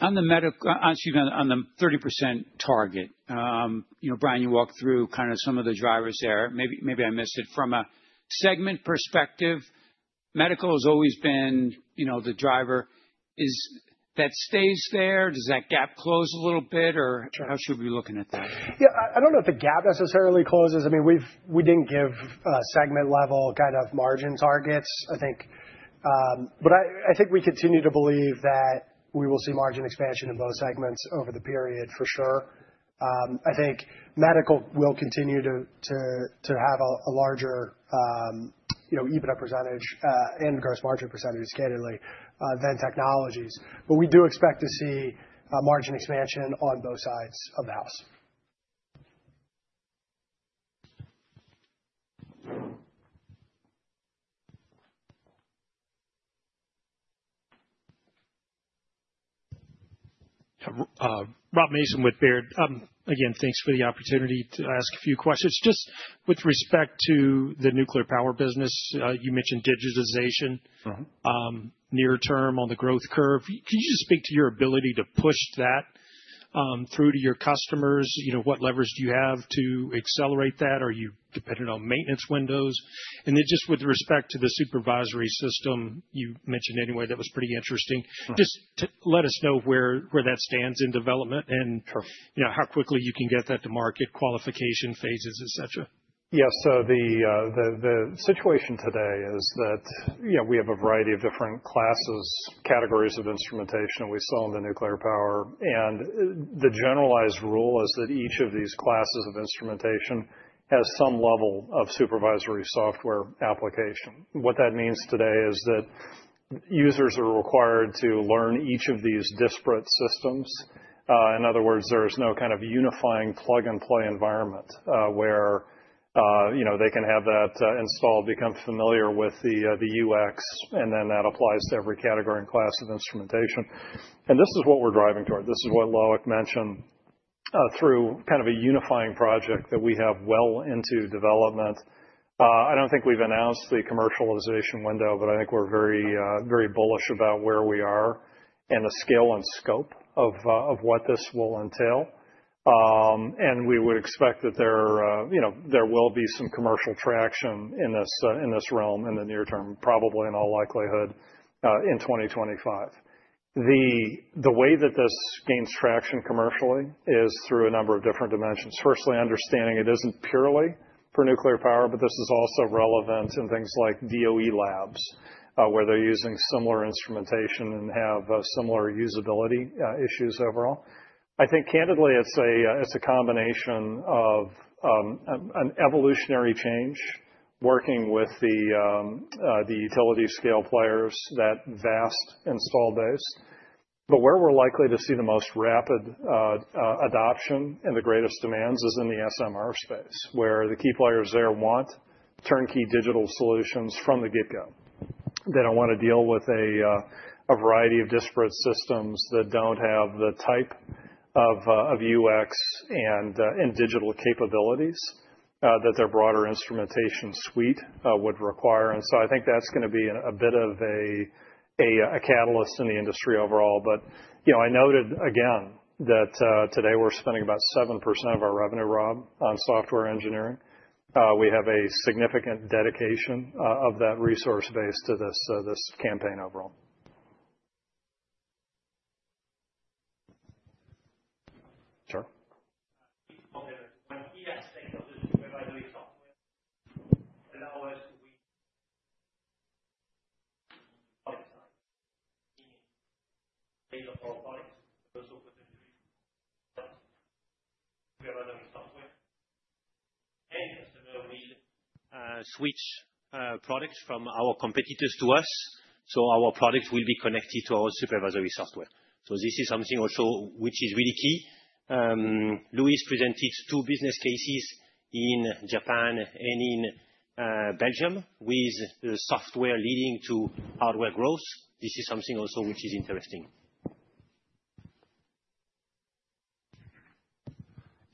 on the 30% target, Brian, you walked through kind of some of the drivers there. Maybe I missed it. From a segment perspective, medical has always been the driver. Is that stays there? Does that gap close a little bit? Or how should we be looking at that? Yeah, I don't know if the gap necessarily closes. I mean, we didn't give segment-level kind of margin targets, I think. But I think we continue to believe that we will see margin expansion in both segments over the period, for sure. I think medical will continue to have a larger EBITDA percentage and gross margin percentage so largely than technologies. But we do expect to see margin expansion on both sides of the house. Rob Mason with Baird. Again, thanks for the opportunity to ask a few questions. Just with respect to the nuclear power business, you mentioned digitization near-term on the growth curve. Can you just speak to your ability to push that through to your customers? What levers do you have to accelerate that? Are you dependent on maintenance windows? And then just with respect to the supervisory system you mentioned anyway, that was pretty interesting. Just let us know where that stands in development and how quickly you can get that to market, qualification phases, etc. Yeah, so the situation today is that we have a variety of different classes, categories of instrumentation we saw in the nuclear power. And the generalized rule is that each of these classes of instrumentation has some level of supervisory software application. What that means today is that users are required to learn each of these disparate systems. In other words, there is no kind of unifying plug-and-play environment where they can have that installed, become familiar with the UX, and then that applies to every category and class of instrumentation. And this is what we're driving toward. This is what Loïc mentioned through kind of a unifying project that we have well into development. I don't think we've announced the commercialization window, but I think we're very bullish about where we are and the scale and scope of what this will entail. And we would expect that there will be some commercial traction in this realm in the near term, probably in all likelihood in 2025. The way that this gains traction commercially is through a number of different dimensions. Firstly, understanding it isn't purely for nuclear power, but this is also relevant in things like DOE labs, where they're using similar instrumentation and have similar usability issues overall. I think candidly, it's a combination of an evolutionary change, working with the utility-scale players, that vast installed base. But where we're likely to see the most rapid adoption and the greatest demands is in the SMR space, where the key players there want turnkey digital solutions from the get-go. They don't want to deal with a variety of disparate systems that don't have the type of UX and digital capabilities that their broader instrumentation suite would require, and so I think that's going to be a bit of a catalyst in the industry overall, but I noted, again, that today we're spending about 7% of our revenue, Rob, on software engineering. We have a significant dedication of that resource base to this campaign overall. Sure. Switch products from our competitors to us, so our products will be connected to our supervisory software. So this is something also which is really key. Luis presented two business cases in Japan and in Belgium with software leading to hardware growth. This is something also which is interesting.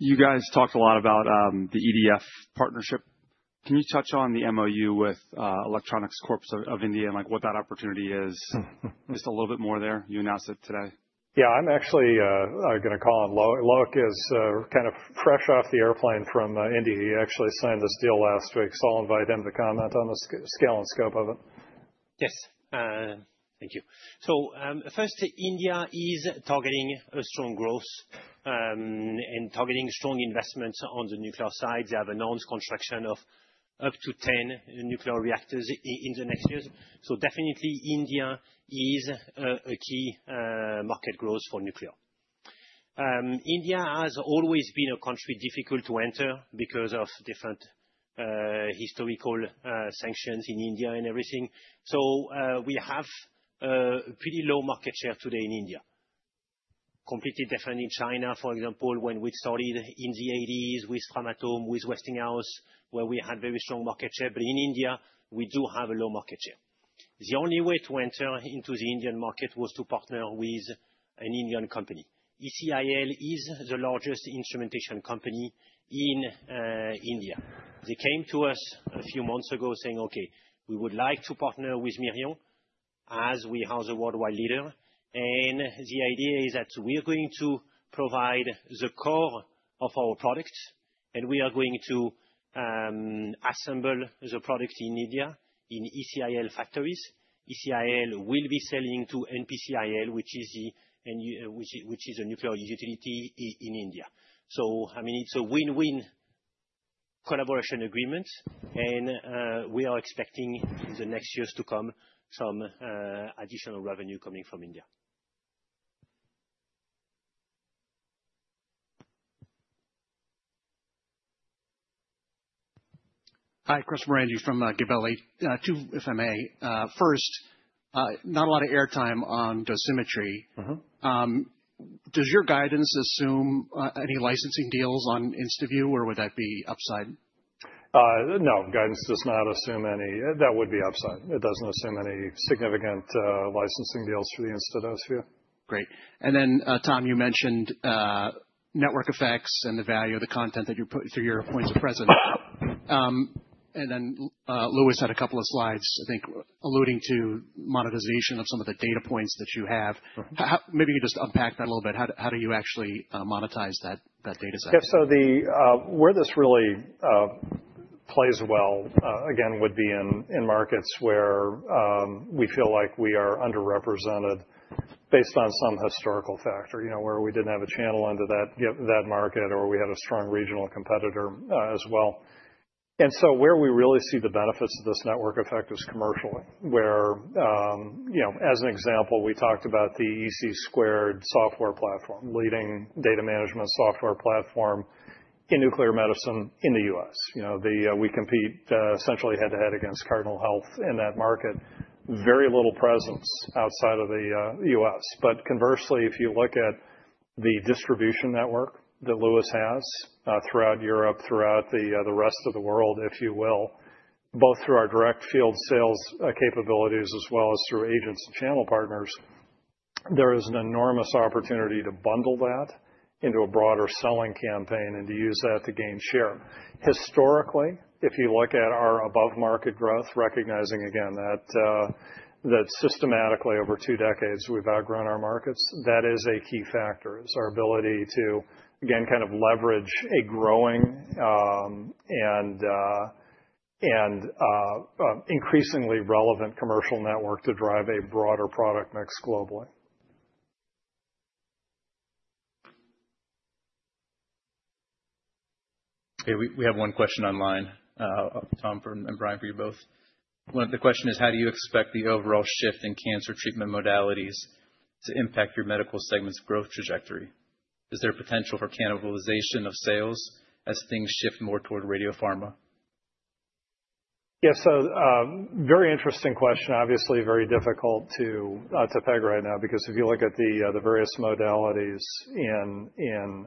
You guys talked a lot about the EDF partnership. Can you touch on the MOU with Electronics Corporation of India and what that opportunity is? Just a little bit more there. You announced it today. Yeah, I'm actually going to call on Loïc. Loïc is kind of fresh off the airplane from India. He actually signed this deal last week. So I'll invite him to comment on the scale and scope of it. Yes. Thank you. So first, India is targeting strong growth and targeting strong investments on the nuclear side. They have announced construction of up to 10 nuclear reactors in the next years. So definitely, India is a key market growth for nuclear. India has always been a country difficult to enter because of different historical sanctions in India and everything. So we have a pretty low market share today in India. Completely different in China, for example, when we started in the 1980s with Framatome, with Westinghouse, where we had very strong market share. But in India, we do have a low market share. The only way to enter into the Indian market was to partner with an Indian company. ECIL is the largest instrumentation company in India. They came to us a few months ago saying, "Okay, we would like to partner with Mirion as we are the worldwide leader." And the idea is that we're going to provide the core of our products, and we are going to assemble the products in India in ECIL factories. ECIL will be selling to NPCIL, which is a nuclear utility in India. So I mean, it's a win-win collaboration agreement, and we are expecting in the next years to come some additional revenue coming from India. Hi, Chris Marangi from Gabelli. Too, if I may. First, not a lot of airtime on dosimetry. Does your guidance assume any licensing deals on InstadoseVUE, or would that be upside? No, guidance does not assume any. That would be upside. It doesn't assume any significant licensing deals for the InstadoseVUE. Great. And then, Tom, you mentioned network effects and the value of the content through your points of presence. And then Luis had a couple of slides, I think, alluding to monetization of some of the data points that you have. Maybe you could just unpack that a little bit. How do you actually monetize that dataset? Yeah, so where this really plays well, again, would be in markets where we feel like we are underrepresented based on some historical factor, where we didn't have a channel into that market or we had a strong regional competitor as well. And so where we really see the benefits of this network effect is commercial, where, as an example, we talked about the EC² software platform, leading data management software platform in nuclear medicine in the U.S. We compete essentially head-to-head against Cardinal Health in that market, very little presence outside of the U.S. But conversely, if you look at the distribution network that Luis has throughout Europe, throughout the rest of the world, if you will, both through our direct field sales capabilities as well as through agents and channel partners, there is an enormous opportunity to bundle that into a broader selling campaign and to use that to gain share. Historically, if you look at our above-market growth, recognizing, again, that systematically over two decades, we've outgrown our markets, that is a key factor, is our ability to, again, kind of leverage a growing and increasingly relevant commercial network to drive a broader product mix globally. Hey, we have one question online, Tom and Brian for you both. The question is, how do you expect the overall shift in cancer treatment modalities to impact your medical segment's growth trajectory? Is there potential for cannibalization of sales as things shift more toward radiopharma? Yeah, so very interesting question. Obviously, very difficult to peg right now because if you look at the various modalities in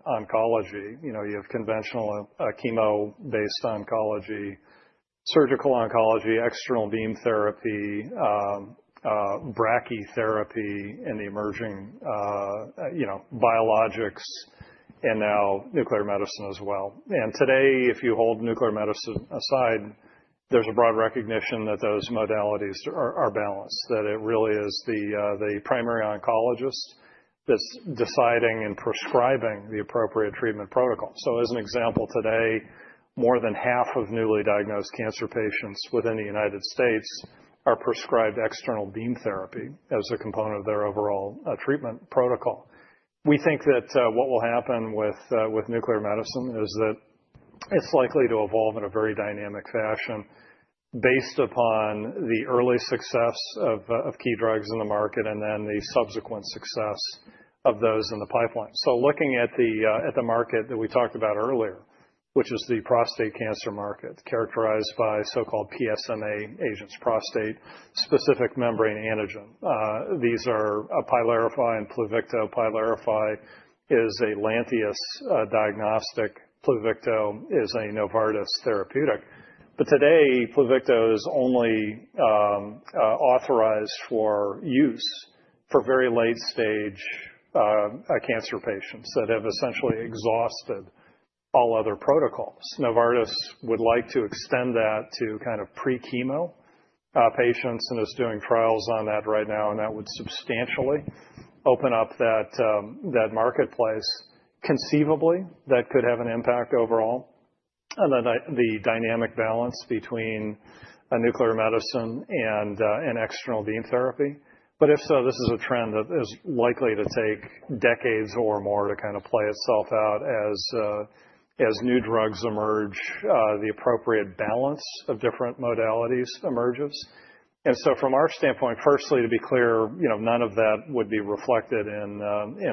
oncology, you have conventional chemo-based oncology, surgical oncology, external beam therapy, brachytherapy, and the emerging biologics, and now nuclear medicine as well. Today, if you hold nuclear medicine aside, there's a broad recognition that those modalities are balanced, that it really is the primary oncologist that's deciding and prescribing the appropriate treatment protocol. So as an example, today, more than half of newly diagnosed cancer patients within the United States are prescribed external beam therapy as a component of their overall treatment protocol. We think that what will happen with nuclear medicine is that it's likely to evolve in a very dynamic fashion based upon the early success of key drugs in the market and then the subsequent success of those in the pipeline. So looking at the market that we talked about earlier, which is the prostate cancer market, characterized by so-called PSMA agents, prostate-specific membrane antigen. These are Pylarify and Pluvicto. Pylarify is a Lantheus diagnostic. Pluvicto is a Novartis therapeutic. But today, Pluvicto is only authorized for use for very late-stage cancer patients that have essentially exhausted all other protocols. Novartis would like to extend that to kind of pre-chemo patients and is doing trials on that right now. And that would substantially open up that marketplace conceivably that could have an impact overall on the dynamic balance between nuclear medicine and external beam therapy. But if so, this is a trend that is likely to take decades or more to kind of play itself out as new drugs emerge, the appropriate balance of different modalities emerges. And so from our standpoint, firstly, to be clear, none of that would be reflected in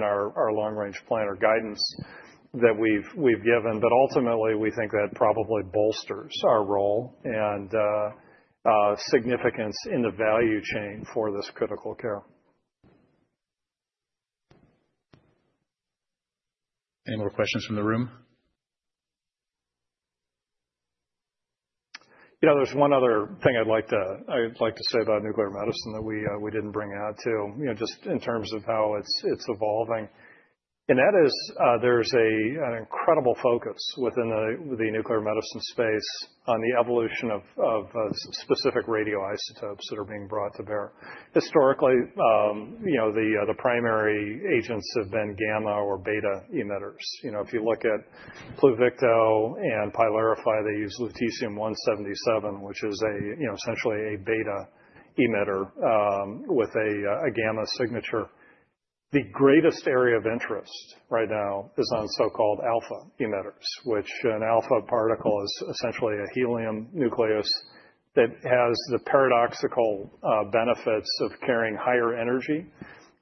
our long-range plan or guidance that we've given. But ultimately, we think that probably bolsters our role and significance in the value chain for this critical care. Any more questions from the room? There's one other thing I'd like to say about nuclear medicine that we didn't bring out too, just in terms of how it's evolving. And that is there's an incredible focus within the nuclear medicine space on the evolution of specific radioisotopes that are being brought to bear. Historically, the primary agents have been gamma or beta emitters. If you look at Pluvicto and Pylarify, they use Lutetium 177, which is essentially a beta emitter with a gamma signature. The greatest area of interest right now is on so-called alpha emitters, which an alpha particle is essentially a helium nucleus that has the paradoxical benefits of carrying higher energy.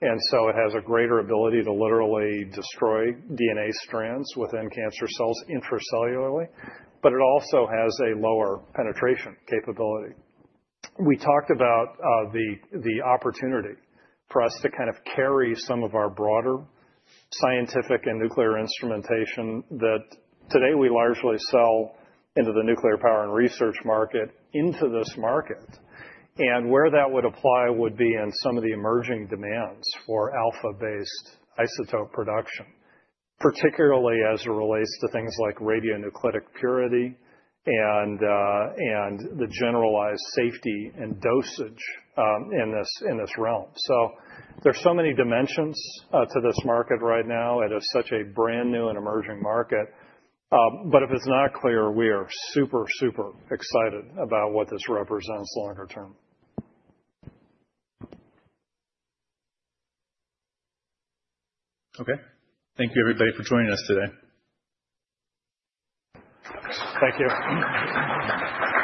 And so it has a greater ability to literally destroy DNA strands within cancer cells intracellularly, but it also has a lower penetration capability. We talked about the opportunity for us to kind of carry some of our broader scientific and nuclear instrumentation that today we largely sell into the nuclear power and research market into this market, and where that would apply would be in some of the emerging demands for alpha-based isotope production, particularly as it relates to things like radionuclidic purity and the generalized safety and dosage in this realm, so there's so many dimensions to this market right now. It is such a brand new and emerging market, but if it's not clear, we are super, super excited about what this represents longer term. Okay. Thank you, everybody, for joining us today. Thank you.